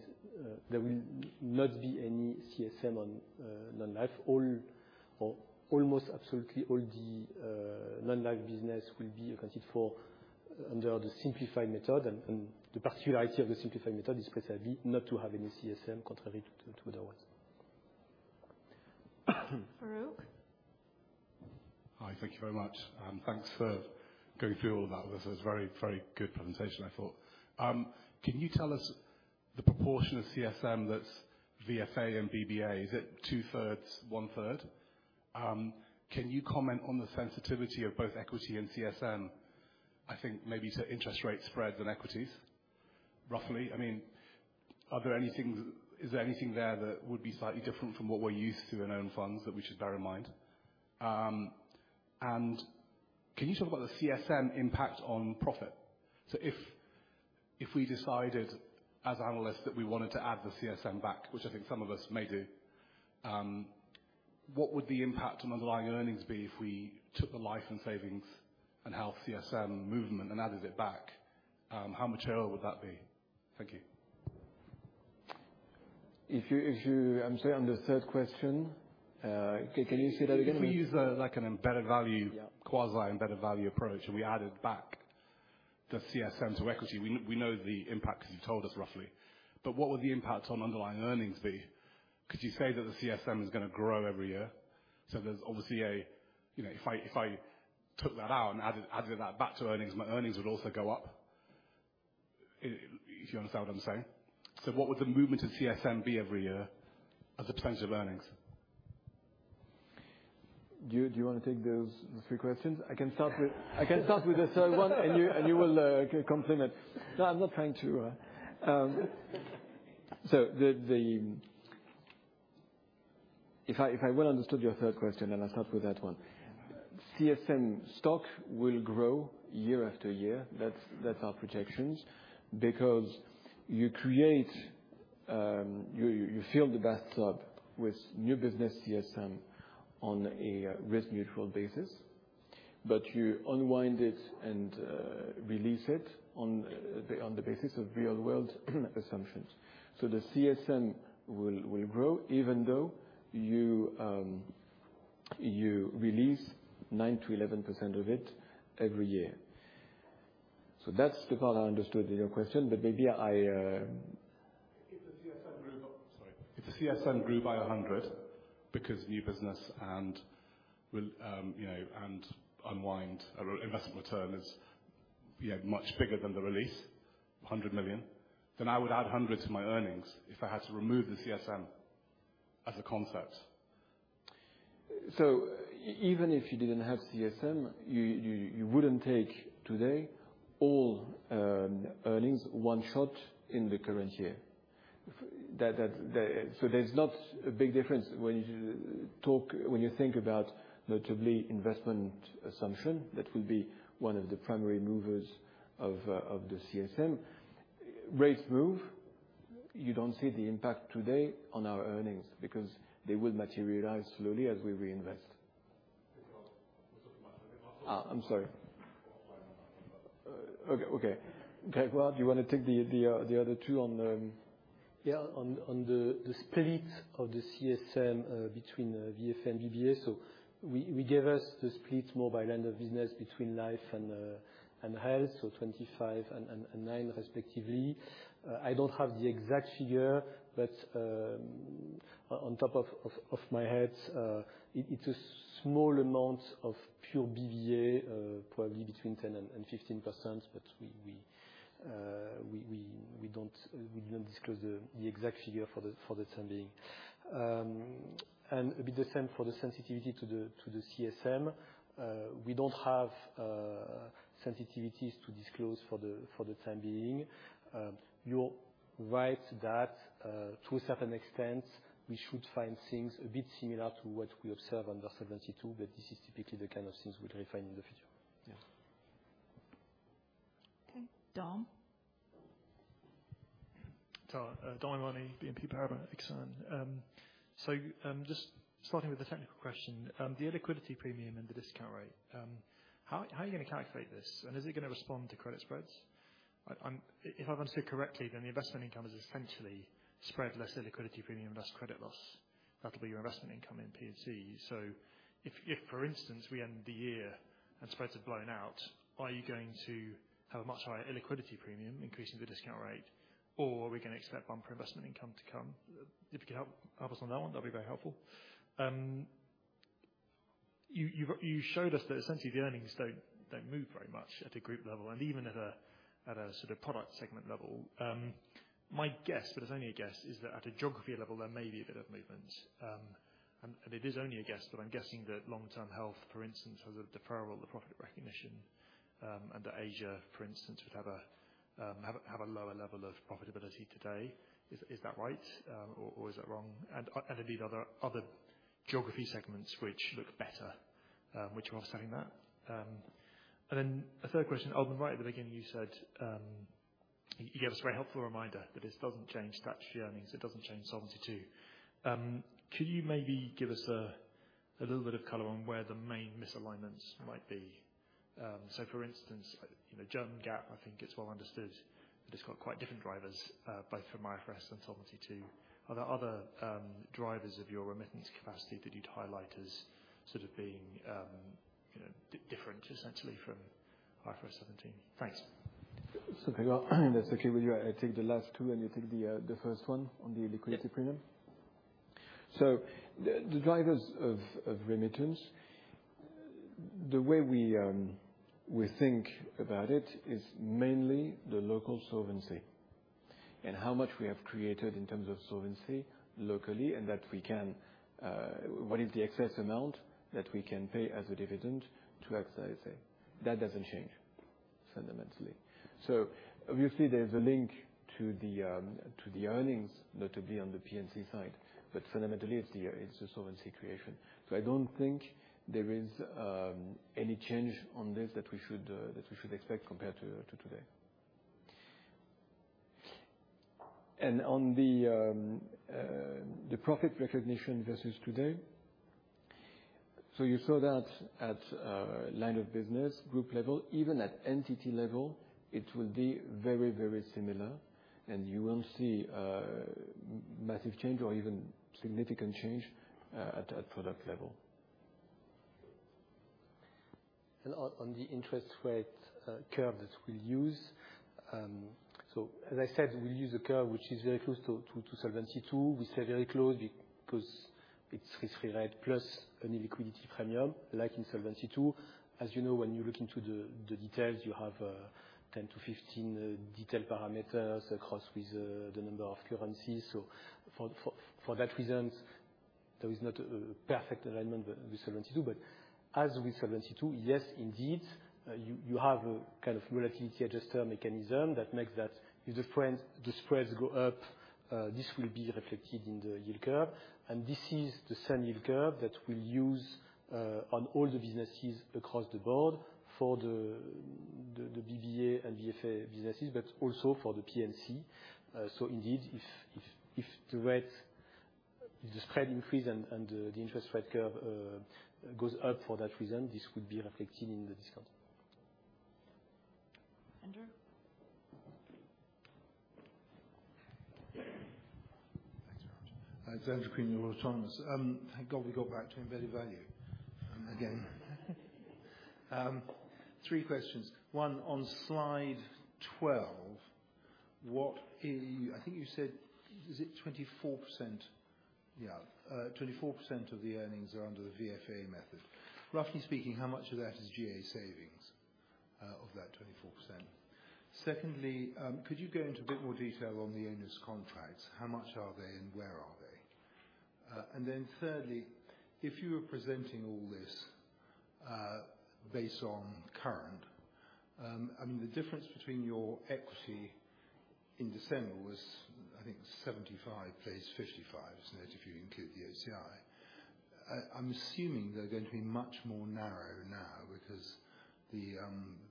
there will not be any CSM on non-life. All or almost absolutely all the non-life business will be accounted for under the simplified method. The particularity of the simplified method is precisely not to have any CSM, contrary to otherwise. Farouk? Hi. Thank you very much. Thanks for going through all that with us. It was a very, very good presentation, I thought. Can you tell us the proportion of CSM that's VFA and BBA? Is it two-thirds, one-third? Can you comment on the sensitivity of both equity and CSM, I think maybe to interest rate spreads and equities, roughly? I mean, are there any things? Is there anything there that would be slightly different from what we're used to in own funds that we should bear in mind? Can you talk about the CSM impact on profit? If we decided as analysts that we wanted to add the CSM back, which I think some of us may do, what would the impact on underlying earnings be if we took the life and savings and health CSM movement and added it back? How material would that be? Thank you. I'm sorry. On the third question, can you say that again? If we use, like an embedded value. Yeah. Quasi-embedded value approach, and we added back the CSM to equity, we know the impact 'cause you told us roughly. But what would the impact on underlying earnings be? Could you say that the CSM is gonna grow every year? So there's obviously a, you know, if I took that out and added that back to earnings, my earnings would also go up if you understand what I'm saying. So what would the movement of CSM be every year as a percentage of earnings? Do you want to take those three questions? I can start with the third one, and you will complement. No, I'm not trying to, so the. If I well understood your third question, then I'll start with that one. CSM stock will grow year after year. That's our projections. Because you create, you fill the bathtub with new business CSM on a risk-neutral basis, but you unwind it and release it on the basis of real world assumptions. So the CSM will grow even though you release 9%-11% of it every year. So that's the part I understood in your question, but maybe I. If the CSM grew by 100 because new business and will, you know, and unwind or investment return is much bigger than the release, 100 million, then I would add 100 to my earnings if I had to remove the CSM as a concept. Even if you didn't have CSM, you wouldn't take today all earnings one shot in the current year. There's not a big difference when you think about, notably, investment assumption, that will be one of the primary movers of the CSM. Rates move, you don't see the impact today on our earnings because they will materialize slowly as we reinvest. I'm sorry. Okay. Grégoire, do you wanna take the other two on the- On the split of the CSM between VFA and BBA, we gave you the split more by line of business between life and health, 25 and 9 respectively. I don't have the exact figure, but on top of my head, it's a small amount of pure VBA, probably between 10% and 15%, but we don't disclose the exact figure for the time being. A bit the same for the sensitivity to the CSM. We don't have sensitivities to disclose for the time being. You're right that, to a certain extent, we should find things a bit similar to what we observe under Solvency II, but this is typically the kind of things we'd refine in the future. Yeah. Okay. Dom? Dominic O'Mahony, BNP Paribas Exane. Just starting with the technical question, the illiquidity premium and the discount rate, how are you gonna calculate this? Is it gonna respond to credit spreads? If I've understood correctly, then the investment income is essentially spread less illiquidity premium, less credit loss. That'll be your investment income in P&C. If, for instance, we end the year and spreads have blown out, are you going to have a much higher illiquidity premium, increasing the discount rate? Are we gonna expect bumper investment income to come? If you could help us on that one, that'd be very helpful. You showed us that essentially the earnings don't move very much at a group level and even at a sort of product segment level. My guess, but it's only a guess, is that at a geography level, there may be a bit of movement. It is only a guess, but I'm guessing that long-term health, for instance, has a deferral of the profit recognition, and that Asia, for instance, would have a lower level of profitability today. Is that right? Or is that wrong? Are there other geography segments which look better, which are offsetting that? A third question, Alban, right at the beginning you said, you gave us a very helpful reminder that this doesn't change statutory earnings, it doesn't change Solvency II. Could you maybe give us a little bit of color on where the main misalignments might be. For instance, you know, German GAAP, I think it's well understood that it's got quite different drivers, both from IFRS and Solvency II. Are there other drivers of your remittance capacity that you'd highlight as sort of being, you know, different essentially from IFRS 17? Thanks. Pedro, if that's okay with you, I take the last two, and you take the first one on the liquidity premium. Yeah. The drivers of remittance, the way we think about it is mainly the local solvency and how much we have created in terms of solvency locally, and that we can. What is the excess amount that we can pay as a dividend to exercise it? That doesn't change fundamentally. Obviously, there's a link to the earnings, notably on the P&C side, but fundamentally it's the solvency creation. I don't think there is any change on this that we should expect compared to today. On the profit recognition versus today, you saw that at line of business group level. Even at entity level, it will be very, very similar, and you won't see a massive change or even significant change at product level. On the interest rate curve that we'll use, so as I said, we'll use a curve which is very close to Solvency II. We stay very close because it's risk-free rate plus an illiquidity premium, like in Solvency II. As you know, when you look into the details, you have 10 to 15 detail parameters across with the number of currencies. So for that reason, there is not a perfect alignment with Solvency II. But as with Solvency II, yes, indeed, you have a kind of relativity adjuster mechanism that makes that if the spreads go up, this will be reflected in the yield curve. This is the same yield curve that we'll use on all the businesses across the board for the DVA and VFA businesses, but also for the P&C. Indeed, if the rates, if the spread increase and the interest rate curve goes up for that reason, this would be reflected in the discount. Andrew? Thanks very much. It's Andrew Crean, Autonomous Research. Thank God we got back to embedded value, again. Three questions. One, on slide 12, what is, I think you said, is it 24%? Yeah. 24% of the earnings are under the VFA method. Roughly speaking, how much of that is GA savings, of that 24%? Secondly, could you go into a bit more detail on the onerous contracts? How much are they and where are they? And then thirdly, if you were presenting all this based on current, I mean, the difference between your equity in December was, I think 75 basis 55, isn't it, if you include the OCI. I'm assuming they're going to be much more narrow now because the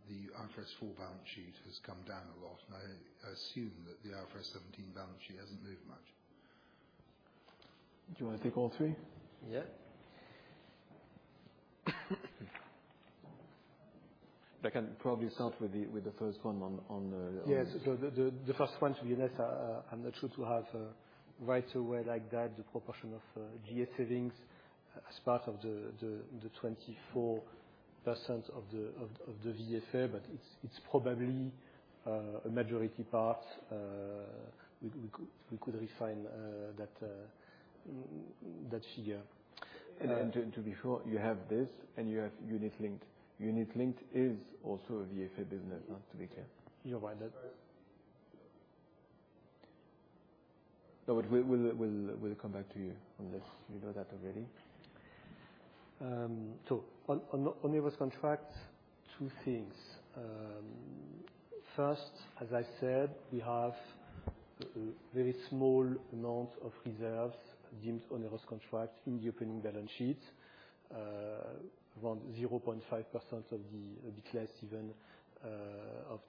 IFRS 4 balance sheet has come down a lot, and I assume that the IFRS 17 balance sheet hasn't moved much. Do you wanna take all three? Yeah. I can probably start with the first one on the. Yes. The first one, to be honest, I'm not sure to have right away like that the proportion of GA savings as part of the 24% of the VFA. But it's probably a majority part. We could refine that figure. To be sure, you have this, and you have unit-linked. Unit-linked is also a VFA business, to be clear. You're right that. Sorry. No, we'll come back to you on this. You know that already. On onerous contracts, two things. First, as I said, we have very small amount of reserves deemed onerous contracts in the opening balance sheet. Around 0.5%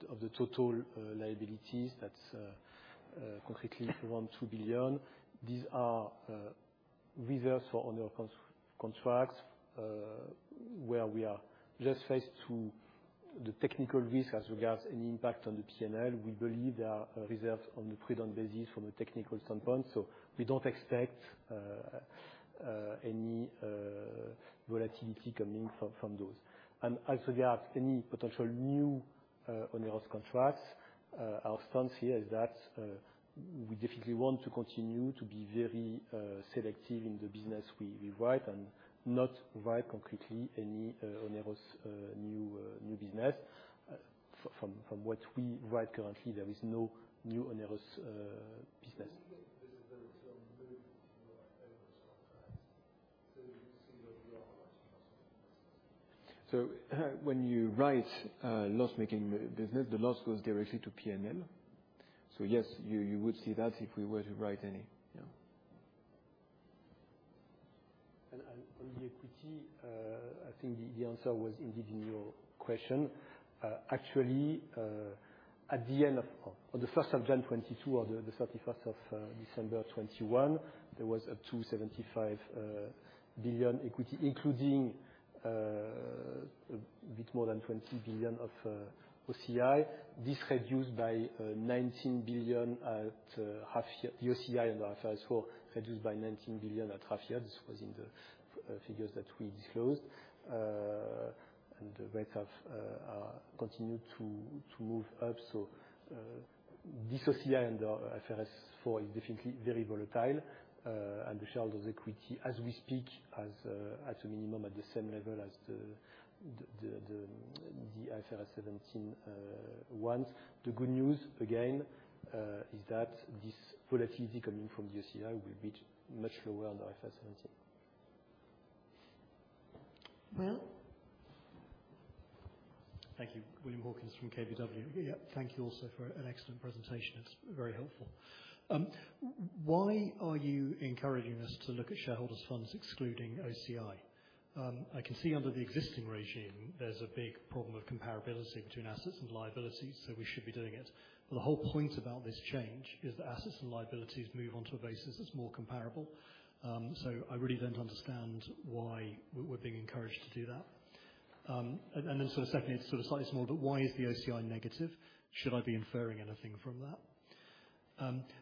of the total liabilities, a bit less even. That's concretely around 2 billion. These are reserves for onerous contracts, where we are just faced with the technical risk as regards any impact on the P&L. We believe these reserves are on the prudent basis from a technical standpoint, so we don't expect any volatility coming from those. As regards any potential new onerous contracts, our stance here is that we definitely want to continue to be very selective in the business we write, and not write concretely any onerous new business. From what we write currently, there is no new onerous business. When you get the visibility on new onerous contracts, do you see the loss making business? When you write a loss-making business, the loss goes directly to P&L. Yes, you would see that if we were to write any. Yeah. On the equity, I think the answer was indeed in your question. Actually, at the end of on the first of January 2022 or the thirty-first of December 2021, there was 275 billion equity, including a bit more than 20 billion of OCI. This reduced by 19 billion at half year, the OCI and IFRS 4 reduced by 19 billion at half year. This was in the figures that we disclosed. The rates have continued to move up. This OCI and IFRS 4 is definitely very volatile, and the shareholders' equity as we speak has at a minimum at the same level as the IFRS 17 wants. The good news again is that this volatility coming from the OCI will be much lower on IFRS 17. Will? Thank you. William Hawkins from KBW. Yeah, thank you also for an excellent presentation. It's very helpful. Why are you encouraging us to look at shareholders funds excluding OCI? I can see under the existing regime there's a big problem of comparability between assets and liabilities, so we should be doing it. The whole point about this change is that assets and liabilities move onto a basis that's more comparable. So I really don't understand why we're being encouraged to do that. And then sort of secondly, it's sort of slightly small, but why is the OCI negative? Should I be inferring anything from that?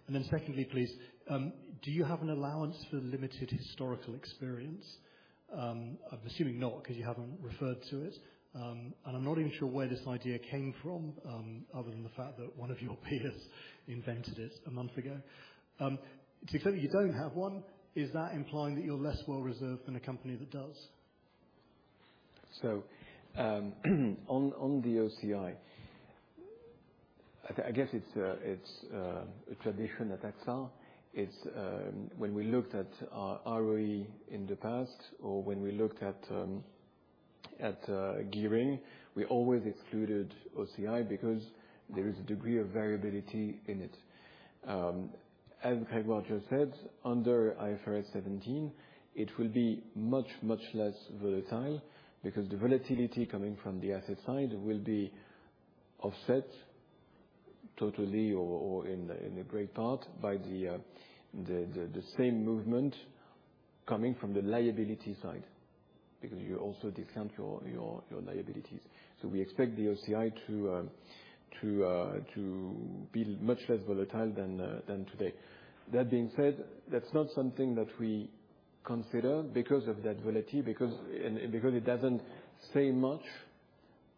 Then secondly, please, do you have an allowance for limited historical experience? I'm assuming not, 'cause you haven't referred to it. I'm not even sure where this idea came from, other than the fact that one of your peers invented it a month ago. To the extent that you don't have one, is that implying that you're less well reserved than a company that does? On the OCI, I guess it's a tradition at AXA. It's when we looked at our ROE in the past or when we looked at gearing, we always excluded OCI because there is a degree of variability in it. As Grégoire Mancelon just said, under IFRS 17, it will be much less volatile because the volatility coming from the asset side will be offset totally or in a great part by the same movement coming from the liability side because you also discount your liabilities. We expect the OCI to be much less volatile than today. That being said, that's not something that we consider because of that volatility and because it doesn't say much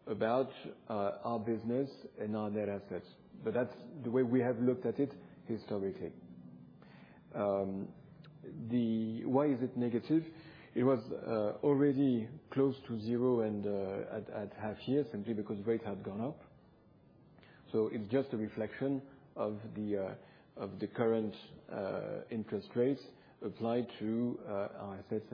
about our business and our net assets, but that's the way we have looked at it historically. Why is it negative? It was already close to zero and at half year, simply because rates had gone up. It's just a reflection of the current interest rates applied to our assets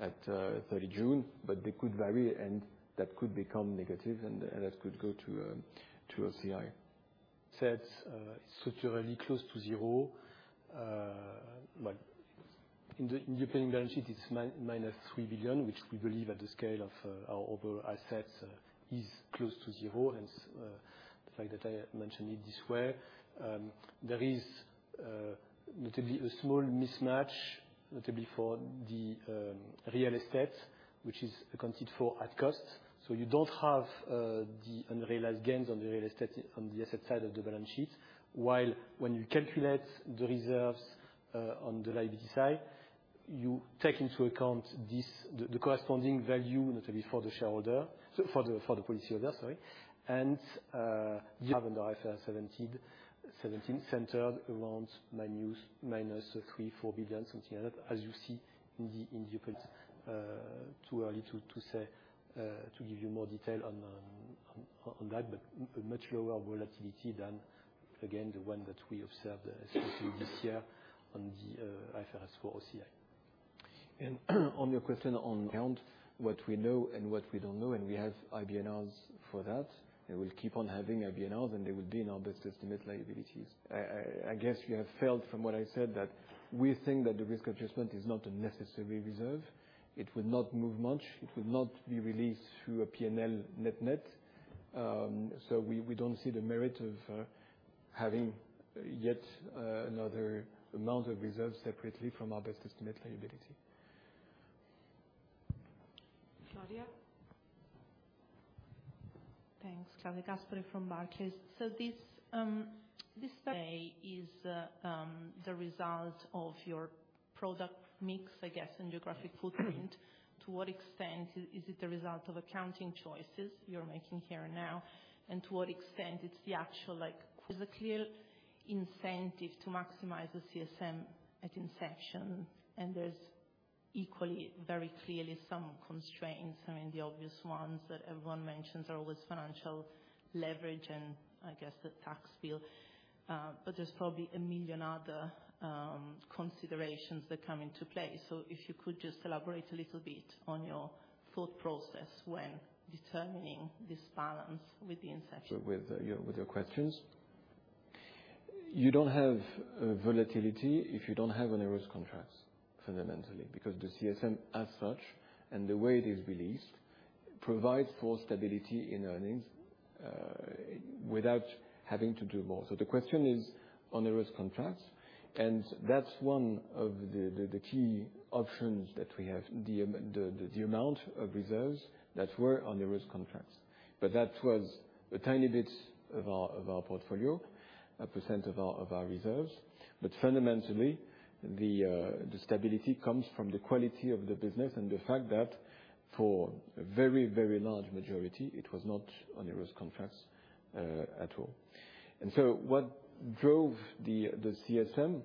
as at 30 June. They could vary, and that could become negative and that could go to OCI. Structurally close to zero. Like in the opening balance sheet, it's -3 billion, which we believe at the scale of our overall assets is close to zero. The fact that I mentioned it this way, there is notably a small mismatch, notably for the real estate, which is accounted for at cost. You don't have the unrealized gains on the real estate on the asset side of the balance sheet. While when you calculate the reserves on the liability side, you take into account this, the corresponding value notably for the shareholder, so for the policyholder, sorry. You have under IFRS 17 centered around -3-4 billion, something like that. As you see, too early to say to give you more detail on that, but a much lower volatility than, again, the one that we observed especially this year on the IFRS 4 OCI. On your question on account, what we know and what we don't know, and we have IBNRs for that. They will keep on having IBNRs, and they will be in our Best Estimate Liabilities. I guess you have felt from what I said that we think that the Risk Adjustment is not a necessary reserve. It would not move much. It would not be released through a P&L net-net. We don't see the merit of having yet another amount of reserves separately from our Best Estimate Liabilities. Claudia? Thanks. Claudia Gaspari from Barclays. This today is the result of your product mix, I guess, and geographic footprint. To what extent is it a result of accounting choices you're making here and now? To what extent it's the actual, like, there's a clear incentive to maximize the CSM at inception, and there's equally very clearly some constraints. I mean, the obvious ones that everyone mentions are always financial leverage and I guess the tax bill. But there's probably a million other considerations that come into play. If you could just elaborate a little bit on your thought process when determining this balance with the inception. With your questions? You don't have volatility if you don't have onerous contracts fundamentally because the CSM as such and the way it is released provides for stability in earnings without having to do more. The question is on the risk contracts, and that's one of the key options that we have, the amount of reserves that were on the risk contracts. But that was a tiny bit of our portfolio, 1% of our reserves. But fundamentally, the stability comes from the quality of the business and the fact that for a very, very large majority it was not on risk contracts at all. What drove the CSM,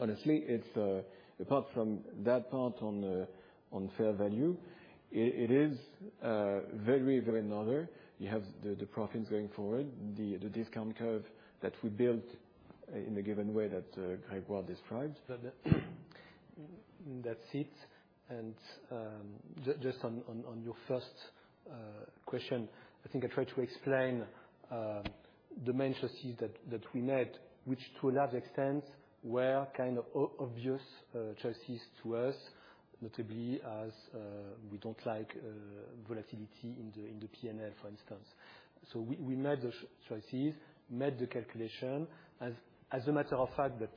honestly it's apart from that part on fair value, it is very, very narrow. You have the profits going forward, the discount curve that we built in a given way that Grégoire described. That's it. Just on your first question, I think I tried to explain the main choices that we made, which to a large extent were kind of obvious choices to us, notably as we don't like volatility in the P&L, for instance. We made the choices, made the calculation. As a matter of fact, that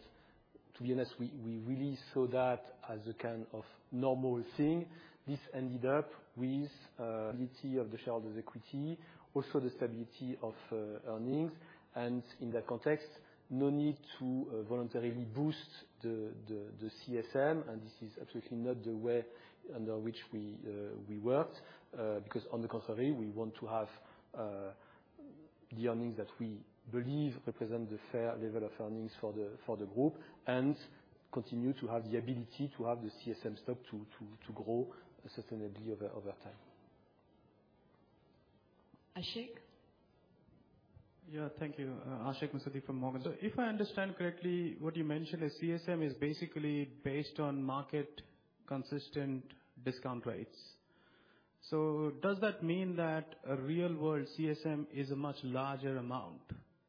to be honest, we really saw that as a kind of normal thing. This ended up with stability of the shareholders' equity, also the stability of earnings. In that context, no need to voluntarily boost the CSM, and this is absolutely not the way under which we worked, because on the contrary, we want to have the earnings that we believe represent the fair level of earnings for the group and continue to have the ability to have the CSM stock to grow sustainably over time. Ashik? Thank you. Ashik Musaddi from Morgan Stanley. If I understand correctly, what you mentioned, a CSM is basically based on market consistent discount rates. Does that mean that a real world CSM is a much larger amount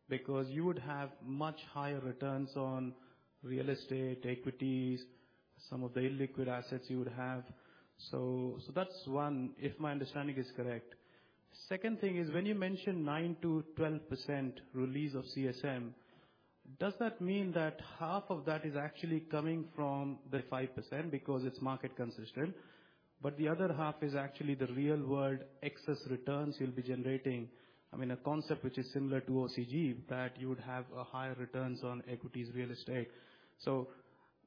because you would have much higher returns on real estate equities, some of the illiquid assets you would have? That's one, if my understanding is correct. Second thing is, when you mention 9%-12% release of CSM, does that mean that half of that is actually coming from the 5% because it's market consistent, but the other half is actually the real world excess returns you'll be generating? I mean, a concept which is similar to OCG, that you would have a higher returns on equities real estate.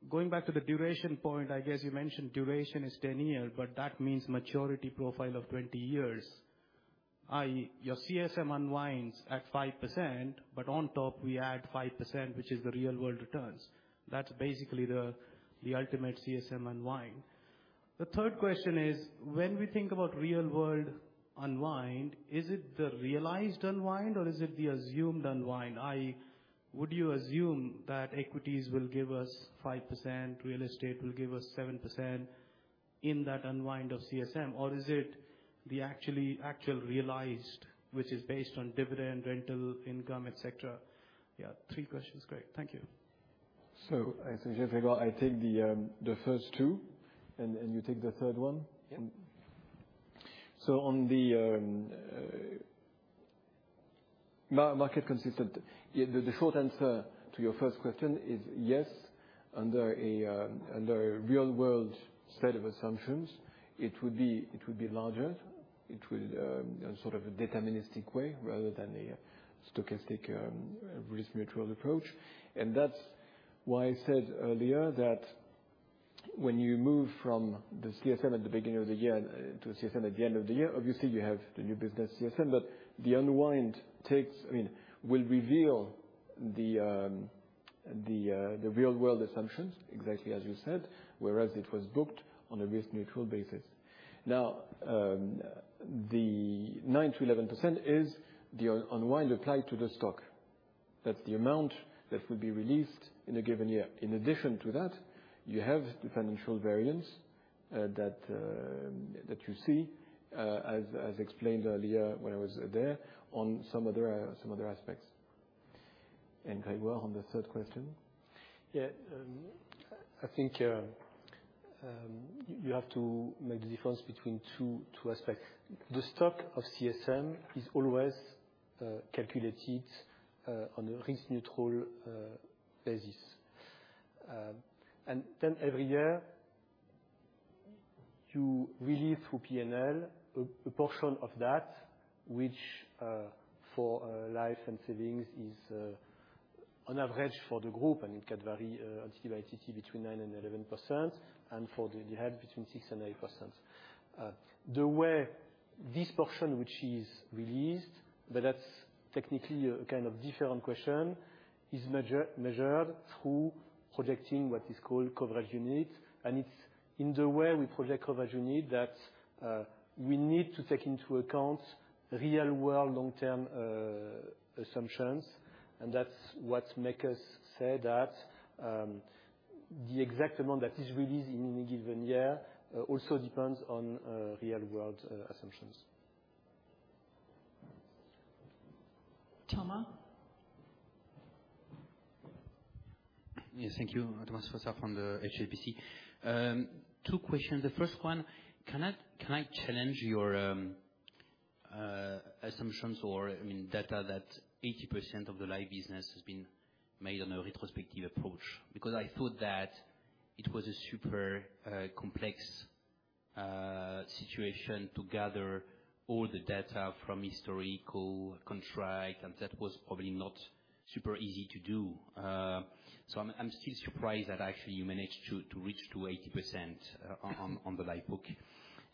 Going back to the duration point, I guess you mentioned duration is 10-year, but that means maturity profile of 20 years, i.e. your CSM unwinds at 5%, but on top we add 5%, which is the real world returns. That's basically the ultimate CSM unwind. The third question is, when we think about real world unwind, is it the realized unwind or is it the assumed unwind, i.e. would you assume that equities will give us 5%, real estate will give us 7% in that unwind of CSM? Or is it the actual realized, which is based on dividend, rental income, et cetera? Yeah, three questions. Great. Thank you. I suggest, Grégoire, I take the first two and you take the third one. Yeah. On the market consistent, yeah, the short answer to your first question is yes. Under a real world set of assumptions, it would be larger. It will in sort of a deterministic way rather than a stochastic risk neutral approach. That's why I said earlier that when you move from the CSM at the beginning of the year to CSM at the end of the year, obviously you have the new business CSM. The unwind, I mean, will reveal the real world assumptions exactly as you said, whereas it was booked on a risk neutral basis. Now, the 9%-11% is the unwind applied to the stock. That's the amount that will be released in a given year. In addition to that, you have the financial variance that you see as explained earlier when I was there on some other aspects. Grégoire, on the third question. Yeah. I think you have to make the difference between two aspects. The stock of CSM is always calculated on a risk neutral basis. Then every year you release through P&L a portion of that which for life and savings is on average for the group, and it can vary country by country between 9%-11%, and for the health between 6%-8%. The way this portion, which is released, but that's technically a kind of different question, is measured through projecting what is called Coverage Units. It's in the way we project Coverage Units that we need to take into account real world long-term assumptions. That's what make us say that the exact amount that is released in any given year also depends on real world assumptions. Thomas? Yes, thank you. Thomas Fossard from HSBC. Two questions. The first one, can I challenge your assumptions or, I mean, data that 80% of the live business has been made on a retrospective approach? Because I thought that it was a super complex situation to gather all the data from historical contract, and that was probably not super easy to do. So I'm still surprised that actually you managed to reach 80% on the live book.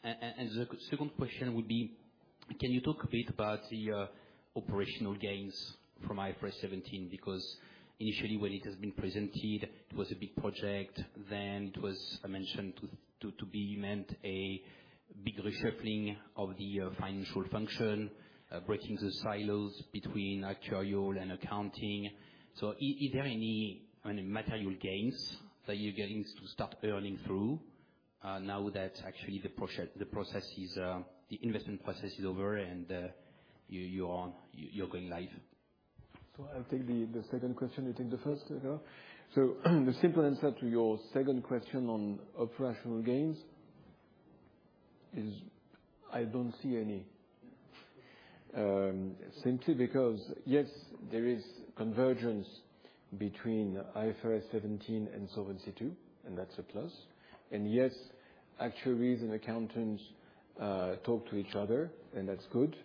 The second question would be, can you talk a bit about the operational gains from IFRS 17? Because initially when it has been presented, it was a big project, then it was mentioned to be meant a big reshuffling of the financial function, breaking the silos between actuarial and accounting. Is there any, I mean, material gains that you're going to start earning through now that actually the investment process is over and you're going live? I'll take the second question, you take the first, Hugo. The simple answer to your second question on operational gains is I don't see any. Simply because, yes, there is convergence between IFRS 17 and Solvency II, and that's a plus. Yes, actuaries and accountants talk to each other, and that's good.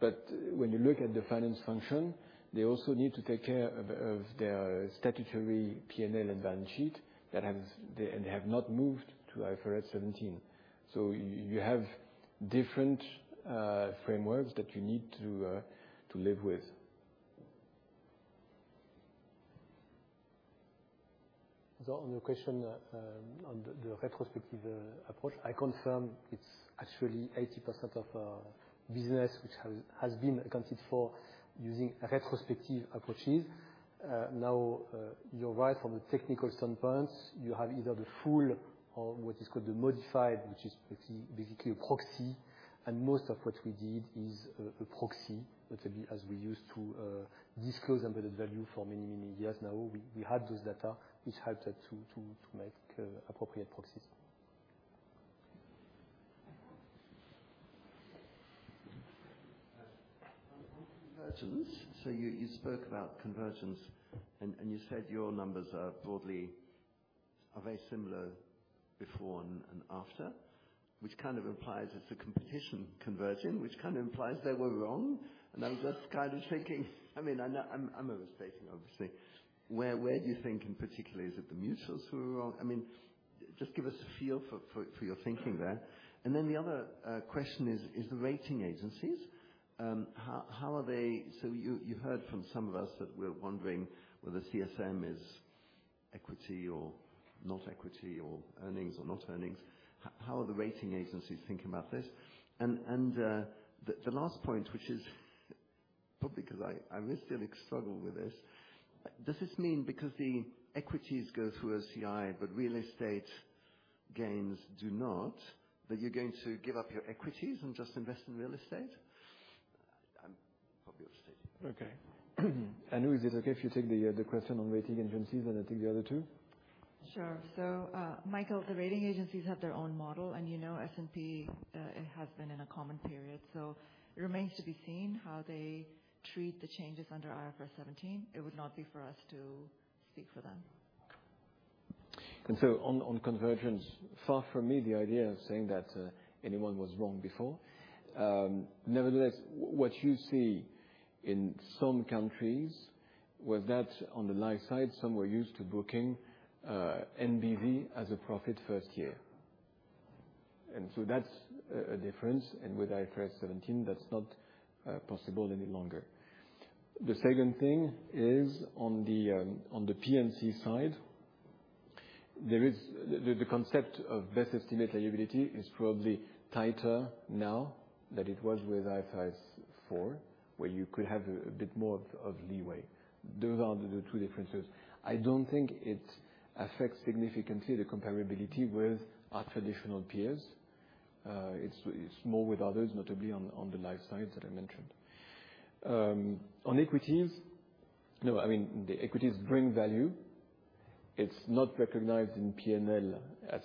When you look at the finance function, they also need to take care of their statutory P&L and balance sheet that has not moved to IFRS 17. You have different frameworks that you need to live with. On the question on the retrospective approach, I confirm it's actually 80% of business which has been accounted for using retrospective approaches. Now, you're right from a technical standpoint, you have either the full or what is called the modified, which is basically a proxy, and most of what we did is a proxy, notably as we used to disclose embedded value for many, many years now. We had those data which helped us to make appropriate proxies. On convergence, you spoke about convergence and you said your numbers are broadly very similar before and after, which kind of implies it's the competition converging, which kind of implies they were wrong. I'm just kind of thinking, I mean, I know I'm overstating obviously. Where do you think, and particularly is it the mutuals who are wrong? I mean, just give us a feel for your thinking there. Then the other question is the rating agencies, how are they. You've heard from some of us that we're wondering whether CSM is equity or not equity or earnings or not earnings. How are the rating agencies thinking about this? The last point, which is probably because I really still struggle with this. Does this mean because the equities go through OCI, but real estate gains do not, that you're going to give up your equities and just invest in real estate? I'm probably overstating. Okay. Anu, is it okay if you take the question on rating agencies and I take the other two? Sure. Michael, the rating agencies have their own model, and you know S&P has been in a comment period, so it remains to be seen how they treat the changes under IFRS 17. It would not be for us to speak for them. On convergence, far from me the idea of saying that anyone was wrong before. Nevertheless, what you see in some countries was that on the life side, some were used to booking NBV as a profit first year. That's a difference. With IFRS 17, that's not possible any longer. The second thing is on the P&C side, there is. The concept of best estimate liability is probably tighter now than it was with IFRS 4, where you could have a bit more of leeway. Those are the two differences. I don't think it affects significantly the comparability with our traditional peers. It's more with others, notably on the life side that I mentioned. On equities, you know, I mean, the equities bring value. It's not recognized in P&L as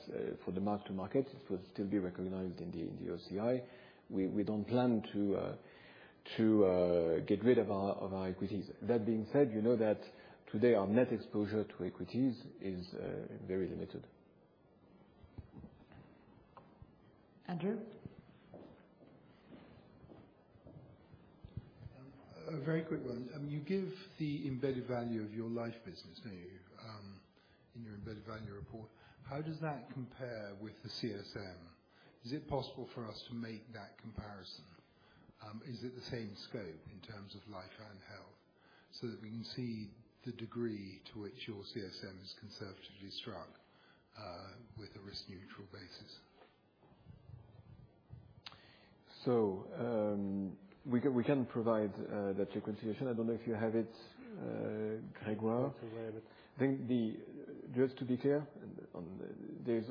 for the mark-to-market. It will still be recognized in the OCI. We don't plan to get rid of our equities. That being said, you know that today our net exposure to equities is very limited. Andrew? A very quick one. You give the embedded value of your life business, in your embedded value report. How does that compare with the CSM? Is it possible for us to make that comparison? Is it the same scope in terms of life and health so that we can see the degree to which your CSM is conservatively struck, with a risk neutral basis? We can provide that reconciliation. I don't know if you have it. Grégoire? I have it. Just to be clear on this,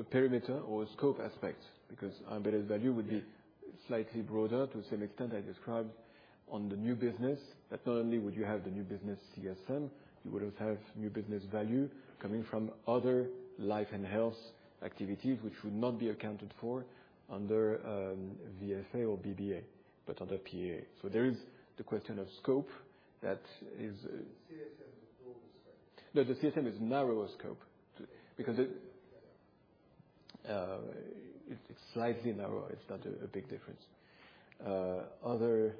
a perimeter or a scope aspect, because embedded value would be slightly broader to the same extent I described on the new business. That not only would you have the new business CSM, you would also have new business value coming from other life and health activities which would not be accounted for under VFA or BBA, but under PAA. There is the question of scope that is. The CSM is a broader scope. No, the CSM is narrower scope because it. Yeah. It's slightly narrower. It's not a big difference. Other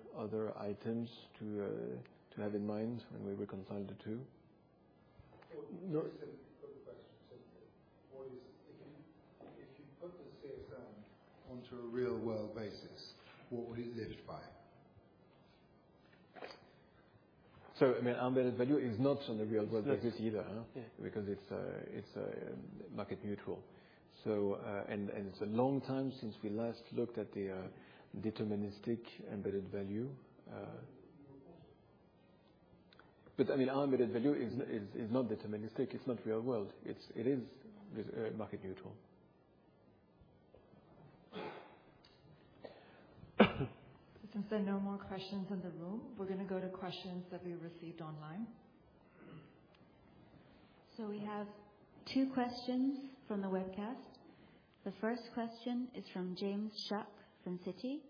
items to have in mind when we reconcile the two? Well, just a quick question. If you put the CSM onto a real world basis, what would it identify? I mean, embedded value is not on a real world basis either. It's not. Yeah. Because it's market neutral. It's a long time since we last looked at the deterministic embedded value. I mean, our embedded value is not deterministic. It's not real world. It's market neutral. Since there are no more questions in the room, we're going to go to questions that we received online. We have two questions from the webcast. The first question is from James Shuck from Citi.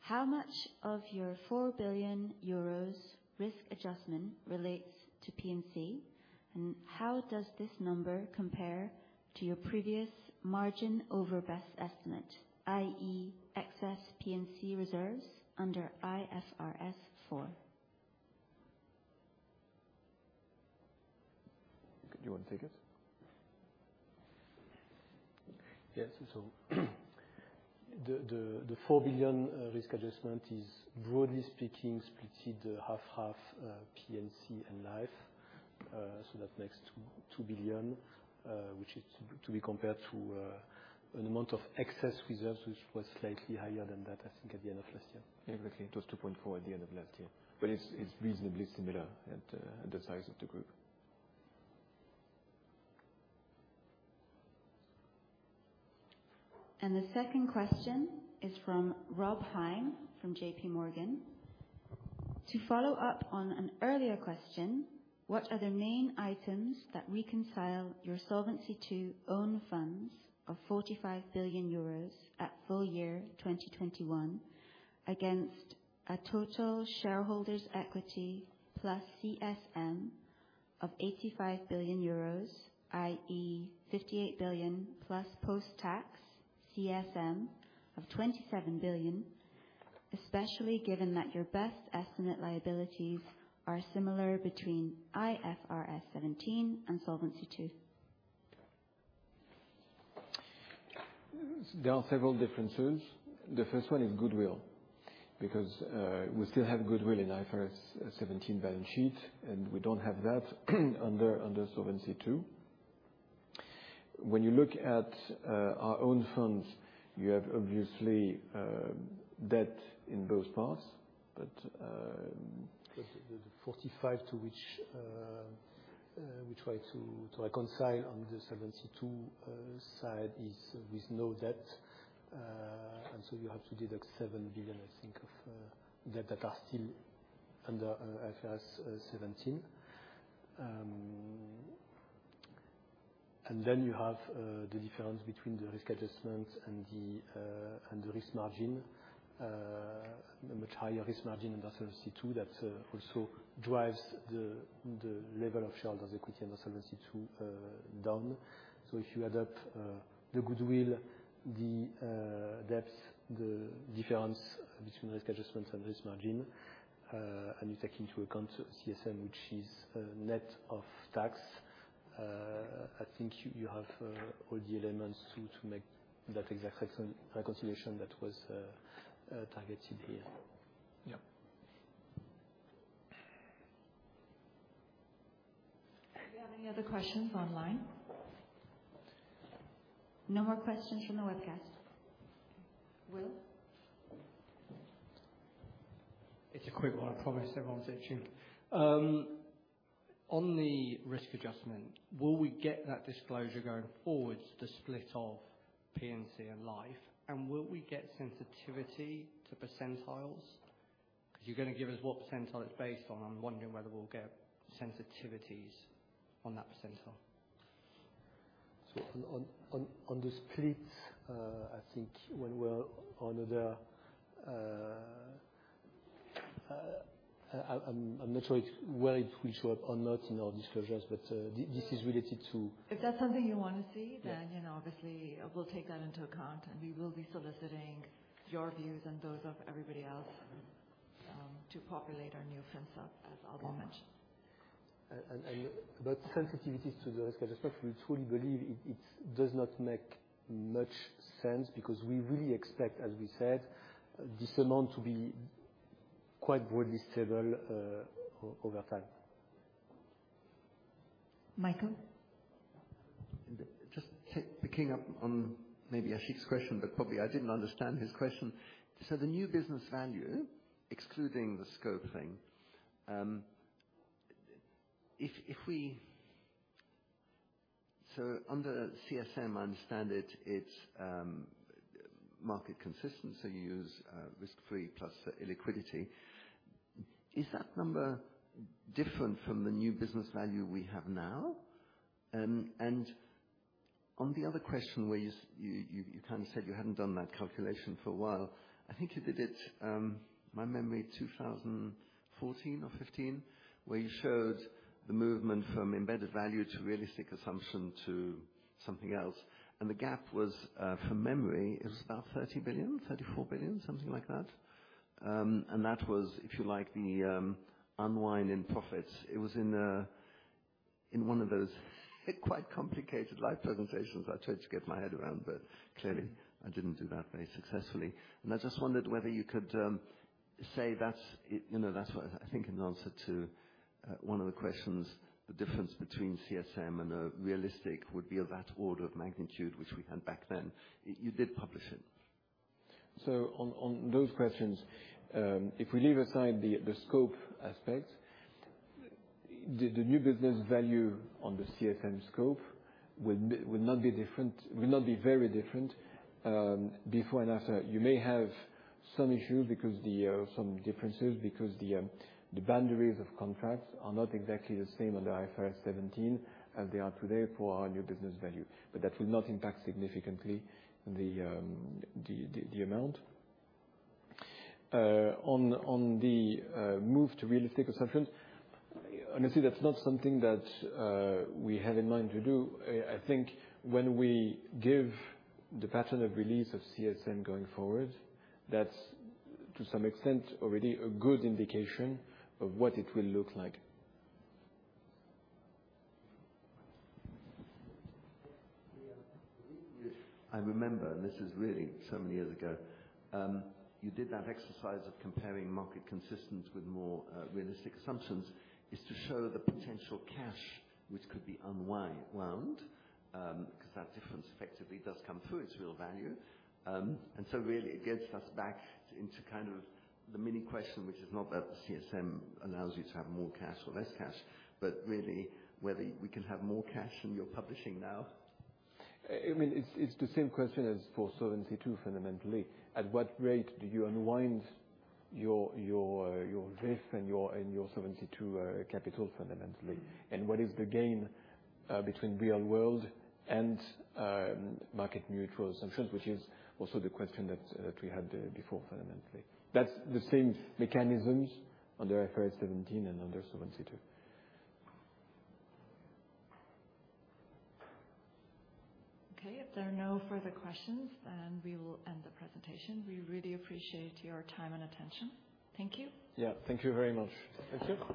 How much of your 4 billion euros risk adjustment relates to P&C? And how does this number compare to your previous margin over best estimate, i.e. excess P&C reserves under IFRS 4? Do you want to take it? Yes. The 4 billion risk adjustment is, broadly speaking, split half half, P&C and Life. That makes 2 billion, which is to be compared to an amount of excess reserves which was slightly higher than that, I think, at the end of last year. Exactly. It was 2.4 at the end of last year. It's reasonably similar at the size of the group. The second question is from Rob Heim from J.P. Morgan. To follow up on an earlier question, what are the main items that reconcile your Solvency II own funds of 45 billion euros at full year 2021, against a total shareholders equity plus CSM of 85 billion euros, i.e., 58 billion plus post-tax CSM of 27 billion, especially given that your Best Estimate Liabilities are similar between IFRS 17 and Solvency II? There are several differences. The first one is goodwill, because we still have goodwill in IFRS 17 balance sheet, and we don't have that under Solvency II. When you look at our own funds, you have obviously debt in both parts. The 45 to which we try to reconcile on the Solvency II side is with no debt. You have to deduct 7 billion, I think, of debt that are still under IFRS 17. Then you have the difference between the Risk Adjustments and the Risk Margin. Much higher Risk Margin under Solvency II that also drives the level of shareholders' equity under Solvency II down. If you add up the goodwill, the debts, the difference between Risk Adjustments and Risk Margin, and you take into account CSM, which is net of tax, I think you have all the elements to make that exact reconciliation that was targeted here. Yeah. Do we have any other questions online? No more questions from the webcast. Will? It's a quick one, I promise everyone's itching. On the risk adjustment, will we get that disclosure going forward, the split of P&C and Life? Will we get sensitivity to percentiles? 'Cause you're going to give us what percentile it's based on. I'm wondering whether we'll get sensitivities on that percentile. On the split, I think when we're on the, I'm not sure it's where it will show up or not in our disclosures, but this is related to. If that's something you want to see. Yeah. you know, obviously we'll take that into account. We will be soliciting your views and those of everybody else, to populate our new FinSA, as Alban de Mailly Nesle mentioned. Sensitivities to the risk adjustment, we truly believe it does not make much sense because we really expect, as we said, this amount to be quite broadly stable over time. Michael? Just picking up on maybe Ashik's question, but probably I didn't understand his question. The new business value, excluding the scope thing, Under CSM, I understand it's market consistent, so you use risk-free plus illiquidity. Is that number different from the new business value we have now? On the other question where you kinda said you hadn't done that calculation for a while, I think you did it, my memory, 2014 or 2015, where you showed the movement from embedded value to realistic assumption to something else. The gap was, from memory, it was about 30 billion, 34 billion, something like that. That was if you like the unwind in profits. It was in one of those quite complicated live presentations I tried to get my head around, but clearly I didn't do that very successfully. I just wondered whether you could say that's it, you know, that's what I think an answer to one of the questions, the difference between CSM and a realistic would be of that order of magnitude which we had back then. You did publish it. On those questions, if we leave aside the scope aspect, the new business value on the CSM scope will not be very different before and after. You may have some issue because the boundaries of contracts are not exactly the same under IFRS 17 as they are today for our new business value. That will not impact significantly the amount. On the move to realistic assumptions, honestly, that's not something that we have in mind to do. I think when we give the pattern of release of CSM going forward, that's to some extent already a good indication of what it will look like. I remember, and this is really so many years ago, you did that exercise of comparing market consistency with more realistic assumptions to show the potential cash which could be unwound, 'cause that difference effectively does come through as real value. Really it gets us back into kind of the main question, which is not that the CSM allows you to have more cash or less cash, but really whether we can have more cash than you're publishing now. I mean, it's the same question as for Solvency II fundamentally. At what rate do you unwind your VIF and your Solvency II capital fundamentally, and what is the gain between real world and market neutral assumptions, which is also the question that we had before fundamentally. That's the same mechanisms under IFRS 17 and under Solvency II. Okay. If there are no further questions, we will end the presentation. We really appreciate your time and attention. Thank you. Yeah, thank you very much. Thank you.